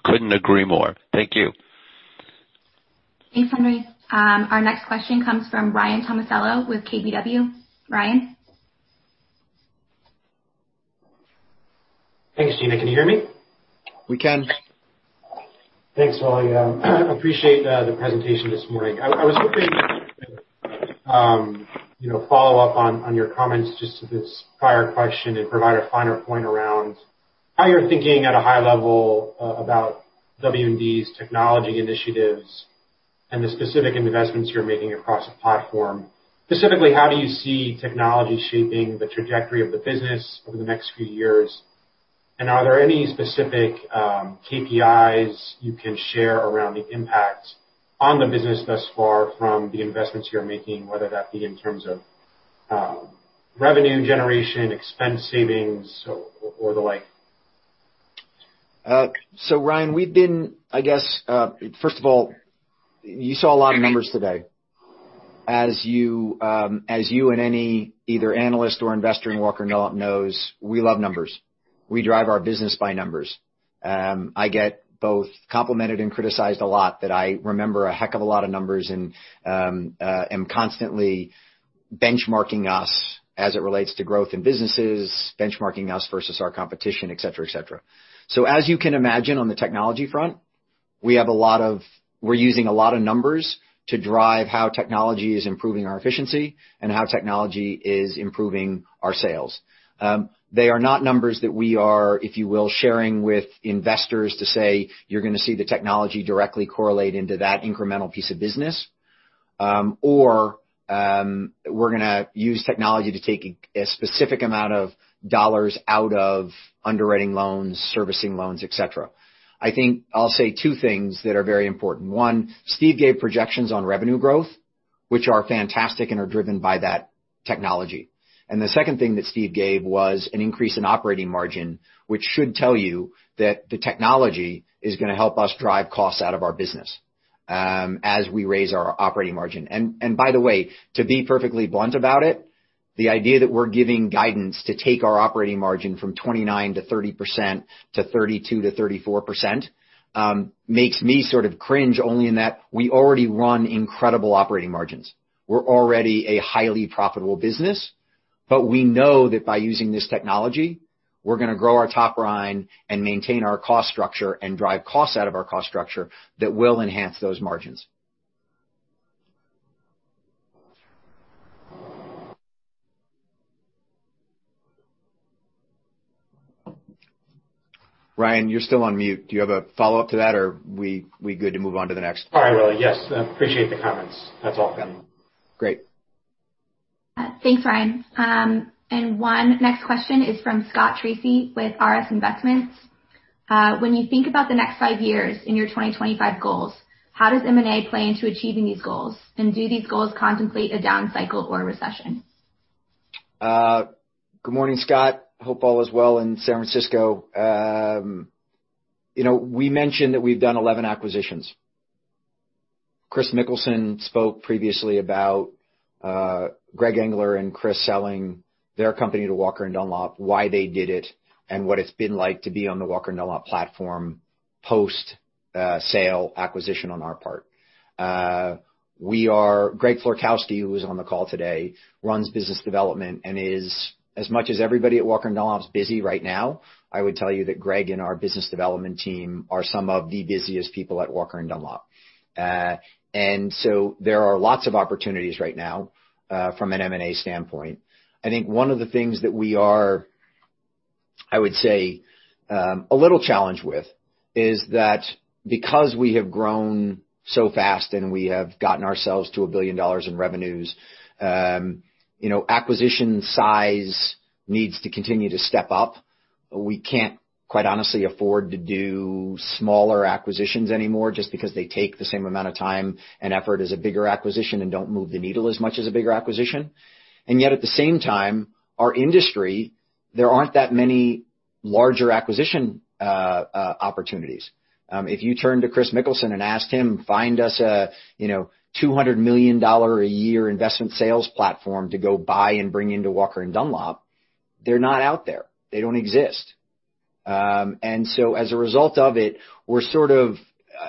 Couldn't agree more. Thank you.
Thanks, Henry. Our next question comes from Ryan Tomasello with KBW. Ryan?
Thanks, Gina. Can you hear me?
We can.
Thanks, Willy. I appreciate the presentation this morning. I was hoping to follow up on your comments just to this prior question and provide a finer point around how you're thinking at a high level about W&D's technology initiatives and the specific investments you're making across the platform. Specifically, how do you see technology shaping the trajectory of the business over the next few years? And are there any specific KPIs you can share around the impact on the business thus far from the investments you're making, whether that be in terms of revenue generation, expense savings, or the like?
So Ryan, we've been, I guess, first of all, you saw a lot of numbers today. As you and any either analyst or investor in Walker & Dunlop knows, we love numbers. We drive our business by numbers. I get both complimented and criticized a lot that I remember a heck of a lot of numbers and am constantly benchmarking us as it relates to growth in businesses, benchmarking us versus our competition, etc., etc. So as you can imagine, on the technology front, we have a lot of, we're using a lot of numbers to drive how technology is improving our efficiency and how technology is improving our sales. They are not numbers that we are, if you will, sharing with investors to say, "You're going to see the technology directly correlate into that incremental piece of business," or, "We're going to use technology to take a specific amount of dollars out of underwriting loans, servicing loans, etc." I think I'll say two things that are very important. One, Steve gave projections on revenue growth, which are fantastic and are driven by that technology. And the second thing that Steve gave was an increase in operating margin, which should tell you that the technology is going to help us drive costs out of our business as we raise our operating margin. And by the way, to be perfectly blunt about it, the idea that we're giving guidance to take our operating margin from 29%-30% to 32%-34% makes me sort of cringe only in that we already run incredible operating margins. We're already a highly profitable business, but we know that by using this technology, we're going to grow our top line and maintain our cost structure and drive costs out of our cost structure that will enhance those margins. Ryan, you're still on mute. Do you have a follow-up to that, or are we good to move on to the next?
All right, Willy. Yes, I appreciate the comments. That's all.
Great.
Thanks, Ryan. And one next question is from Scott Tracy with RS Investments. When you think about the next five years in your 2025 goals, how does M&A play into achieving these goals, and do these goals contemplate a down cycle or a recession?
Good morning, Scott. Hope all is well in San Francisco. We mentioned that we've done 11 acquisitions. Kris Mikkelsen spoke previously about Greg Engler and Chris selling their company to Walker & Dunlop, why they did it, and what it's been like to be on the Walker & Dunlop platform post-sale acquisition on our part. Greg Florkowski, who is on the call today, runs business development and is, as much as everybody at Walker & Dunlop's busy right now, I would tell you that Greg and our business development team are some of the busiest people at Walker & Dunlop. And so there are lots of opportunities right now from an M&A standpoint. I think one of the things that we are, I would say, a little challenged with is that because we have grown so fast and we have gotten ourselves to $1 billion in revenues, acquisition size needs to continue to step up. We can't, quite honestly, afford to do smaller acquisitions anymore just because they take the same amount of time and effort as a bigger acquisition and don't move the needle as much as a bigger acquisition. And yet, at the same time, our industry, there aren't that many larger acquisition opportunities. If you turn to Kris Mikkelsen and ask him, "Find us a $200 million a year investment sales platform to go buy and bring into Walker & Dunlop," they're not out there. They don't exist. And so, as a result of it, we're sort of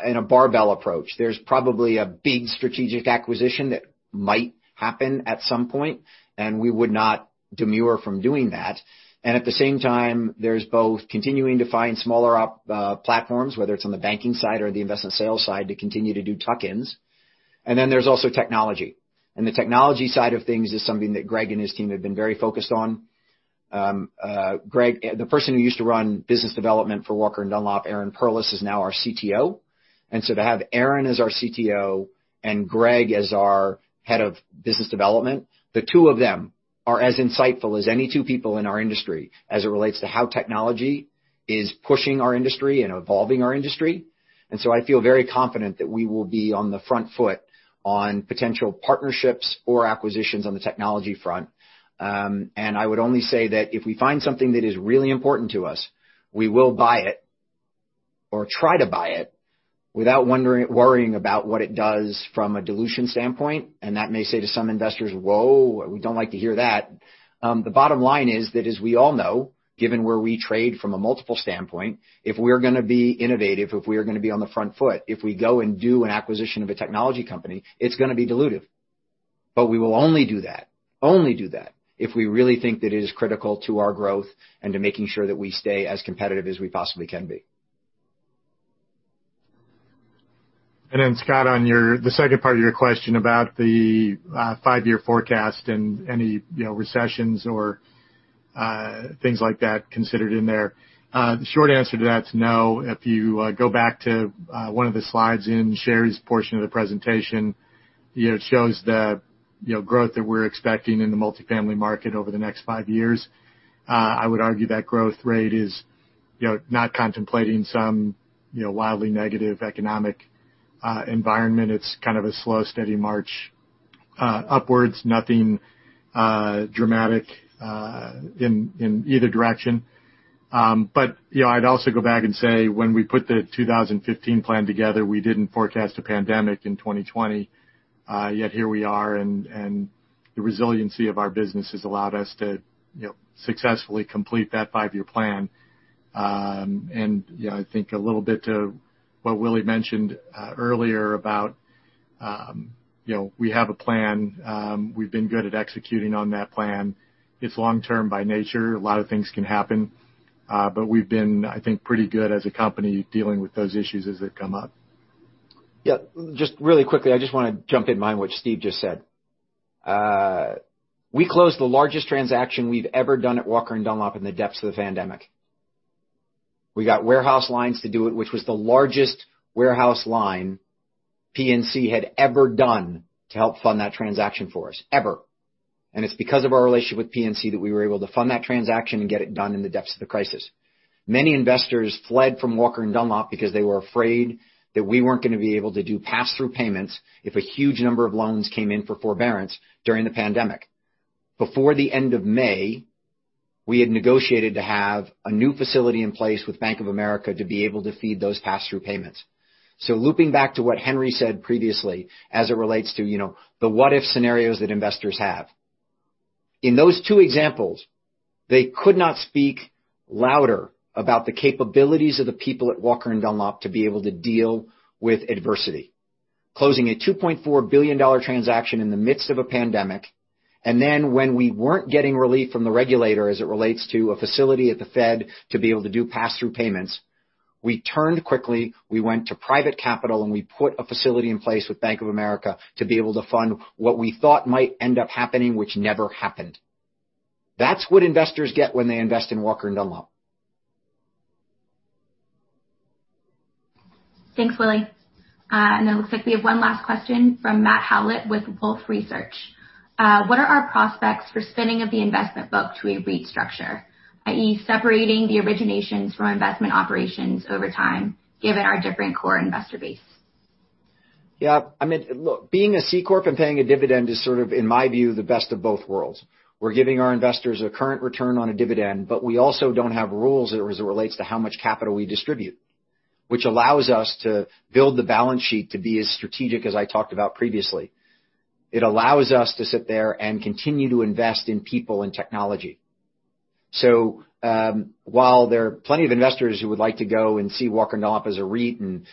in a barbell approach. There's probably a big strategic acquisition that might happen at some point, and we would not demur from doing that. And at the same time, there's both continuing to find smaller platforms, whether it's on the banking side or the investment sales side, to continue to do tuck-ins. And then there's also technology. And the technology side of things is something that Greg and his team have been very focused on. Greg, the person who used to run business development for Walker & Dunlop, Aaron Perlis, is now our CTO. And so to have Aaron as our CTO and Greg as our head of business development, the two of them are as insightful as any two people in our industry as it relates to how technology is pushing our industry and evolving our industry. And so I feel very confident that we will be on the front foot on potential partnerships or acquisitions on the technology front. And I would only say that if we find something that is really important to us, we will buy it or try to buy it without worrying about what it does from a dilution standpoint. And that may say to some investors, "Whoa, we don't like to hear that." The bottom line is that, as we all know, given where we trade from a multiple standpoint, if we're going to be innovative, if we're going to be on the front foot, if we go and do an acquisition of a technology company, it's going to be dilutive. But we will only do that, only do that if we really think that it is critical to our growth and to making sure that we stay as competitive as we possibly can be.
And then, Scott, on the second part of your question about the five-year forecast and any recessions or things like that considered in there, the short answer to that's no. If you go back to one of the slides in Sherry's portion of the presentation, it shows the growth that we're expecting in the multifamily market over the next five years. I would argue that growth rate is not contemplating some wildly negative economic environment. It's kind of a slow, steady march upwards, nothing dramatic in either direction. But I'd also go back and say, when we put the 2015 plan together, we didn't forecast a pandemic in 2020. Yet here we are, and the resiliency of our business has allowed us to successfully complete that five-year plan. And I think a little bit to what Willy mentioned earlier about we have a plan. We've been good at executing on that plan. It's long-term by nature. A lot of things can happen. But we've been, I think, pretty good as a company dealing with those issues as they come up.
Yeah. Just really quickly, I just want to jump in line with what Steve just said. We closed the largest transaction we've ever done at Walker & Dunlop in the depths of the pandemic. We got warehouse lines to do it, which was the largest warehouse line PNC had ever done to help fund that transaction for us, ever. And it's because of our relationship with PNC that we were able to fund that transaction and get it done in the depths of the crisis. Many investors fled from Walker & Dunlop because they were afraid that we weren't going to be able to do pass-through payments if a huge number of loans came in for forbearance during the pandemic. Before the end of May, we had negotiated to have a new facility in place with Bank of America to be able to feed those pass-through payments. So looping back to what Henry said previously as it relates to the what-if scenarios that investors have, in those two examples, they could not speak louder about the capabilities of the people at Walker & Dunlop to be able to deal with adversity. Closing a $2.4 billion transaction in the midst of a pandemic, and then when we weren't getting relief from the regulator as it relates to a facility at the Fed to be able to do pass-through payments, we turned quickly. We went to private capital, and we put a facility in place with Bank of America to be able to fund what we thought might end up happening, which never happened. That's what investors get when they invest in Walker & Dunlop.
Thanks, Willy. And then it looks like we have one last question from Matt Howlett with Wolfe Research. What are our prospects for spinning off the investment book to a REIT structure, i.e., separating the originations from investment operations over time, given our different core investor base?
Yeah. I mean, look, being a C Corp and paying a dividend is sort of, in my view, the best of both worlds. We're giving our investors a current return on a dividend, but we also don't have rules as it relates to how much capital we distribute, which allows us to build the balance sheet to be as strategic as I talked about previously. It allows us to sit there and continue to invest in people and technology. So while there are plenty of investors who would like to go and see Walker & Dunlop as a REIT and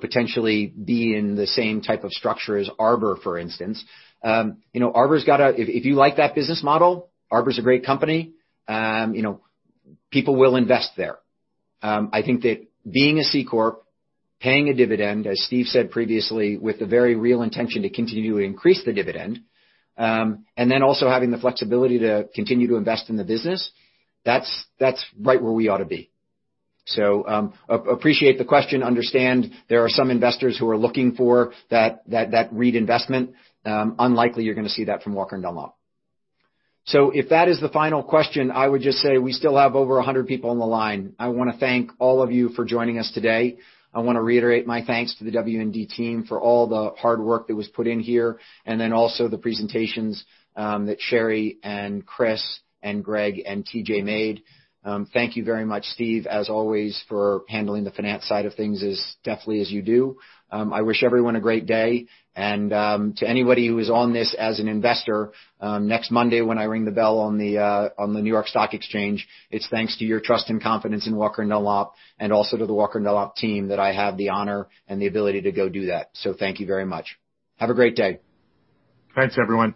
potentially be in the same type of structure as Arbor, for instance, Arbor's got a, if you like that business model, Arbor's a great company, people will invest there. I think that being a C Corp, paying a dividend, as Steve said previously, with the very real intention to continue to increase the dividend, and then also having the flexibility to continue to invest in the business, that's right where we ought to be. So appreciate the question. Understand there are some investors who are looking for that REIT investment. Unlikely you're going to see that from Walker & Dunlop. So if that is the final question, I would just say we still have over 100 people on the line. I want to thank all of you for joining us today. I want to reiterate my thanks to the W&D team for all the hard work that was put in here, and then also the presentations that Sherry and Chris and Greg and TJ made. Thank you very much, Steve, as always, for handling the finance side of things as deftly as you do. I wish everyone a great day and to anybody who is on this as an investor, next Monday when I ring the bell on the New York Stock Exchange, it's thanks to your trust and confidence in Walker & Dunlop and also to the Walker & Dunlop team that I have the honor and the ability to go do that, so thank you very much. Have a great day.
Thanks, everyone.